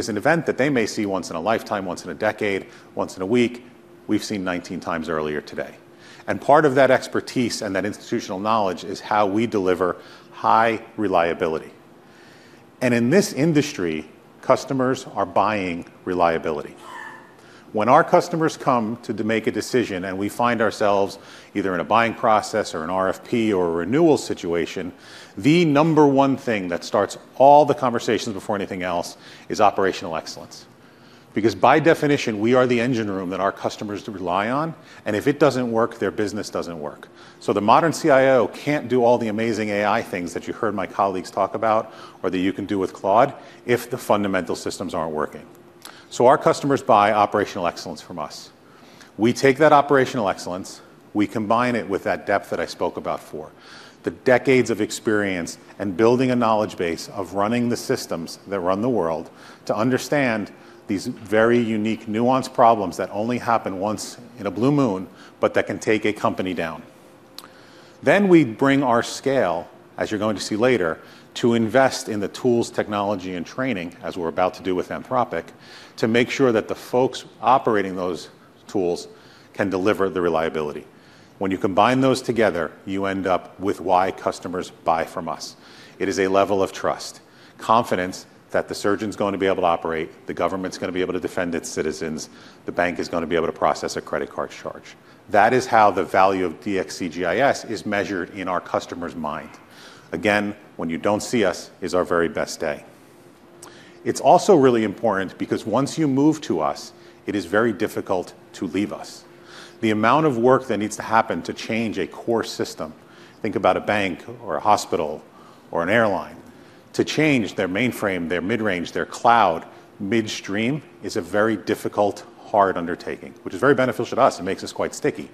An event that they may see once in a lifetime, once in a decade, once in a week, we've seen 19 times earlier today. Part of that expertise and that institutional knowledge is how we deliver high reliability. In this industry, customers are buying reliability. When our customers come to make a decision and we find ourselves either in a buying process, or an RFP, or a renewal situation, the number one thing that starts all the conversations before anything else is operational excellence. By definition, we are the engine room that our customers rely on, and if it doesn't work, their business doesn't work. The modern CIO can't do all the amazing AI things that you heard my colleagues talk about or that you can do with Claude if the fundamental systems aren't working. Our customers buy operational excellence from us. We take that operational excellence, we combine it with that depth that I spoke about before. The decades of experience and building a knowledge base of running the systems that run the world to understand these very unique nuanced problems that only happen once in a blue moon, but that can take a company down. We bring our scale, as you're going to see later, to invest in the tools, technology, and training, as we're about to do with Anthropic, to make sure that the folks operating those tools can deliver the reliability. You combine those together, you end up with why customers buy from us. It is a level of trust, confidence that the surgeon's going to be able to operate, the government's going to be able to defend its citizens, the bank is going to be able to process a credit card charge. That is how the value of DXC GIS is measured in our customer's mind. Again, when you don't see us is our very best day. It's also really important because once you move to us, it is very difficult to leave us. The amount of work that needs to happen to change a core system, think about a bank, or a hospital, or an airline. To change their mainframe, their mid-range, their cloud midstream is a very difficult, hard undertaking, which is very beneficial to us. It makes us quite sticky.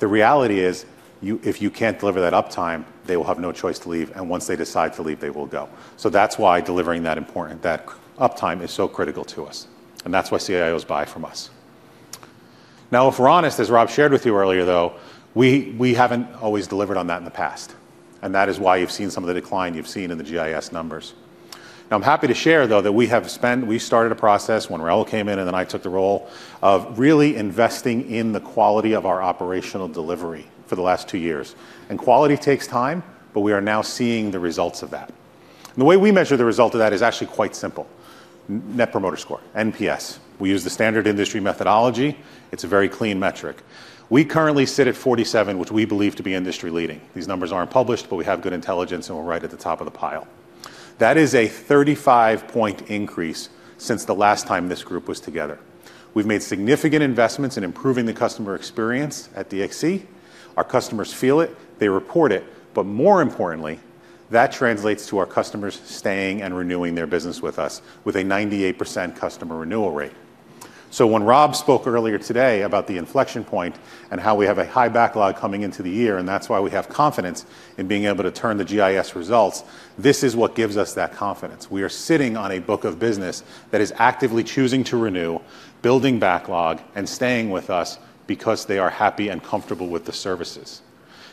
The reality is, if you can't deliver that uptime, they will have no choice to leave, and once they decide to leave, they will go. That's why delivering that uptime is so critical to us, and that's why CIOs buy from us. If we're honest, as Rob shared with you earlier, though, we haven't always delivered on that in the past, and that is why you've seen some of the decline you've seen in the GIS numbers. I'm happy to share, though, that we started a process when Raul came in, I took the role, of really investing in the quality of our operational delivery for the last two years. Quality takes time, but we are now seeing the results of that. The way we measure the result of that is actually quite simple. Net promoter score, NPS. We use the standard industry methodology. It's a very clean metric. We currently sit at 47, which we believe to be industry-leading. These numbers aren't published, but we have good intelligence, and we're right at the top of the pile. That is a 35-point increase since the last time this group was together. We've made significant investments in improving the customer experience at DXC. Our customers feel it, they report it, but more importantly, that translates to our customers staying and renewing their business with us with a 98% customer renewal rate. When Rob spoke earlier today about the inflection point and how we have a high backlog coming into the year, and that's why we have confidence in being able to turn the GIS results. This is what gives us that confidence. We are sitting on a book of business that is actively choosing to renew, building backlog, and staying with us because they are happy and comfortable with the services.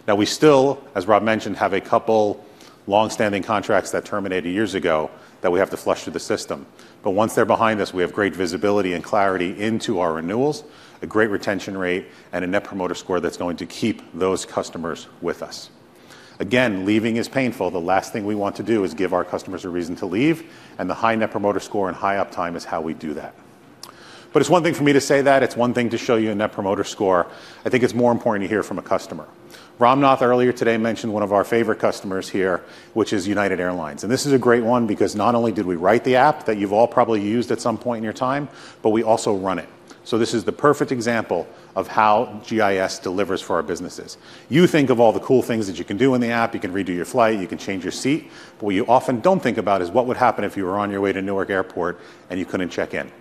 We still, as Rob mentioned, have a couple long-standing contracts that terminated years ago that we have to flush through the system. Once they're behind us, we have great visibility and clarity into our renewals, a great retention rate, and a net promoter score that's going to keep those customers with us. Leaving is painful. The last thing we want to do is give our customers a reason to leave, and the high net promoter score and high uptime is how we do that. It's one thing for me to say that. It's one thing to show you a net promoter score. I think it's more important to hear from a customer. Ramnath earlier today mentioned one of our favorite customers here, which is United Airlines. This is a great one because not only did we write the app that you've all probably used at some point in your time, but we also run it. This is the perfect example of how GIS delivers for our businesses. You think of all the cool things that you can do in the app. You can redo your flight. You can change your seat. What you often don't think about is what would happen if you were on your way to Newark Airport and you couldn't check in.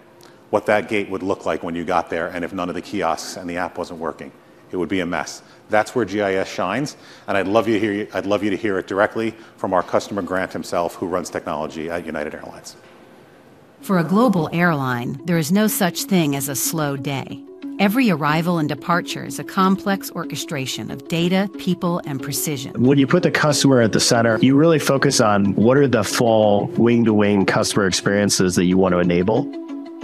What that gate would look like when you got there and if none of the kiosks and the app wasn't working. It would be a mess. That's where GIS shines. I'd love you to hear it directly from our customer, Grant himself, who runs technology at United Airlines. For a global airline, there is no such thing as a slow day. Every arrival and departure is a complex orchestration of data, people, and precision. When you put the customer at the center, you really focus on what are the full wing-to-wing customer experiences that you want to enable,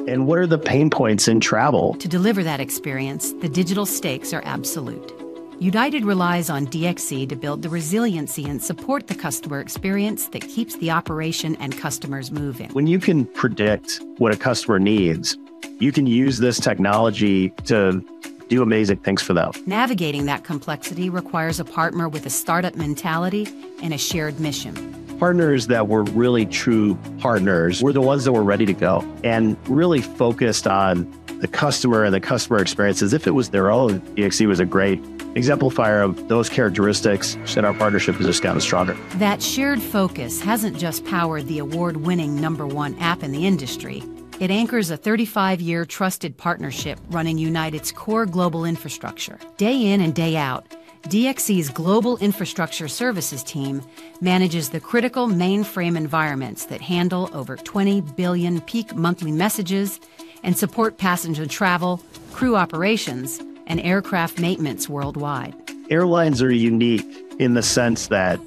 and what are the pain points in travel? To deliver that experience, the digital stakes are absolute. United relies on DXC to build the resiliency and support the customer experience that keeps the operation and customers moving. When you can predict what a customer needs, you can use this technology to do amazing things for them. Navigating that complexity requires a partner with a startup mentality and a shared mission. Partners that were really true partners were the ones that were ready to go and really focused on the customer and the customer experience as if it was their own. DXC was a great exemplifier of those characteristics, which made our partnership just that much stronger. That shared focus hasn't just powered the award-winning number 1 app in the industry. It anchors a 35-year trusted partnership running United's core global infrastructure. Day in and day out, DXC's Global Infrastructure Services team manages the critical mainframe environments that handle over 20 billion peak monthly messages and support passenger travel, crew operations, and aircraft maintenance worldwide. Airlines are unique in the sense that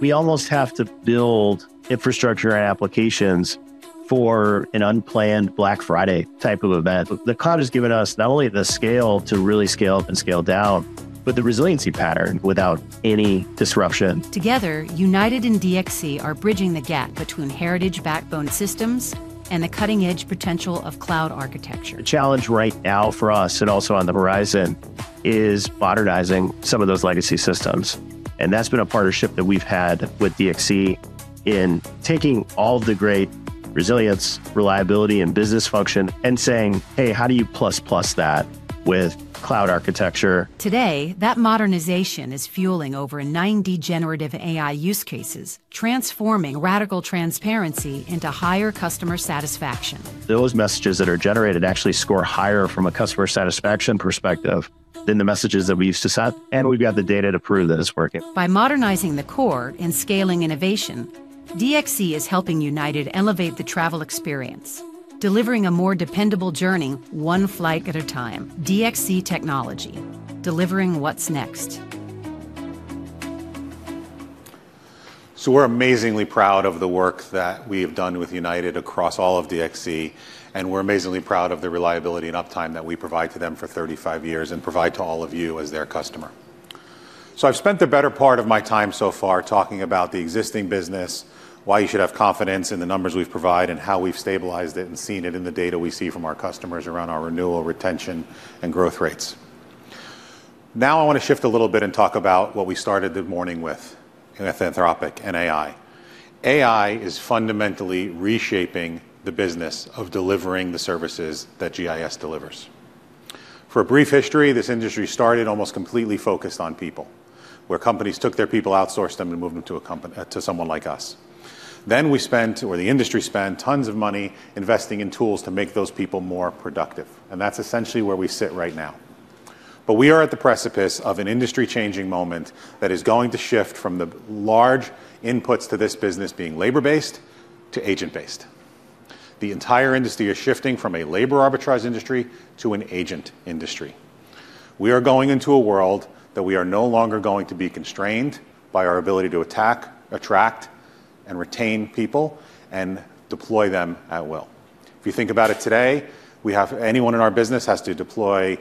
we almost have to build infrastructure and applications for an unplanned Black Friday type of event. The cloud has given us not only the scale to really scale up and scale down, but the resiliency pattern without any disruption. Together, United and DXC are bridging the gap between heritage backbone systems and the cutting-edge potential of cloud architecture. The challenge right now for us, and also on the horizon, is modernizing some of those legacy systems. That's been a partnership that we've had with DXC in taking all the great resilience, reliability, and business function and saying, "Hey, how do you plus that with cloud architecture? Today, that modernization is fueling over 90 generative AI use cases, transforming radical transparency into higher customer satisfaction. Those messages that are generated actually score higher from a customer satisfaction perspective than the messages that we used to send. We've got the data to prove that it's working. By modernizing the core and scaling innovation, DXC is helping United elevate the travel experience, delivering a more dependable journey one flight at a time. DXC Technology: delivering what's next. We're amazingly proud of the work that we have done with United across all of DXC, and we're amazingly proud of the reliability and uptime that we provide to them for 35 years and provide to all of you as their customer. I've spent the better part of my time so far talking about the existing business, why you should have confidence in the numbers we've provided, and how we've stabilized it and seen it in the data we see from our customers around our renewal, retention, and growth rates. I want to shift a little bit and talk about what we started the morning with Anthropic and AI. AI is fundamentally reshaping the business of delivering the services that GIS delivers. For a brief history, this industry started almost completely focused on people, where companies took their people, outsourced them, and moved them to someone like us. We spent, or the industry spent, tons of money investing in tools to make those people more productive, and that's essentially where we sit right now. We are at the precipice of an industry-changing moment that is going to shift from the large inputs to this business being labor-based to agent-based. The entire industry is shifting from a labor arbitrage industry to an agent industry. We are going into a world that we are no longer going to be constrained by our ability to attack, attract, and retain people and deploy them at will. If you think about it today, anyone in our business has to deploy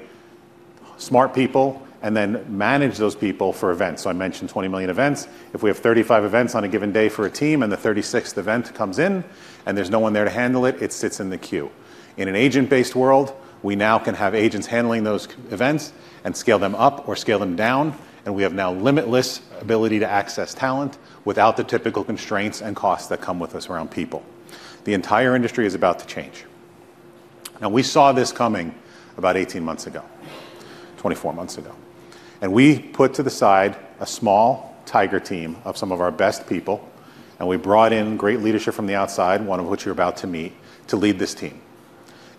smart people and then manage those people for events. I mentioned 20 million events. If we have 35 events on a given day for a team and the 36th event comes in and there's no one there to handle it sits in the queue. In an agent-based world, we now can have agents handling those events and scale them up or scale them down, and we have now limitless ability to access talent without the typical constraints and costs that come with this around people. The entire industry is about to change. We saw this coming about 18 months ago, 24 months ago, and we put to the side a small tiger team of some of our best people, and we brought in great leadership from the outside, one of which you're about to meet, to lead this team.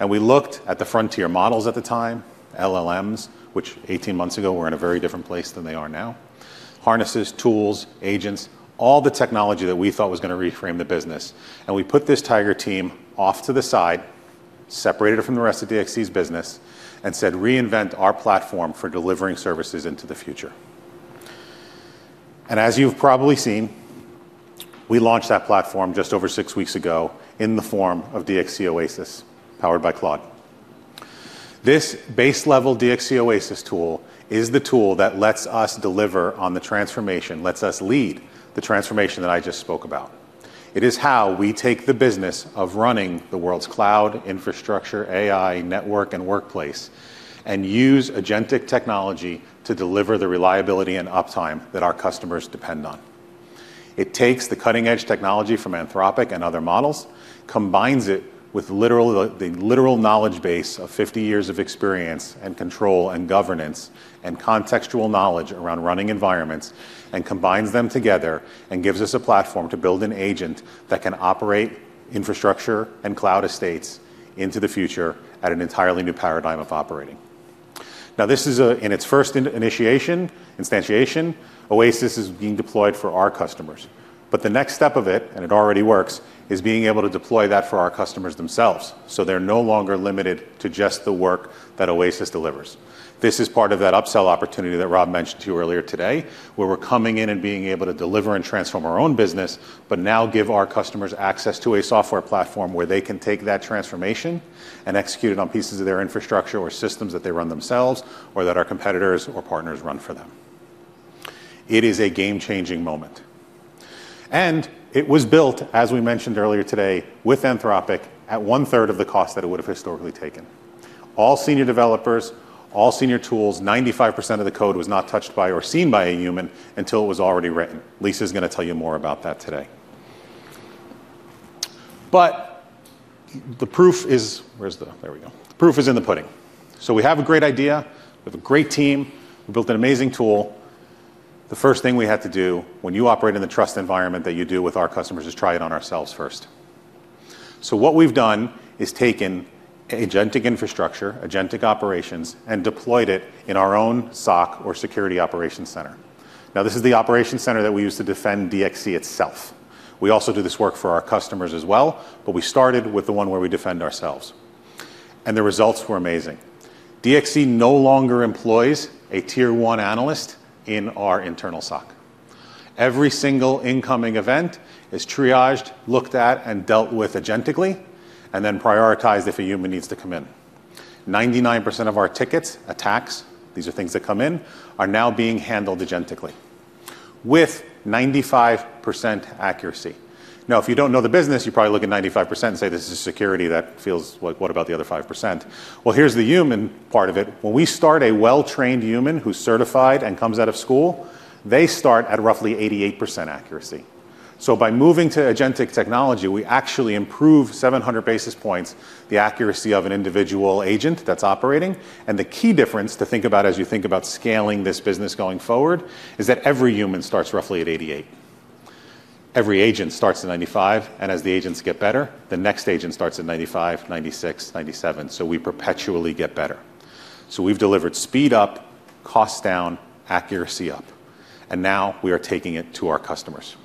We looked at the frontier models at the time, LLMs, which 18 months ago were in a very different place than they are now. Harnesses, tools, agents, all the technology that we thought was going to reframe the business. We put this tiger team off to the side, separated it from the rest of DXC's business, and said, "Reinvent our platform for delivering services into the future." As you've probably seen, we launched that platform just over 6 weeks ago in the form of DXC OASIS, powered by Claude. This base-level DXC OASIS tool is the tool that lets us deliver on the transformation, lets us lead the transformation that I just spoke about. It is how we take the business of running the world's cloud infrastructure, AI, network, and workplace, and use agentic technology to deliver the reliability and uptime that our customers depend on. It takes the cutting-edge technology from Anthropic and other models, combines it with the literal knowledge base of 50 years of experience and control and governance and contextual knowledge around running environments, and combines them together and gives us a platform to build an agent that can operate infrastructure and cloud estates into the future at an entirely new paradigm of operating. This is in its first instantiation, OASIS is being deployed for our customers. The next step of it, and it already works, is being able to deploy that for our customers themselves, so they're no longer limited to just the work that OASIS delivers. This is part of that upsell opportunity that Rob mentioned to you earlier today, where we're coming in and being able to deliver and transform our own business, but now give our customers access to a software platform where they can take that transformation and execute it on pieces of their infrastructure or systems that they run themselves, or that our competitors or partners run for them. It is a game-changing moment. It was built, as we mentioned earlier today, with Anthropic at one-third of the cost that it would've historically taken. All senior developers, all senior tools, 95% of the code was not touched by or seen by a human until it was already written. Lisa's going to tell you more about that today. The proof is There we go. The proof is in the pudding. We have a great idea. We have a great team. We built an amazing tool. The first thing we had to do when you operate in the trust environment that you do with our customers is try it on ourselves first. What we've done is taken agentic infrastructure, agentic operations, and deployed it in our own SOC or security operations center. This is the operations center that we use to defend DXC itself. We also do this work for our customers as well, but we started with the one where we defend ourselves. The results were amazing. DXC no longer employs a Tier 1 analyst in our internal SOC. Every single incoming event is triaged, looked at, and dealt with agentically, and then prioritized if a human needs to come in. 99% of our tickets, attacks, these are things that come in, are now being handled agentically with 95% accuracy. If you don't know the business, you probably look at 95% and say, "This is security that feels like, what about the other 5%?" Here's the human part of it. When we start a well-trained human who's certified and comes out of school, they start at roughly 88% accuracy. By moving to agentic technology, we actually improve 700 basis points the accuracy of an individual agent that's operating and the key difference to think about as you think about scaling this business going forward is that every human starts roughly at 88%. Every agent starts at 95%, and as the agents get better, the next agent starts at 95%, 96%, 97%. We perpetually get better. We've delivered speed up, cost down, accuracy up, and now we are taking it to our customers.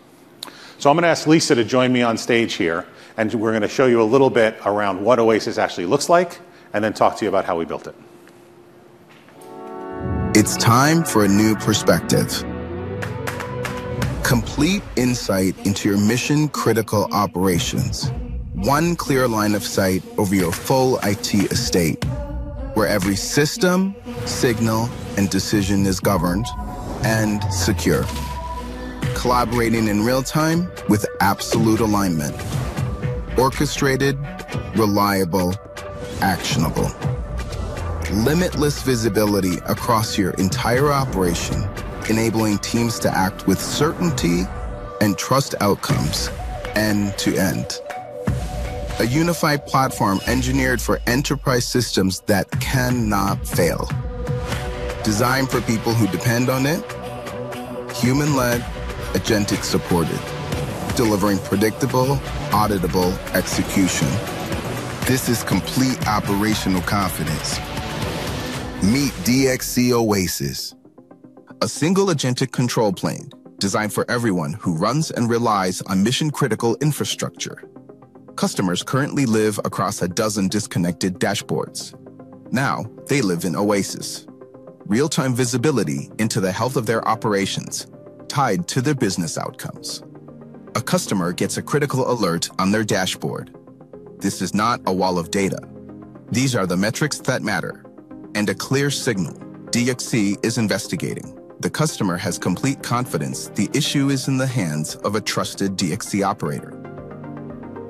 I'm going to ask Lisa to join me on stage here, and we're going to show you a little bit around what DXC OASIS actually looks like, and then talk to you about how we built it. It's time for a new perspective. Complete insight into your mission-critical operations. One clear line of sight over your full IT estate, where every system, signal, and decision is governed and secure. Collaborating in real-time with absolute alignment. Orchestrated, reliable, actionable. Limitless visibility across your entire operation, enabling teams to act with certainty and trust outcomes end to end. A unified platform engineered for enterprise systems that cannot fail. Designed for people who depend on it. Human-led, agentic supported. Delivering predictable, auditable execution. This is complete operational confidence. Meet DXC OASIS, a single agentic control plane designed for everyone who runs and relies on mission-critical infrastructure. Customers currently live across a dozen disconnected dashboards. Now they live in DXC OASIS. Real-time visibility into the health of their operations, tied to their business outcomes. A customer gets a critical alert on their dashboard. This is not a wall of data. These are the metrics that matter and a clear signal DXC is investigating. The customer has complete confidence the issue is in the hands of a trusted DXC operator.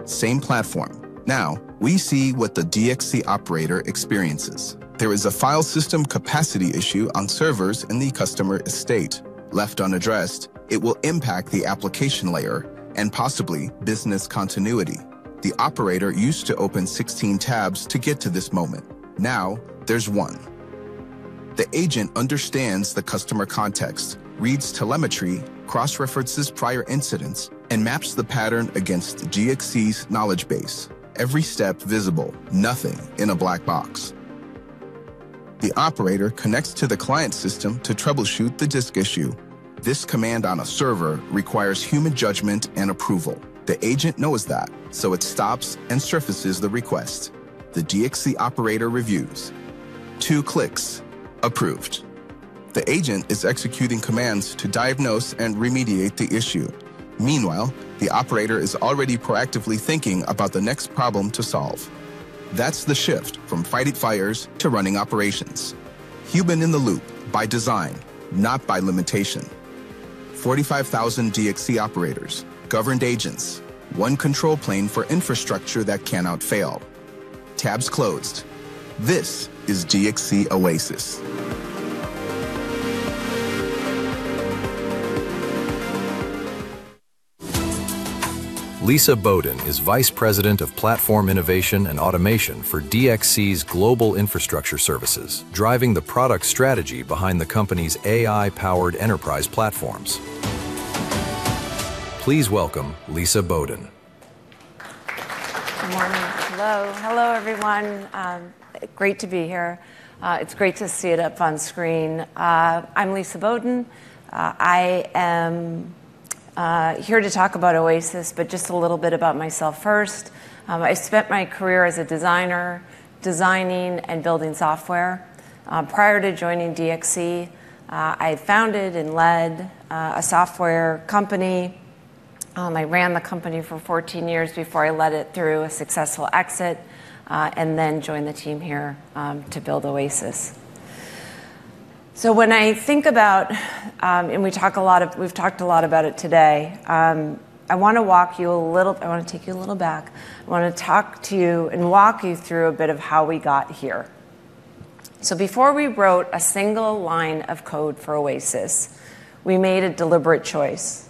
Same platform. Now we see what the DXC operator experiences. There is a file system capacity issue on servers in the customer estate. Left unaddressed, it will impact the application layer and possibly business continuity. The operator used to open 16 tabs to get to this moment. Now there's one. The agent understands the customer context, reads telemetry, cross-references prior incidents, and maps the pattern against DXC's knowledge base. Every step visible, nothing in a black box. The operator connects to the client system to troubleshoot the disk issue. This command on a server requires human judgment and approval. The agent knows that, so it stops and surfaces the request. The DXC operator reviews. Two clicks. Approved. The agent is executing commands to diagnose and remediate the issue. Meanwhile, the operator is already proactively thinking about the next problem to solve. That's the shift from fighting fires to running operations. Human in the loop by design, not by limitation. 45,000 DXC operators, governed agents, one control plane for infrastructure that cannot fail. Tabs closed. This is DXC OASIS. Lisa Beaudoin is Vice President of Platform Innovation and Automation for DXC's Global Infrastructure Services, driving the product strategy behind the company's AI-powered enterprise platforms. Please welcome Lisa Beaudoin. Good morning. Hello. Hello, everyone. Great to be here. It's great to see it up on screen. I'm Lisa Beaudoin. I am here to talk about OASIS, but just a little bit about myself first. I spent my career as a designer, designing and building software. Prior to joining DXC, I had founded and led a software company. I ran the company for 14 years before I led it through a successful exit, and then joined the team here to build OASIS. When I think about, and we've talked a lot about it today, I want to take you a little back. I want to talk to you and walk you through a bit of how we got here. Before we wrote a single line of code for OASIS, we made a deliberate choice.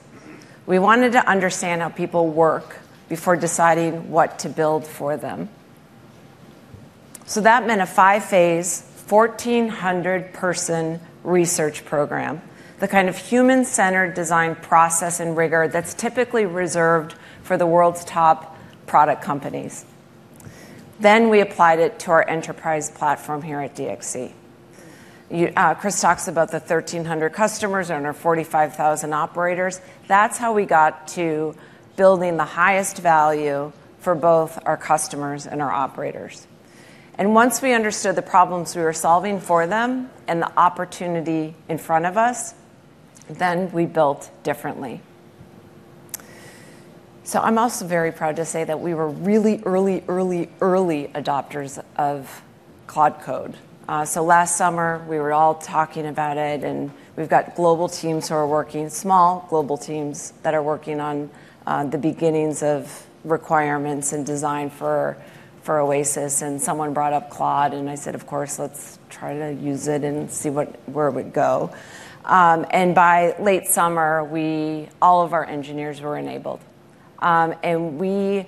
We wanted to understand how people work before deciding what to build for them. That meant a five-phase, 1,400-person research program, the kind of human-centered design process and rigor that's typically reserved for the world's top product companies. We applied it to our enterprise platform here at DXC. Chris talks about the 1,300 customers and our 45,000 operators. That's how we got to building the highest value for both our customers and our operators. Once we understood the problems we were solving for them and the opportunity in front of us, we built differently. I'm also very proud to say that we were really early adopters of Claude Code. Last summer, we were all talking about it, and we've got small global teams that are working on the beginnings of requirements and design for OASIS, and someone brought up Claude, and I said, "Of course, let's try to use it and see where it would go." By late summer, all of our engineers were enabled. It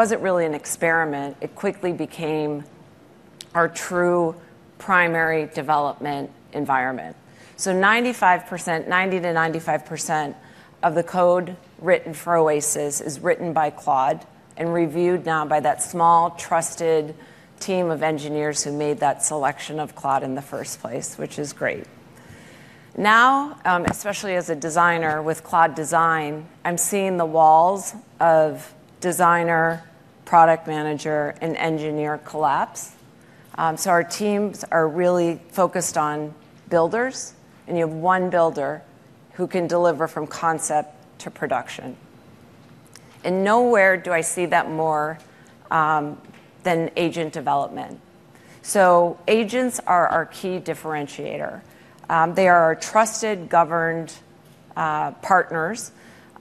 wasn't really an experiment. It quickly became our true primary development environment. 90%-95% of the code written for OASIS is written by Claude and reviewed now by that small, trusted team of engineers who made that selection of Claude in the first place, which is great. Now, especially as a designer with Claude Design, I'm seeing the walls of designer, product manager, and engineer collapse. Our teams are really focused on builders, and you have one builder who can deliver from concept to production. Nowhere do I see that more than agent development. Agents are our key differentiator. They are our trusted, governed partners,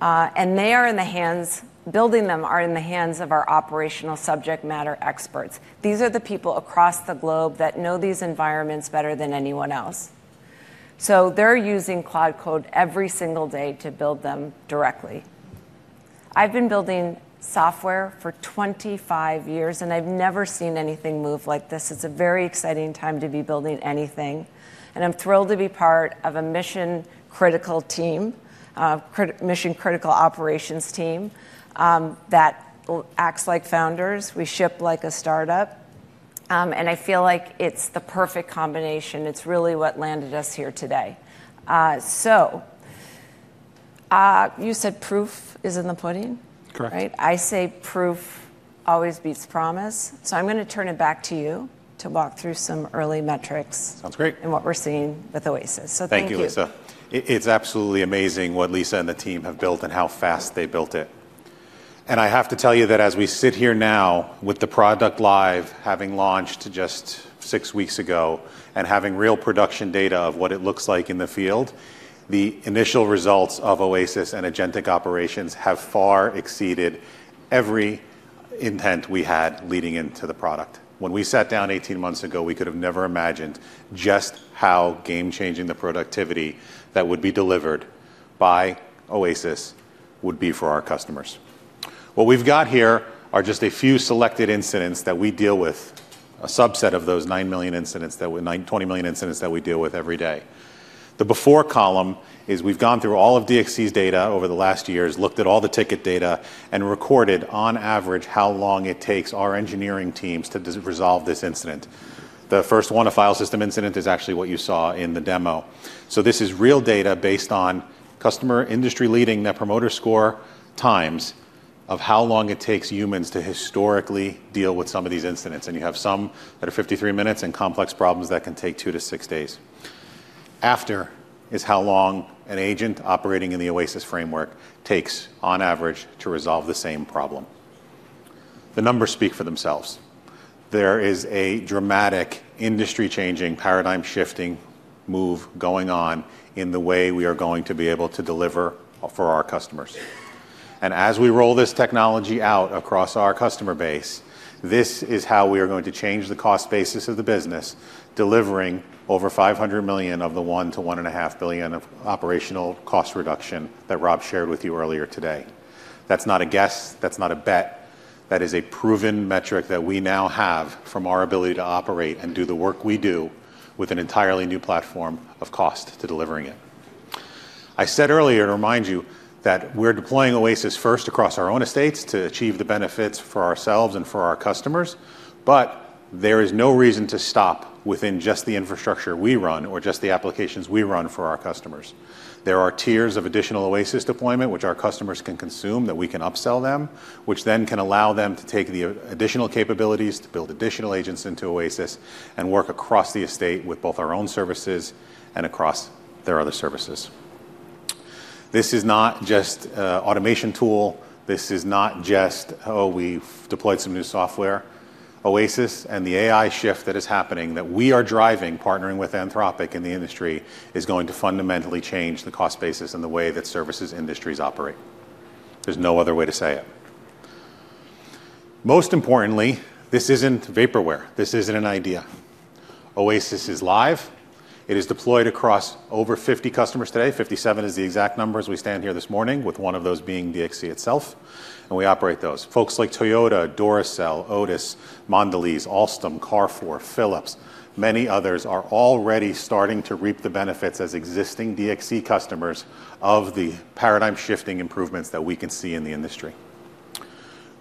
and building them are in the hands of our operational subject matter experts. These are the people across the globe that know these environments better than anyone else. They're using Claude Code every single day to build them directly. I've been building software for 25 years, and I've never seen anything move like this. It's a very exciting time to be building anything, and I'm thrilled to be part of a mission-critical operations team that acts like founders. We ship like a startup. I feel like it's the perfect combination. It's really what landed us here today. You said proof is in the pudding? Correct. Right. I say proof always beats promise. I'm going to turn it back to you to walk through some early metrics. Sounds great. What we're seeing with OASIS. Thank you. Thank you, Lisa. It's absolutely amazing what Lisa and the team have built and how fast they built it. I have to tell you that as we sit here now with the product live, having launched just six weeks ago and having real production data of what it looks like in the field, the initial results of OASIS and agentic operations have far exceeded every intent we had leading into the product. When we sat down 18 months ago, we could have never imagined just how game-changing the productivity that would be delivered by OASIS would be for our customers. What we've got here are just a few selected incidents that we deal with, a subset of those 20 million incidents that we deal with every day. The Before column is we've gone through all of DXC's data over the last years, looked at all the ticket data, and recorded on average how long it takes our engineering teams to resolve this incident. The first one, a file system incident, is actually what you saw in the demo. This is real data based on customer industry leading Net Promoter Score times of how long it takes humans to historically deal with some of these incidents, and you have some that are 53 minutes and complex problems that can take two to six days. After is how long an agent operating in the OASIS framework takes on average to resolve the same problem. The numbers speak for themselves. There is a dramatic industry-changing, paradigm-shifting move going on in the way we are going to be able to deliver for our customers. As we roll this technology out across our customer base, this is how we are going to change the cost basis of the business, delivering over $500 million of the $1 billion-$1.5 billion of operational cost reduction that Rob shared with you earlier today. That's not a guess. That's not a bet. That is a proven metric that we now have from our ability to operate and do the work we do with an entirely new platform of cost to delivering it. I said earlier, to remind you, that we're deploying OASIS first across our own estates to achieve the benefits for ourselves and for our customers. There is no reason to stop within just the infrastructure we run or just the applications we run for our customers. There are tiers of additional OASIS deployment which our customers can consume, that we can upsell them, which then can allow them to take the additional capabilities to build additional agents into OASIS and work across the estate with both our own services and across their other services. This is not just automation tool. This is not just, "Oh, we've deployed some new software." OASIS and the AI shift that is happening, that we are driving, partnering with Anthropic in the industry, is going to fundamentally change the cost basis and the way that services industries operate. There's no other way to say it. Most importantly, this isn't vaporware. This isn't an idea. OASIS is live. It is deployed across over 50 customers today, 57 is the exact number as we stand here this morning, with one of those being DXC itself, and we operate those. Folks like Toyota, Duracell, Otis, Mondelez, Alstom, Carrefour, Philips, many others are already starting to reap the benefits as existing DXC customers of the paradigm-shifting improvements that we can see in the industry.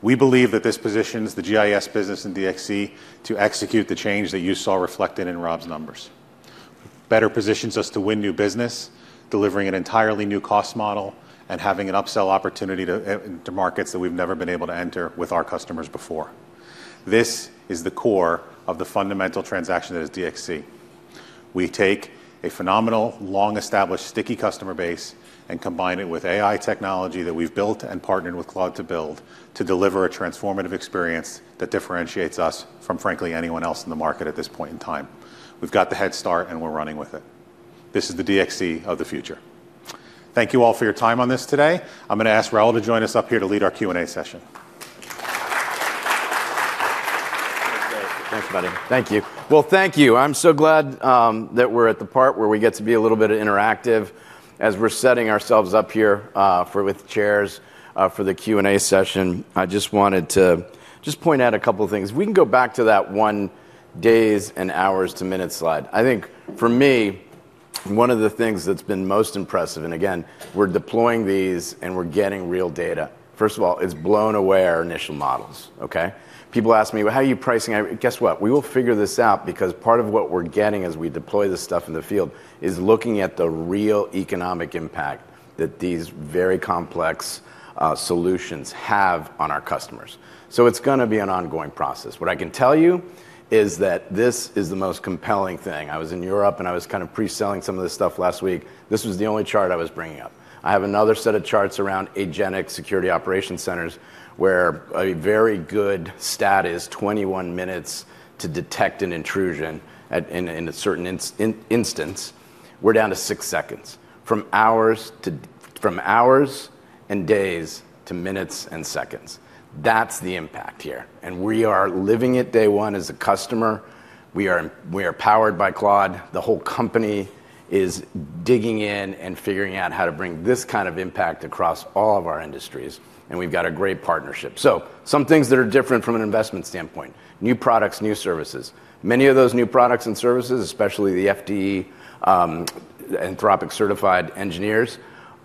We believe that this positions the GIS business and DXC to execute the change that you saw reflected in Rob's numbers. Better positions us to win new business, delivering an entirely new cost model, and having an upsell opportunity to markets that we've never been able to enter with our customers before. This is the core of the fundamental transaction that is DXC. We take a phenomenal, long-established, sticky customer base and combine it with AI technology that we've built and partnered with Claude to build to deliver a transformative experience that differentiates us from, frankly, anyone else in the market at this point in time. We've got the head start, and we're running with it. This is the DXC of the future. Thank you all for your time on this today. I'm going to ask Raul to join us up here to lead our Q&A session. Thanks, buddy. Thank you. Well, thank you. I'm so glad that we're at the part where we get to be a little bit interactive. As we're setting ourselves up here with chairs for the Q&A session, I just wanted to just point out a couple of things. We can go back to that one days and hours to minutes slide. I think for me, one of the things that's been most impressive, and again, we're deploying these, and we're getting real data. First of all, it's blown away our initial models. Okay? People ask me, "Well, how are you pricing every" Guess what? We will figure this out because part of what we're getting as we deploy this stuff in the field is looking at the real economic impact that these very complex solutions have on our customers. It's going to be an ongoing process. What I can tell you is that this is the most compelling thing. I was in Europe, and I was kind of pre-selling some of this stuff last week. This was the only chart I was bringing up. I have another set of charts around Agentic security operation centers, where a very good stat is 21 minutes to detect an intrusion in a certain instance. We're down to six seconds. From hours and days to minutes and seconds. That's the impact here. We are living it day one as a customer. We are powered by Claude. The whole company is digging in and figuring out how to bring this kind of impact across all of our industries, and we've got a great partnership. Some things that are different from an investment standpoint, new products, new services. Many of those new products and services, especially the FDE Anthropic-certified engineers,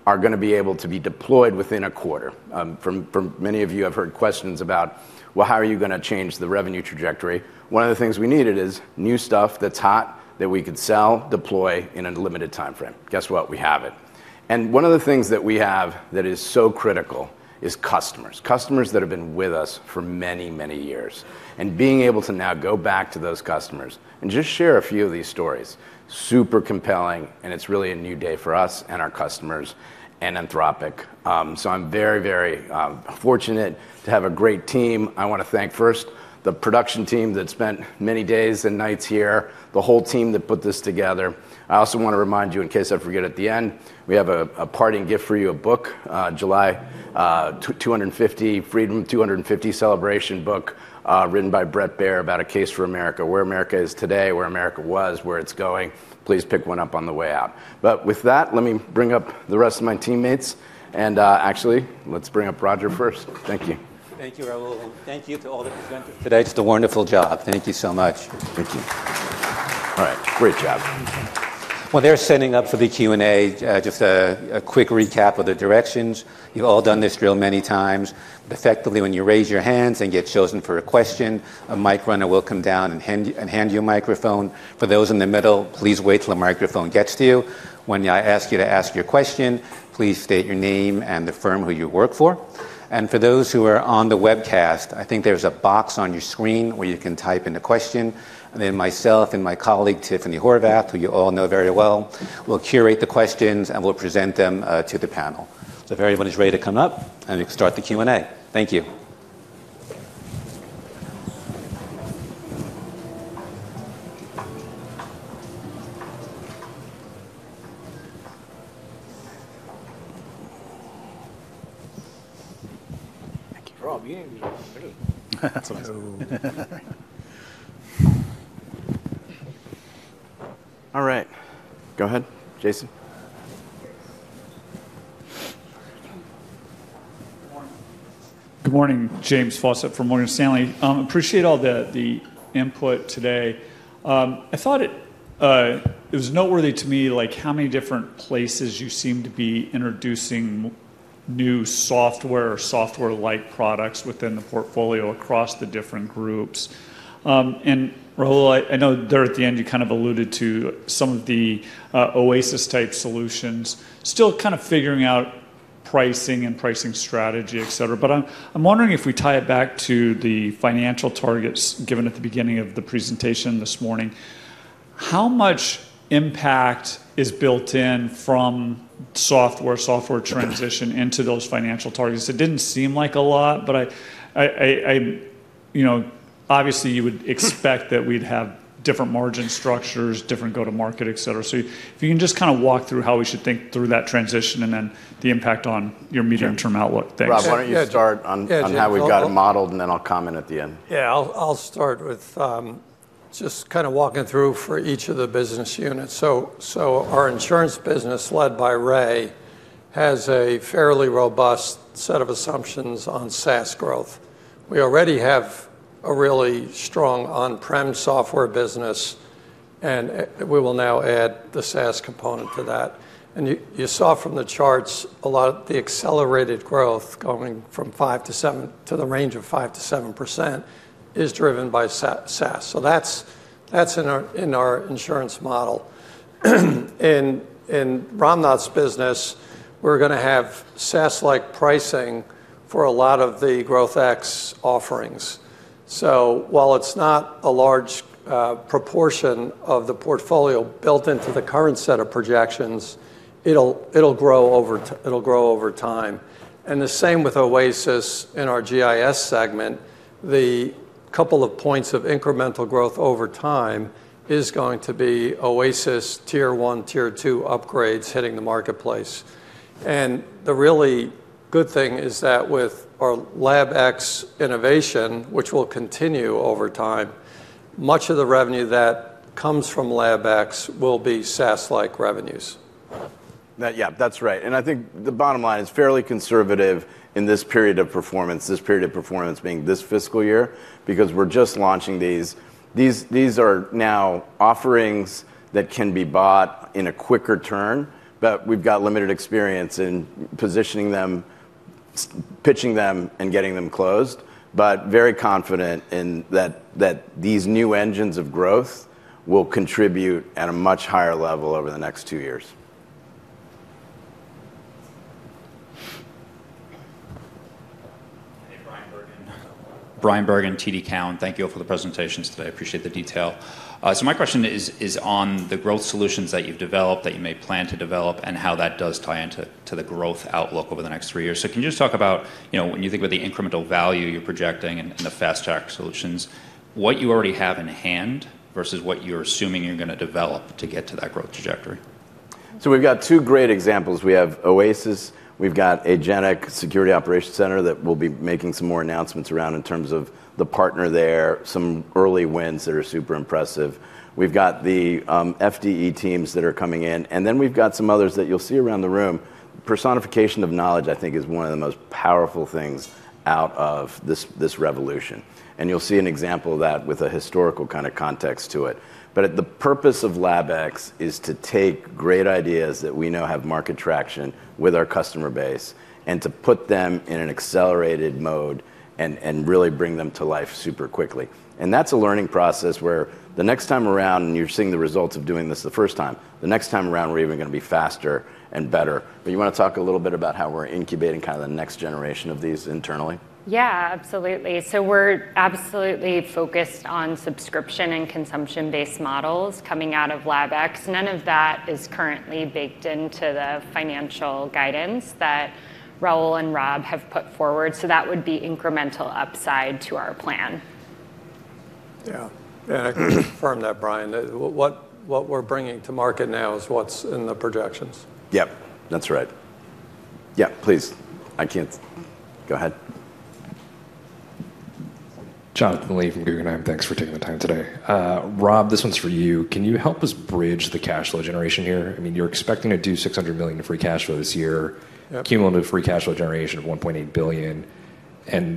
are going to be able to be deployed within a quarter. From many of you, I've heard questions about, "Well, how are you going to change the revenue trajectory?" One of the things we needed is new stuff that's hot that we could sell, deploy in a limited timeframe. Guess what? We have it. One of the things that we have that is so critical is customers. Customers that have been with us for many, many years. Being able to now go back to those customers and just share a few of these stories, super compelling, and it's really a new day for us and our customers and Anthropic. I'm very, very fortunate to have a great team. I want to thank first the production team that spent many days and nights here, the whole team that put this together. I also want to remind you, in case I forget at the end, we have a parting gift for you, a book. July 250 celebration book, written by Bret Baier about a case for America, where America is today, where America was, where it's going. Please pick one up on the way out. With that, let me bring up the rest of my teammates. Actually, let's bring up Roger first. Thank you. Thank you, Raul. Thank you to all the presenters today. Just a wonderful job. Thank you so much. Thank you. All right. Great job. While they're setting up for the Q&A, just a quick recap of the directions. You've all done this drill many times. Effectively, when you raise your hands and get chosen for a question, a mic runner will come down and hand you a microphone. For those in the middle, please wait till a microphone gets to you. When I ask you to ask your question, please state your name and the firm who you work for. For those who are on the webcast, I think there's a box on your screen where you can type in a question, then myself and my colleague, Tiffany Horvath, who you all know very well, will curate the questions, and we'll present them to the panel. If everybody's ready to come up, we can start the Q&A. Thank you. Rob, you didn't even get one. All right. Go ahead, James. Good morning. James Faucette from Morgan Stanley. Appreciate all the input today. I thought it was noteworthy to me how many different places you seem to be introducing new software or software-like products within the portfolio across the different groups. Raul, I know there at the end, you kind of alluded to some of the OASIS-type solutions, still kind of figuring out pricing and pricing strategy, et cetera. I'm wondering if we tie it back to the financial targets given at the beginning of the presentation this morning, how much impact is built in from software transition into those financial targets? It didn't seem like a lot, but obviously you would expect that we'd have different margin structures, different go-to market, et cetera. If you can just walk through how we should think through that transition and then the impact on your medium-term outlook. Thanks. Rob, why don't you start on how we've got it modeled, and then I'll comment at the end. I'll start with just walking through for each of the business units. Our insurance business, led by Ray, has a fairly robust set of assumptions on SaaS growth. We already have a really strong on-prem software business, and we will now add the SaaS component to that. You saw from the charts a lot of the accelerated growth going to the range of 5%-7% is driven by SaaS. That's in our insurance model. In Ramnath's business, we're going to have SaaS-like pricing for a lot of the GrowthX offerings. While it's not a large proportion of the portfolio built into the current set of projections, it'll grow over time. The same with OASIS in our GIS segment. The couple of points of incremental growth over time is going to be OASIS Tier 1, Tier 2 upgrades hitting the marketplace. The really good thing is that with our LabX innovation, which will continue over time, much of the revenue that comes from LabX will be SaaS-like revenues. That's right. I think the bottom line is fairly conservative in this period of performance, this period of performance being this fiscal year, because we're just launching these. These are now offerings that can be bought in a quicker turn, but we've got limited experience in positioning them, pitching them, and getting them closed. Very confident in that these new engines of growth will contribute at a much higher level over the next two years. Hey, Bryan Bergin. Bryan Bergin, TD Cowen. Thank you all for the presentations today. I appreciate the detail. My question is on the growth solutions that you've developed, that you may plan to develop, and how that does tie into the growth outlook over the next three years. Can you just talk about, when you think about the incremental value you're projecting and the Fast Track solutions, what you already have in hand versus what you're assuming you're going to develop to get to that growth trajectory? We've got two great examples. We have OASIS. We've got Agentic SOC that we'll be making some more announcements around in terms of the partner there, some early wins that are super impressive. We've got the FDE teams that are coming in, then we've got some others that you'll see around the room. Personification of knowledge, I think, is one of the most powerful things out of this revolution. You'll see an example of that with a historical kind of context to it. The purpose of LabX is to take great ideas that we know have market traction with our customer base and to put them in an accelerated mode and really bring them to life super quickly. That's a learning process where the next time around, you're seeing the results of doing this the first time. The next time around, we're even going to be faster and better. You want to talk a little bit about how we're incubating the next generation of these internally? Yeah, absolutely. We're absolutely focused on subscription and consumption-based models coming out of LabX. None of that is currently baked into the financial guidance that Raul and Rob have put forward. That would be incremental upside to our plan. Yeah. I confirm that, Bryan. What we're bringing to market now is what's in the projections. Yep, that's right. Yeah, please. I can't Go ahead. Jonathan Lee from Guggenheim. Thanks for taking the time today. Rob, this one's for you. Can you help us bridge the cash flow generation here? You're expecting to do $600 million in free cash flow this year. Yep Cumulative free cash flow generation of $1.8 billion,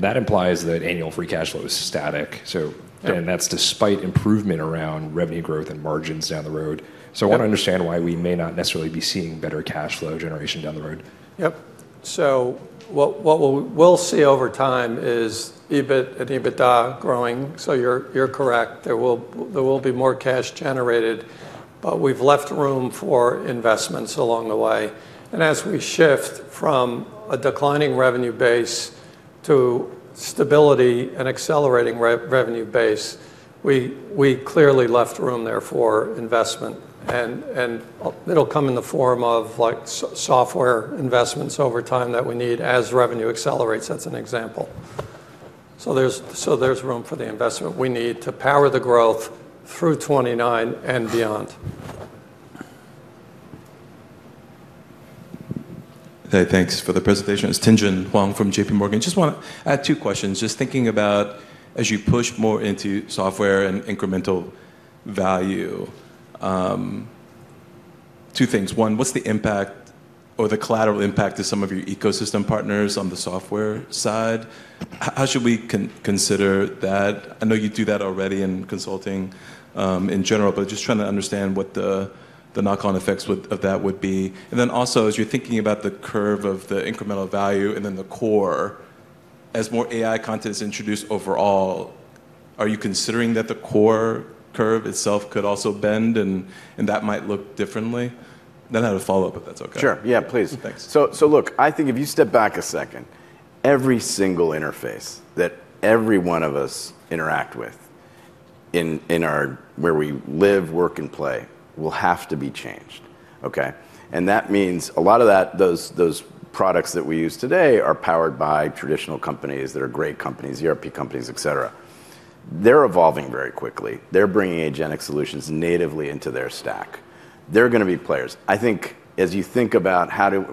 that implies that annual free cash flow is static. Yep. That's despite improvement around revenue growth and margins down the road. Yep. I want to understand why we may not necessarily be seeing better cash flow generation down the road. Yep. What we'll see over time is EBIT and EBITDA growing. You're correct, there will be more cash generated, but we've left room for investments along the way. As we shift from a declining revenue base to stability and accelerating revenue base, we clearly left room there for investment, and it'll come in the form of software investments over time that we need as revenue accelerates. That's an example. There's room for the investment we need to power the growth through 2029 and beyond. Hey, thanks for the presentation. It's Tien-tsin Huang from JPMorgan. Just want to add two questions. Just thinking about as you push more into software and incremental value, two things. One, what's the impact or the collateral impact to some of your ecosystem partners on the software side? How should we consider that? I know you do that already in consulting, in general, but just trying to understand what the knock-on effects of that would be. Also, as you're thinking about the curve of the incremental value and then the core, as more AI content is introduced overall, are you considering that the core curve itself could also bend and that might look differently? Then I have a follow-up, if that's okay. Sure. Yeah, please. Thanks. Look, I think if you step back a second, every single interface that every one of us interact with in where we live, work, and play, will have to be changed. Okay. That means a lot of those products that we use today are powered by traditional companies that are great companies, ERP companies, et cetera. They're evolving very quickly. They're bringing agentic solutions natively into their stack. They're going to be players. I think as you think about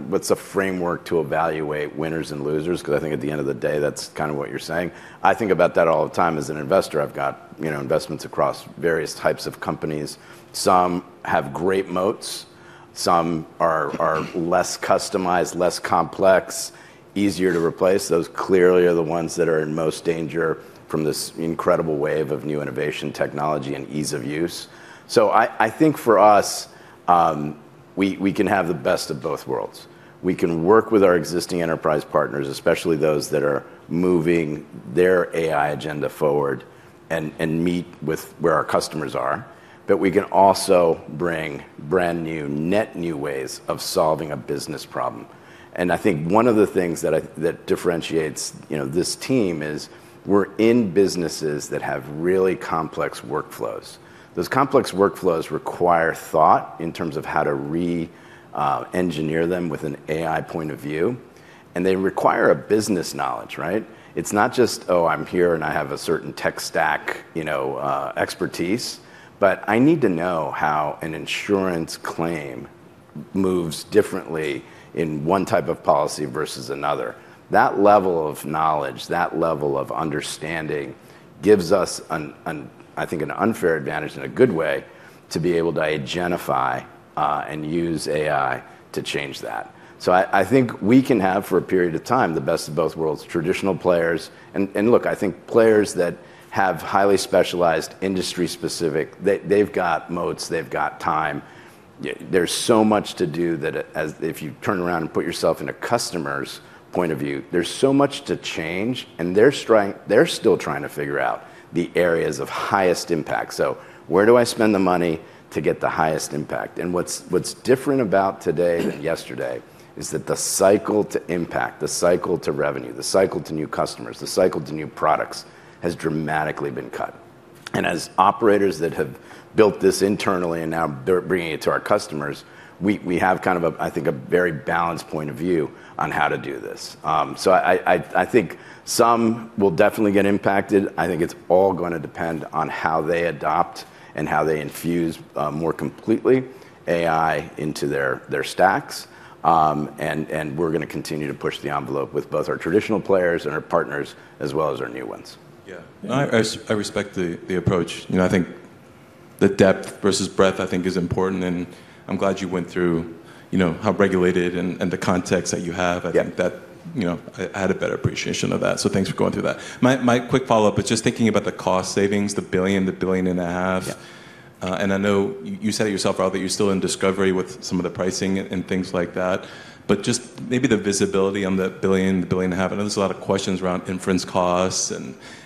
what's a framework to evaluate winners and losers, because I think at the end of the day, that's kind of what you're saying. I think about that all the time as an investor. I've got investments across various types of companies. Some have great moats. Some are less customized, less complex, easier to replace. Those clearly are the ones that are in most danger from this incredible wave of new innovation technology and ease of use. I think for us, we can have the best of both worlds. We can work with our existing enterprise partners, especially those that are moving their AI agenda forward and meet with where our customers are. We can also bring brand new, net new ways of solving a business problem. I think one of the things that differentiates this team is we're in businesses that have really complex workflows. Those complex workflows require thought in terms of how to re-engineer them with an AI point of view. They require a business knowledge, right. It's not just, "Oh, I'm here and I have a certain tech stack expertise," but I need to know how an insurance claim moves differently in one type of policy versus another. That level of knowledge, that level of understanding gives us, I think, an unfair advantage in a good way to be able to agentify and use AI to change that. I think we can have, for a period of time, the best of both worlds, traditional players. Look, I think players that have highly specialized industry-specific, they've got moats, they've got time. There's so much to do that if you turn around and put yourself in a customer's point of view, there's so much to change and they're still trying to figure out the areas of highest impact. Where do I spend the money to get the highest impact? What's different about today than yesterday is that the cycle to impact, the cycle to revenue, the cycle to new customers, the cycle to new products has dramatically been cut. As operators that have built this internally and now they're bringing it to our customers, we have a very balanced point of view on how to do this. I think some will definitely get impacted. I think it's all going to depend on how they adopt and how they infuse more completely AI into their stacks. We're going to continue to push the envelope with both our traditional players and our partners, as well as our new ones. I respect the approach. I think the depth versus breadth is important, and I'm glad you went through how regulated and the context that you have. Yeah. I think that I had a better appreciation of that. Thanks for going through that. My quick follow-up is just thinking about the cost savings, the $1 billion, $1.5 billion. Yeah. I know you said it yourself, Raul, that you're still in discovery with some of the pricing and things like that, just maybe the visibility on the $1 billion, $1.5 billion. I know there's a lot of questions around inference costs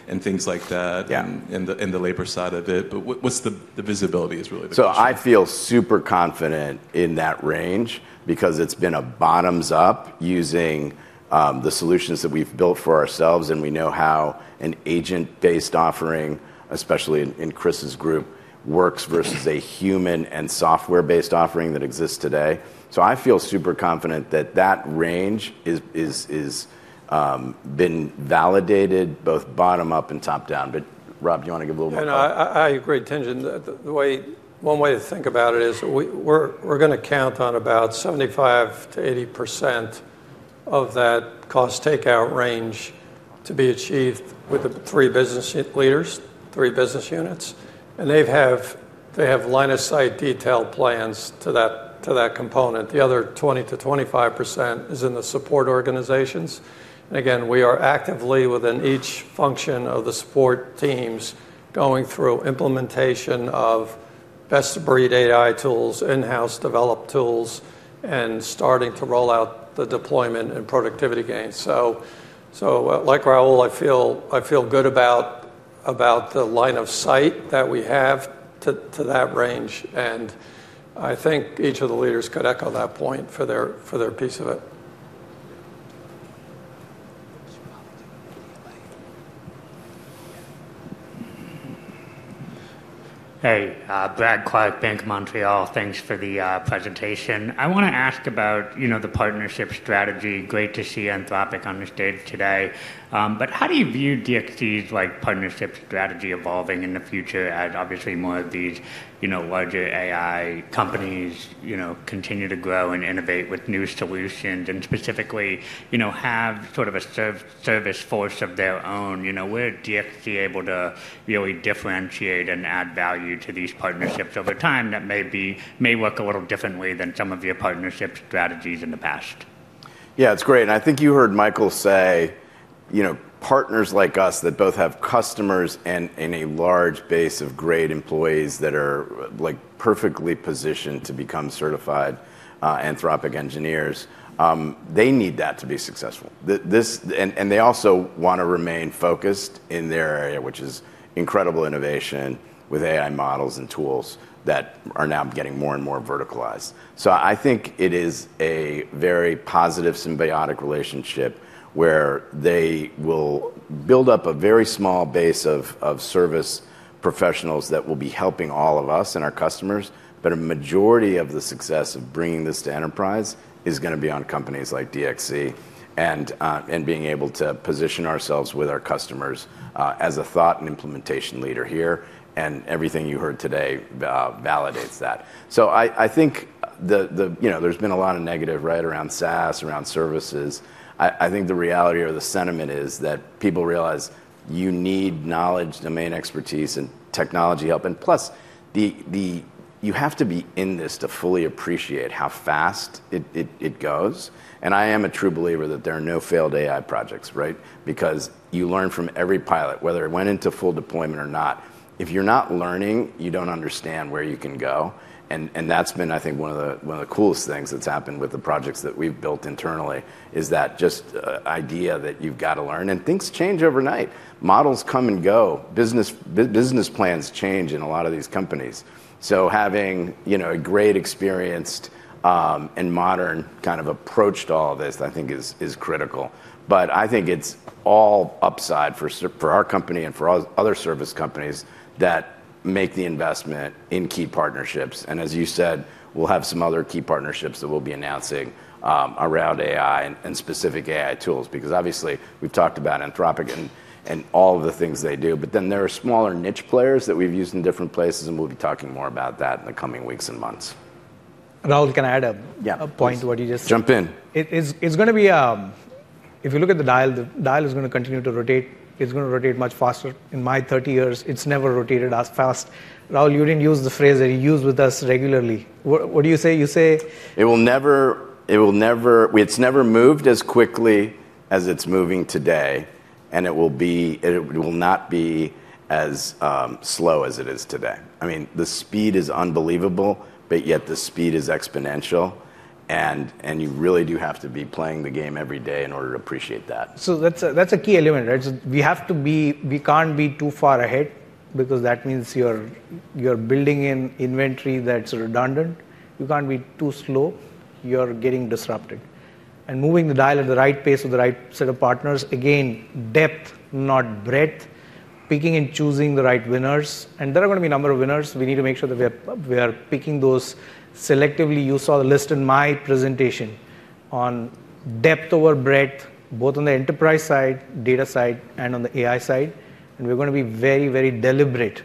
and things like that. Yeah and the labor side of it. What's the visibility is really the question. I feel super confident in that range because it's been a bottom-up using the solutions that we've built for ourselves, and we know how an agent-based offering, especially in Chris's group, works versus a human and software-based offering that exists today. I feel super confident that that range has been validated both bottom-up and top-down. Rob, do you want to give a little bit? I agree, Tien-tsin. One way to think about it is we're going to count on about 75%-80% of that cost takeout range to be achieved with the three business leaders, three business units, and they have line of sight detailed plans to that component. The other 20%-25% is in the support organizations. Again, we are actively within each function of the support teams going through implementation of best-of-breed AI tools, in-house developed tools, and starting to roll out the deployment and productivity gains. Like Raul, I feel good about the line of sight that we have to that range, and I think each of the leaders could echo that point for their piece of it. Hey, Brad Clark, Bank of Montreal. Thanks for the presentation. I want to ask about the partnership strategy. Great to see Anthropic on the stage today. How do you view DXC's partnership strategy evolving in the future as obviously more of these larger AI companies continue to grow and innovate with new solutions, and specifically have sort of a service force of their own? Where is DXC able to really differentiate and add value to these partnerships over time that may work a little differently than some of your partnership strategies in the past? It's great, and I think you heard Michael say partners like us that both have customers and a large base of great employees that are perfectly positioned to become certified Anthropic engineers, they need that to be successful. They also want to remain focused in their area, which is incredible innovation with AI models and tools that are now getting more and more verticalized. I think it is a very positive symbiotic relationship where they will build up a very small base of service professionals that will be helping all of us and our customers. A majority of the success of bringing this to enterprise is going to be on companies like DXC and being able to position ourselves with our customers as a thought and implementation leader here. Everything you heard today validates that. I think there's been a lot of negative around SaaS, around services. I think the reality or the sentiment is that people realize you need knowledge, domain expertise, and technology help. Plus, you have to be in this to fully appreciate how fast it goes. I am a true believer that there are no failed AI projects. Because you learn from every pilot, whether it went into full deployment or not. If you're not learning, you don't understand where you can go. That's been, I think, one of the coolest things that's happened with the projects that we've built internally is that just idea that you've got to learn. Things change overnight. Models come and go. Business plans change in a lot of these companies. Having a great, experienced, and modern kind of approach to all this, I think, is critical. I think it's all upside for our company and for other service companies that make the investment in key partnerships. As you said, we'll have some other key partnerships that we'll be announcing around AI and specific AI tools. Obviously we've talked about Anthropic and all of the things they do, but then there are smaller niche players that we've used in different places, and we'll be talking more about that in the coming weeks and months. Raul, can I add a- Yeah a point to what you just- Jump in If you look at the dial, the dial is going to continue to rotate. It's going to rotate much faster. In my 30 years, it's never rotated as fast. Raul, you didn't use the phrase that you use with us regularly. What do you say? You say It's never moved as quickly as it's moving today, and it will not be as slow as it is today. The speed is unbelievable, but yet the speed is exponential and you really do have to be playing the game every day in order to appreciate that. That's a key element. We can't be too far ahead because that means you're building in inventory that's redundant. You can't be too slow. You're getting disrupted. Moving the dial at the right pace with the right set of partners, again, depth, not breadth, picking and choosing the right winners. There are going to be a number of winners. We need to make sure that we are picking those selectively. You saw the list in my presentation on depth over breadth, both on the enterprise side, data side, and on the AI side. We're going to be very deliberate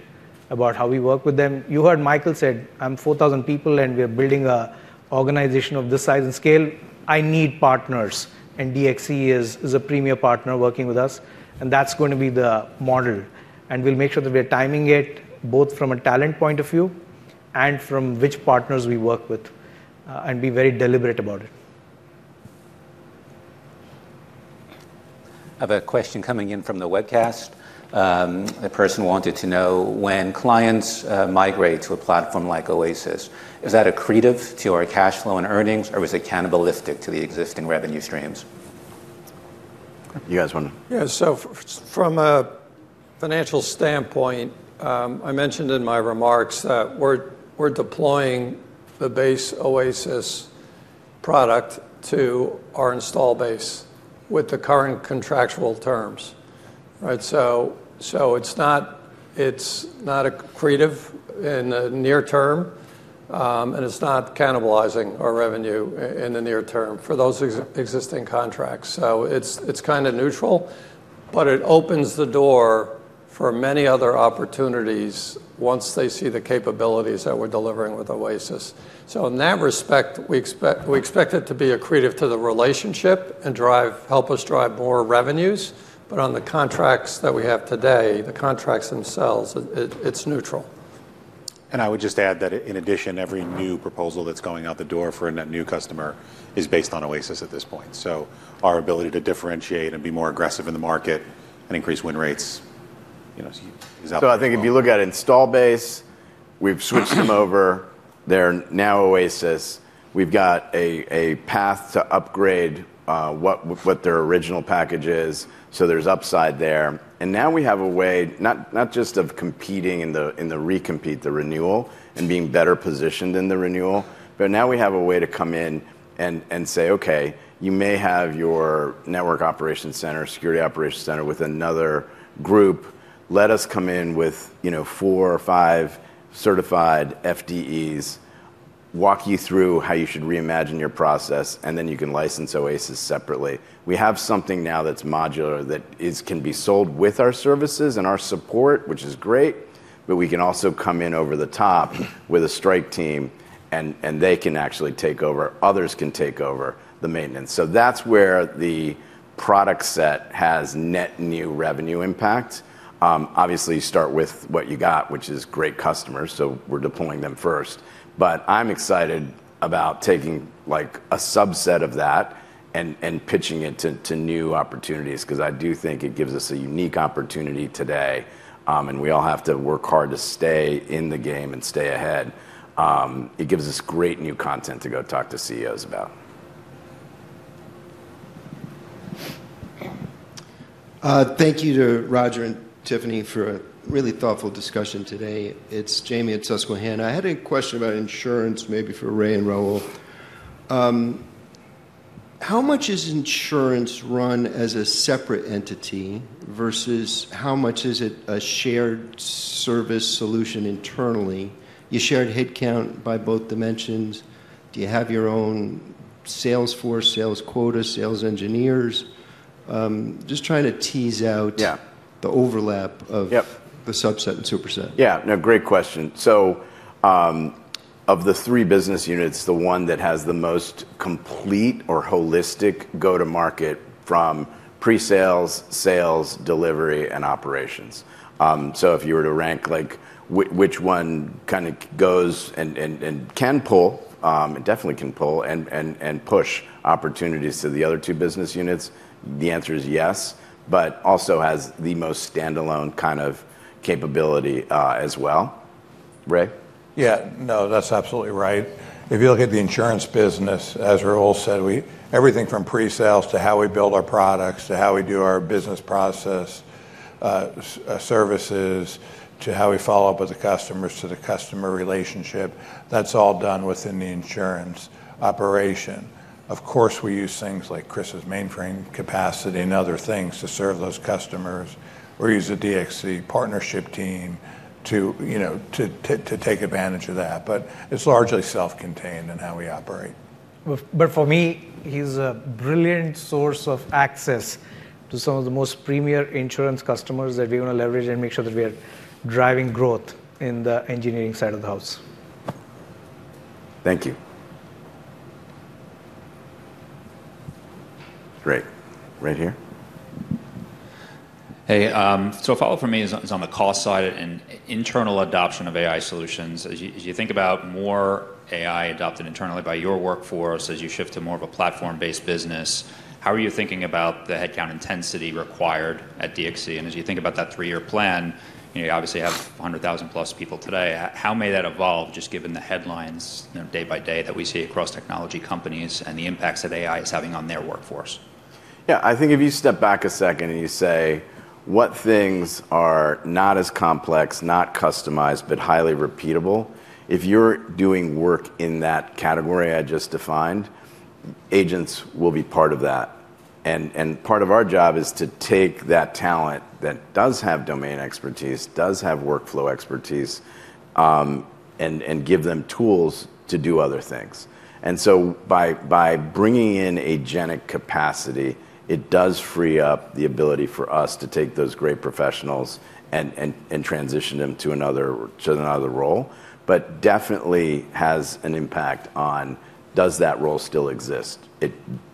about how we work with them. You heard Michael said, "I'm 4,000 people and we are building an organization of this size and scale. I need partners." DXC is a premier partner working with us, and that's going to be the model. We'll make sure that we're timing it both from a talent point of view and from which partners we work with, and be very deliberate about it. I have a question coming in from the webcast. A person wanted to know when clients migrate to a platform like DXC OASIS, is that accretive to our cash flow and earnings, or is it cannibalistic to the existing revenue streams? You guys want to Yeah. From a financial standpoint, I mentioned in my remarks that we're deploying the base DXC OASIS product to our install base with the current contractual terms. It's not accretive in the near term, and it's not cannibalizing our revenue in the near term for those existing contracts. It's kind of neutral, but it opens the door for many other opportunities once they see the capabilities that we're delivering with DXC OASIS. In that respect, we expect it to be accretive to the relationship and help us drive more revenues. On the contracts that we have today, the contracts themselves, it's neutral. I would just add that in addition, every new proposal that's going out the door for a net new customer is based on DXC OASIS at this point. Our ability to differentiate and be more aggressive in the market and increase win rates is up there as well. I think if you look at install base, we've switched them over. They're now DXC OASIS. We've got a path to upgrade what their original package is. There's upside there. Now we have a way not just of competing in the recompete, the renewal, and being better positioned in the renewal, but now we have a way to come in and say, "Okay. You may have your network operations center, security operations center with another group. Let us come in with four or five certified FDEs. Walk you through how you should reimagine your process, and then you can license DXC OASIS separately. We have something now that's modular that can be sold with our services and our support, which is great, but we can also come in over the top with a strike team, and they can actually take over. Others can take over the maintenance. That's where the product set has net new revenue impact. Obviously, you start with what you got, which is great customers, we're deploying them first. I'm excited about taking a subset of that and pitching it to new opportunities because I do think it gives us a unique opportunity today. We all have to work hard to stay in the game and stay ahead. It gives us great new content to go talk to CEOs about. Thank you to Roger and Tiffany for a really thoughtful discussion today. It's Jamie at Susquehanna. I had a question about insurance maybe for Ray and Raul. How much is insurance run as a separate entity versus how much is it a shared service solution internally? You shared headcount by both dimensions. Do you have your own sales force, sales quota, sales engineers? Just trying to tease out- Yeah the overlap Yep the subset and superset. Yeah. No, great question. Of the three business units, the one that has the most complete or holistic go-to-market from pre-sales, sales, delivery, and operations. If you were to rank which one kind of goes and can pull, it definitely can pull and push opportunities to the other two business units, the answer is yes, but also has the most standalone kind of capability as well. Ray? Yeah. No, that's absolutely right. If you look at the insurance business, as Raul said, everything from pre-sales, to how we build our products, to how we do our business process services, to how we follow up with the customers, to the customer relationship, that's all done within the insurance operation. Of course, we use things like Chris's mainframe capacity and other things to serve those customers. We use a DXC partnership team to take advantage of that. It's largely self-contained in how we operate. For me, he's a brilliant source of access to some of the most premier insurance customers that we want to leverage and make sure that we are driving growth in the engineering side of the house. Thank you. Great. Right here. Hey, a follow-up from me is on the cost side and internal adoption of AI solutions. As you think about more AI adopted internally by your workforce, as you shift to more of a platform-based business, how are you thinking about the headcount intensity required at DXC? As you think about that three-year plan, you obviously have 100,000-plus people today. How may that evolve just given the headlines day by day that we see across technology companies and the impacts that AI is having on their workforce? Yeah, I think if you step back a second and you say what things are not as complex, not customized, but highly repeatable. If you're doing work in that category I just defined, agents will be part of that. Part of our job is to take that talent that does have domain expertise, does have workflow expertise, and give them tools to do other things. By bringing in agentic capacity, it does free up the ability for us to take those great professionals and transition them to another role, but definitely has an impact on does that role still exist.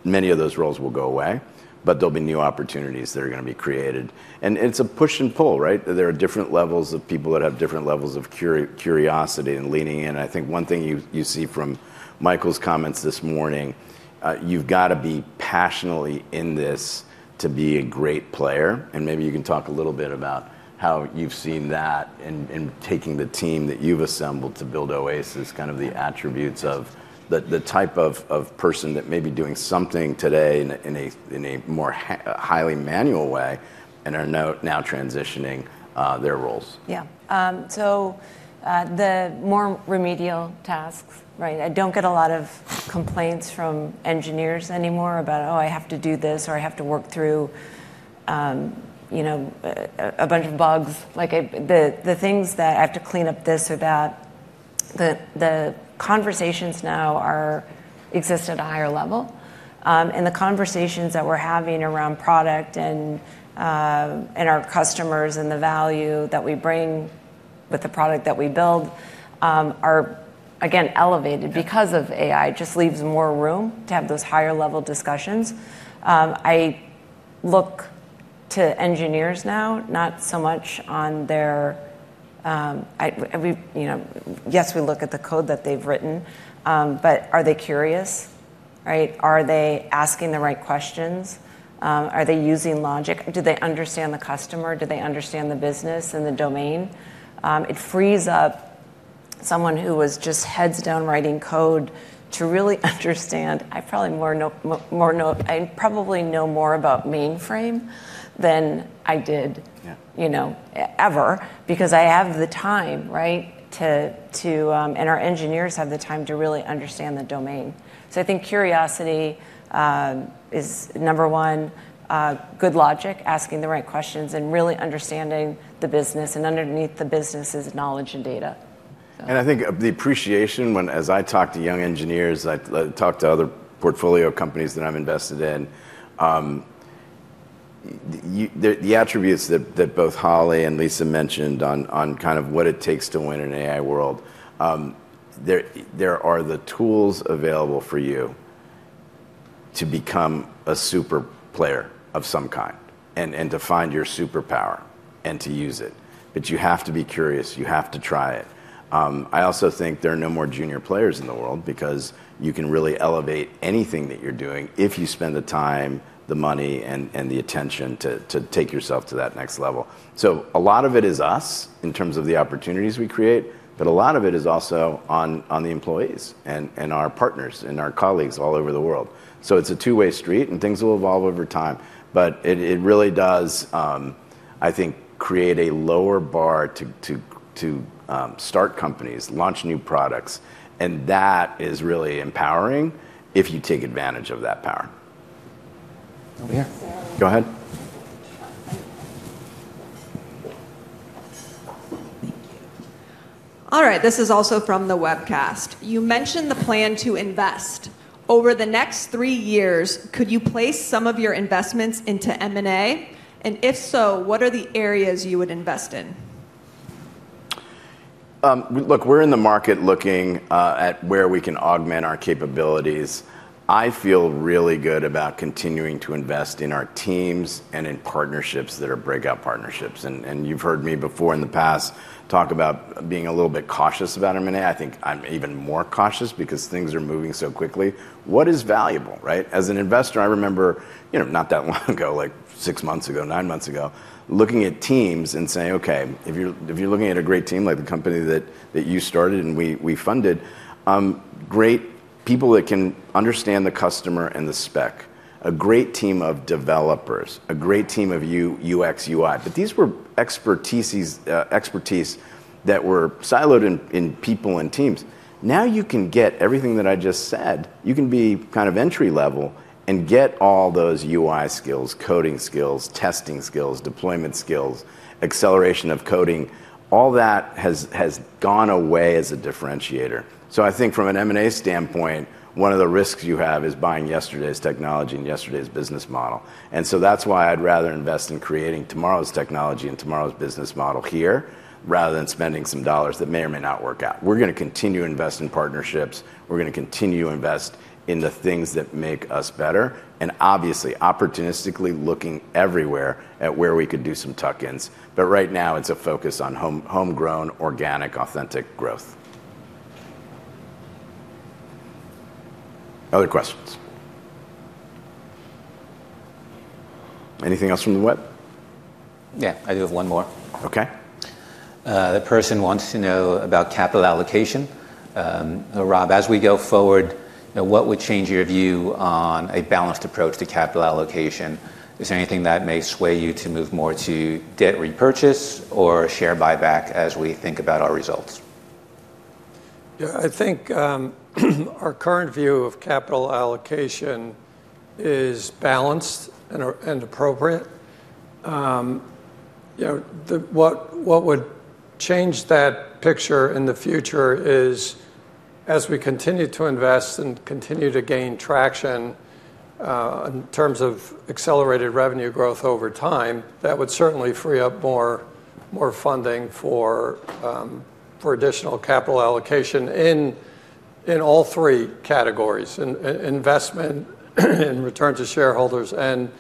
Many of those roles will go away, there'll be new opportunities that are going to be created. It's a push and pull, right? There are different levels of people that have different levels of curiosity and leaning in. I think one thing you see from Michael's comments this morning, you've got to be passionately in this to be a great player. Maybe you can talk a little bit about how you've seen that and taking the team that you've assembled to build OASIS, kind of the attributes of the type of person that may be doing something today in a more highly manual way and are now transitioning their roles. Yeah. The more remedial tasks, right? I don't get a lot of complaints from engineers anymore about, oh, I have to do this, or I have to work through a bunch of bugs. Like, the things that I have to clean up this or that. The conversations now exist at a higher level. The conversations that we're having around product and our customers and the value that we bring with the product that we build are, again, elevated because of AI. Just leaves more room to have those higher-level discussions. I look to engineers now, not so much on their. Yes, we look at the code that they've written. But are they curious? Right? Are they asking the right questions? Are they using logic? Do they understand the customer? Do they understand the business and the domain? It frees up someone who was just heads down writing code to really understand. I probably know more about mainframe than I did- Yeah ever, because I have the time, right, and our engineers have the time to really understand the domain. I think curiosity is number one. Good logic, asking the right questions, and really understanding the business, and underneath the business is knowledge and data. I think the appreciation when, as I talk to young engineers, I talk to other portfolio companies that I'm invested in, the attributes that both Holly and Lisa mentioned on what it takes to win in an AI world, there are the tools available for you to become a super player of some kind, and to find your superpower and to use it. You have to be curious. You have to try it. I also think there are no more junior players in the world because you can really elevate anything that you're doing if you spend the time, the money, and the attention to take yourself to that next level. A lot of it is us in terms of the opportunities we create, but a lot of it is also on the employees and our partners and our colleagues all over the world. It's a two-way street, and things will evolve over time. It really does, I think, create a lower bar to start companies, launch new products, and that is really empowering if you take advantage of that power. Over here. Go ahead. Thank you. All right, this is also from the webcast. You mentioned the plan to invest. Over the next three years, could you place some of your investments into M&A? If so, what are the areas you would invest in? Look, we're in the market looking at where we can augment our capabilities. I feel really good about continuing to invest in our teams and in partnerships that are breakout partnerships. You've heard me before in the past talk about being a little bit cautious about M&A. I think I'm even more cautious because things are moving so quickly. What is valuable, right? As an investor, I remember not that long ago, like six months ago, nine months ago, looking at teams and saying, okay, if you're looking at a great team, like the company that you started and we funded, great people that can understand the customer and the spec. A great team of developers, a great team of UX, UI. These were expertise that were siloed in people and teams. Now you can get everything that I just said. You can be entry level and get all those UI skills, coding skills, testing skills, deployment skills, acceleration of coding. All that has gone away as a differentiator. I think from an M&A standpoint, one of the risks you have is buying yesterday's technology and yesterday's business model. That's why I'd rather invest in creating tomorrow's technology and tomorrow's business model here rather than spending some dollars that may or may not work out. We're going to continue to invest in partnerships. We're going to continue to invest in the things that make us better, and obviously, opportunistically looking everywhere at where we could do some tuck-ins. Right now, it's a focus on homegrown, organic, authentic growth. Other questions? Anything else from the web? Yeah, I do have one more. Okay. The person wants to know about capital allocation. Rob, as we go forward, what would change your view on a balanced approach to capital allocation? Is there anything that may sway you to move more to debt repurchase or share buyback as we think about our results? Yeah, I think our current view of capital allocation is balanced and appropriate. What would change that picture in the future is as we continue to invest and continue to gain traction, in terms of accelerated revenue growth over time, that would certainly free up more funding for additional capital allocation in all three categories: investment, return to shareholders, and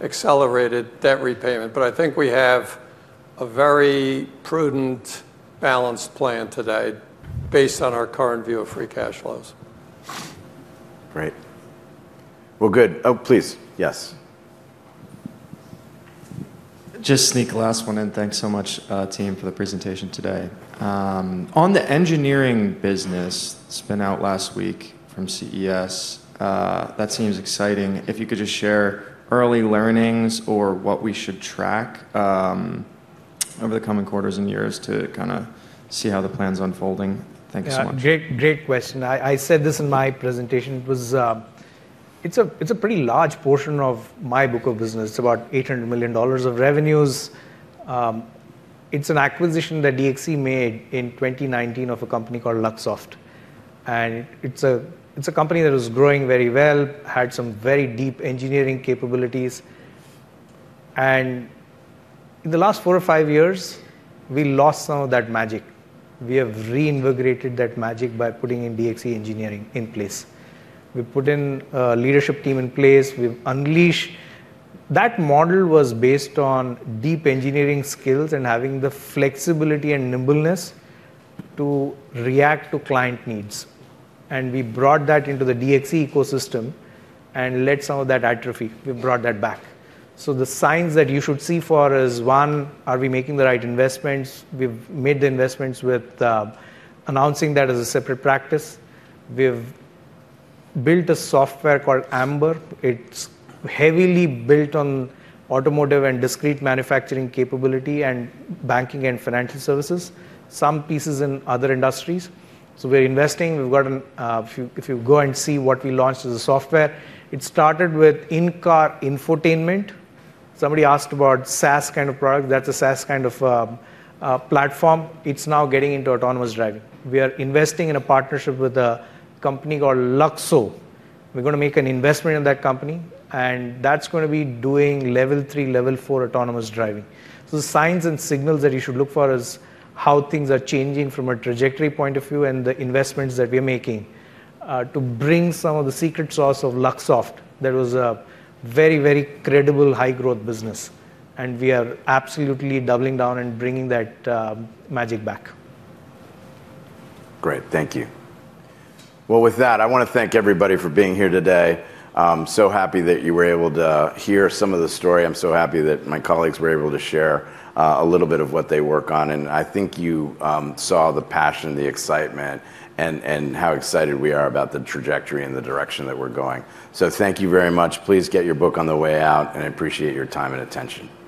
accelerated debt repayment. I think we have a very prudent, balanced plan today based on our current view of free cash flows. Great. Well, good. Oh, please, yes. Just sneak the last one in. Thanks so much, team, for the presentation today. On the engineering business spinout last week from CES. That seems exciting. If you could just share early learnings or what we should track over the coming quarters and years to see how the plan's unfolding. Thanks so much. Yeah, great question. I said this in my presentation. It's a pretty large portion of my book of business. It's about $800 million of revenues. It's an acquisition that DXC made in 2019 of a company called Luxoft. It's a company that was growing very well, had some very deep engineering capabilities. In the last four or five years, we lost some of that magic. We have reinvigorated that magic by putting in DXC Engineering in place. We put in a leadership team in place. That model was based on deep engineering skills and having the flexibility and nimbleness to react to client needs. We brought that into the DXC ecosystem and let some of that atrophy. We brought that back. The signs that you should see for is, one, are we making the right investments? We've made the investments with announcing that as a separate practice. We've built a software called AMBER. It's heavily built on automotive and discrete manufacturing capability and banking and financial services, some pieces in other industries. We're investing. If you go and see what we launched as a software, it started with in-car infotainment. Somebody asked about SaaS kind of product. That's a SaaS kind of platform. It's now getting into autonomous driving. We are investing in a partnership with a company called Luxoft. We're going to make an investment in that company, and that's going to be doing Level 3, Level 4 autonomous driving. The signs and signals that you should look for is how things are changing from a trajectory point of view and the investments that we're making, to bring some of the secret sauce of Luxoft that was a very credible, high-growth business, and we are absolutely doubling down and bringing that magic back. Great. Thank you. With that, I want to thank everybody for being here today. I'm so happy that you were able to hear some of the story. I'm so happy that my colleagues were able to share a little bit of what they work on. I think you saw the passion, the excitement, and how excited we are about the trajectory and the direction that we're going. Thank you very much. Please get your book on the way out, and I appreciate your time and attention. Thank you.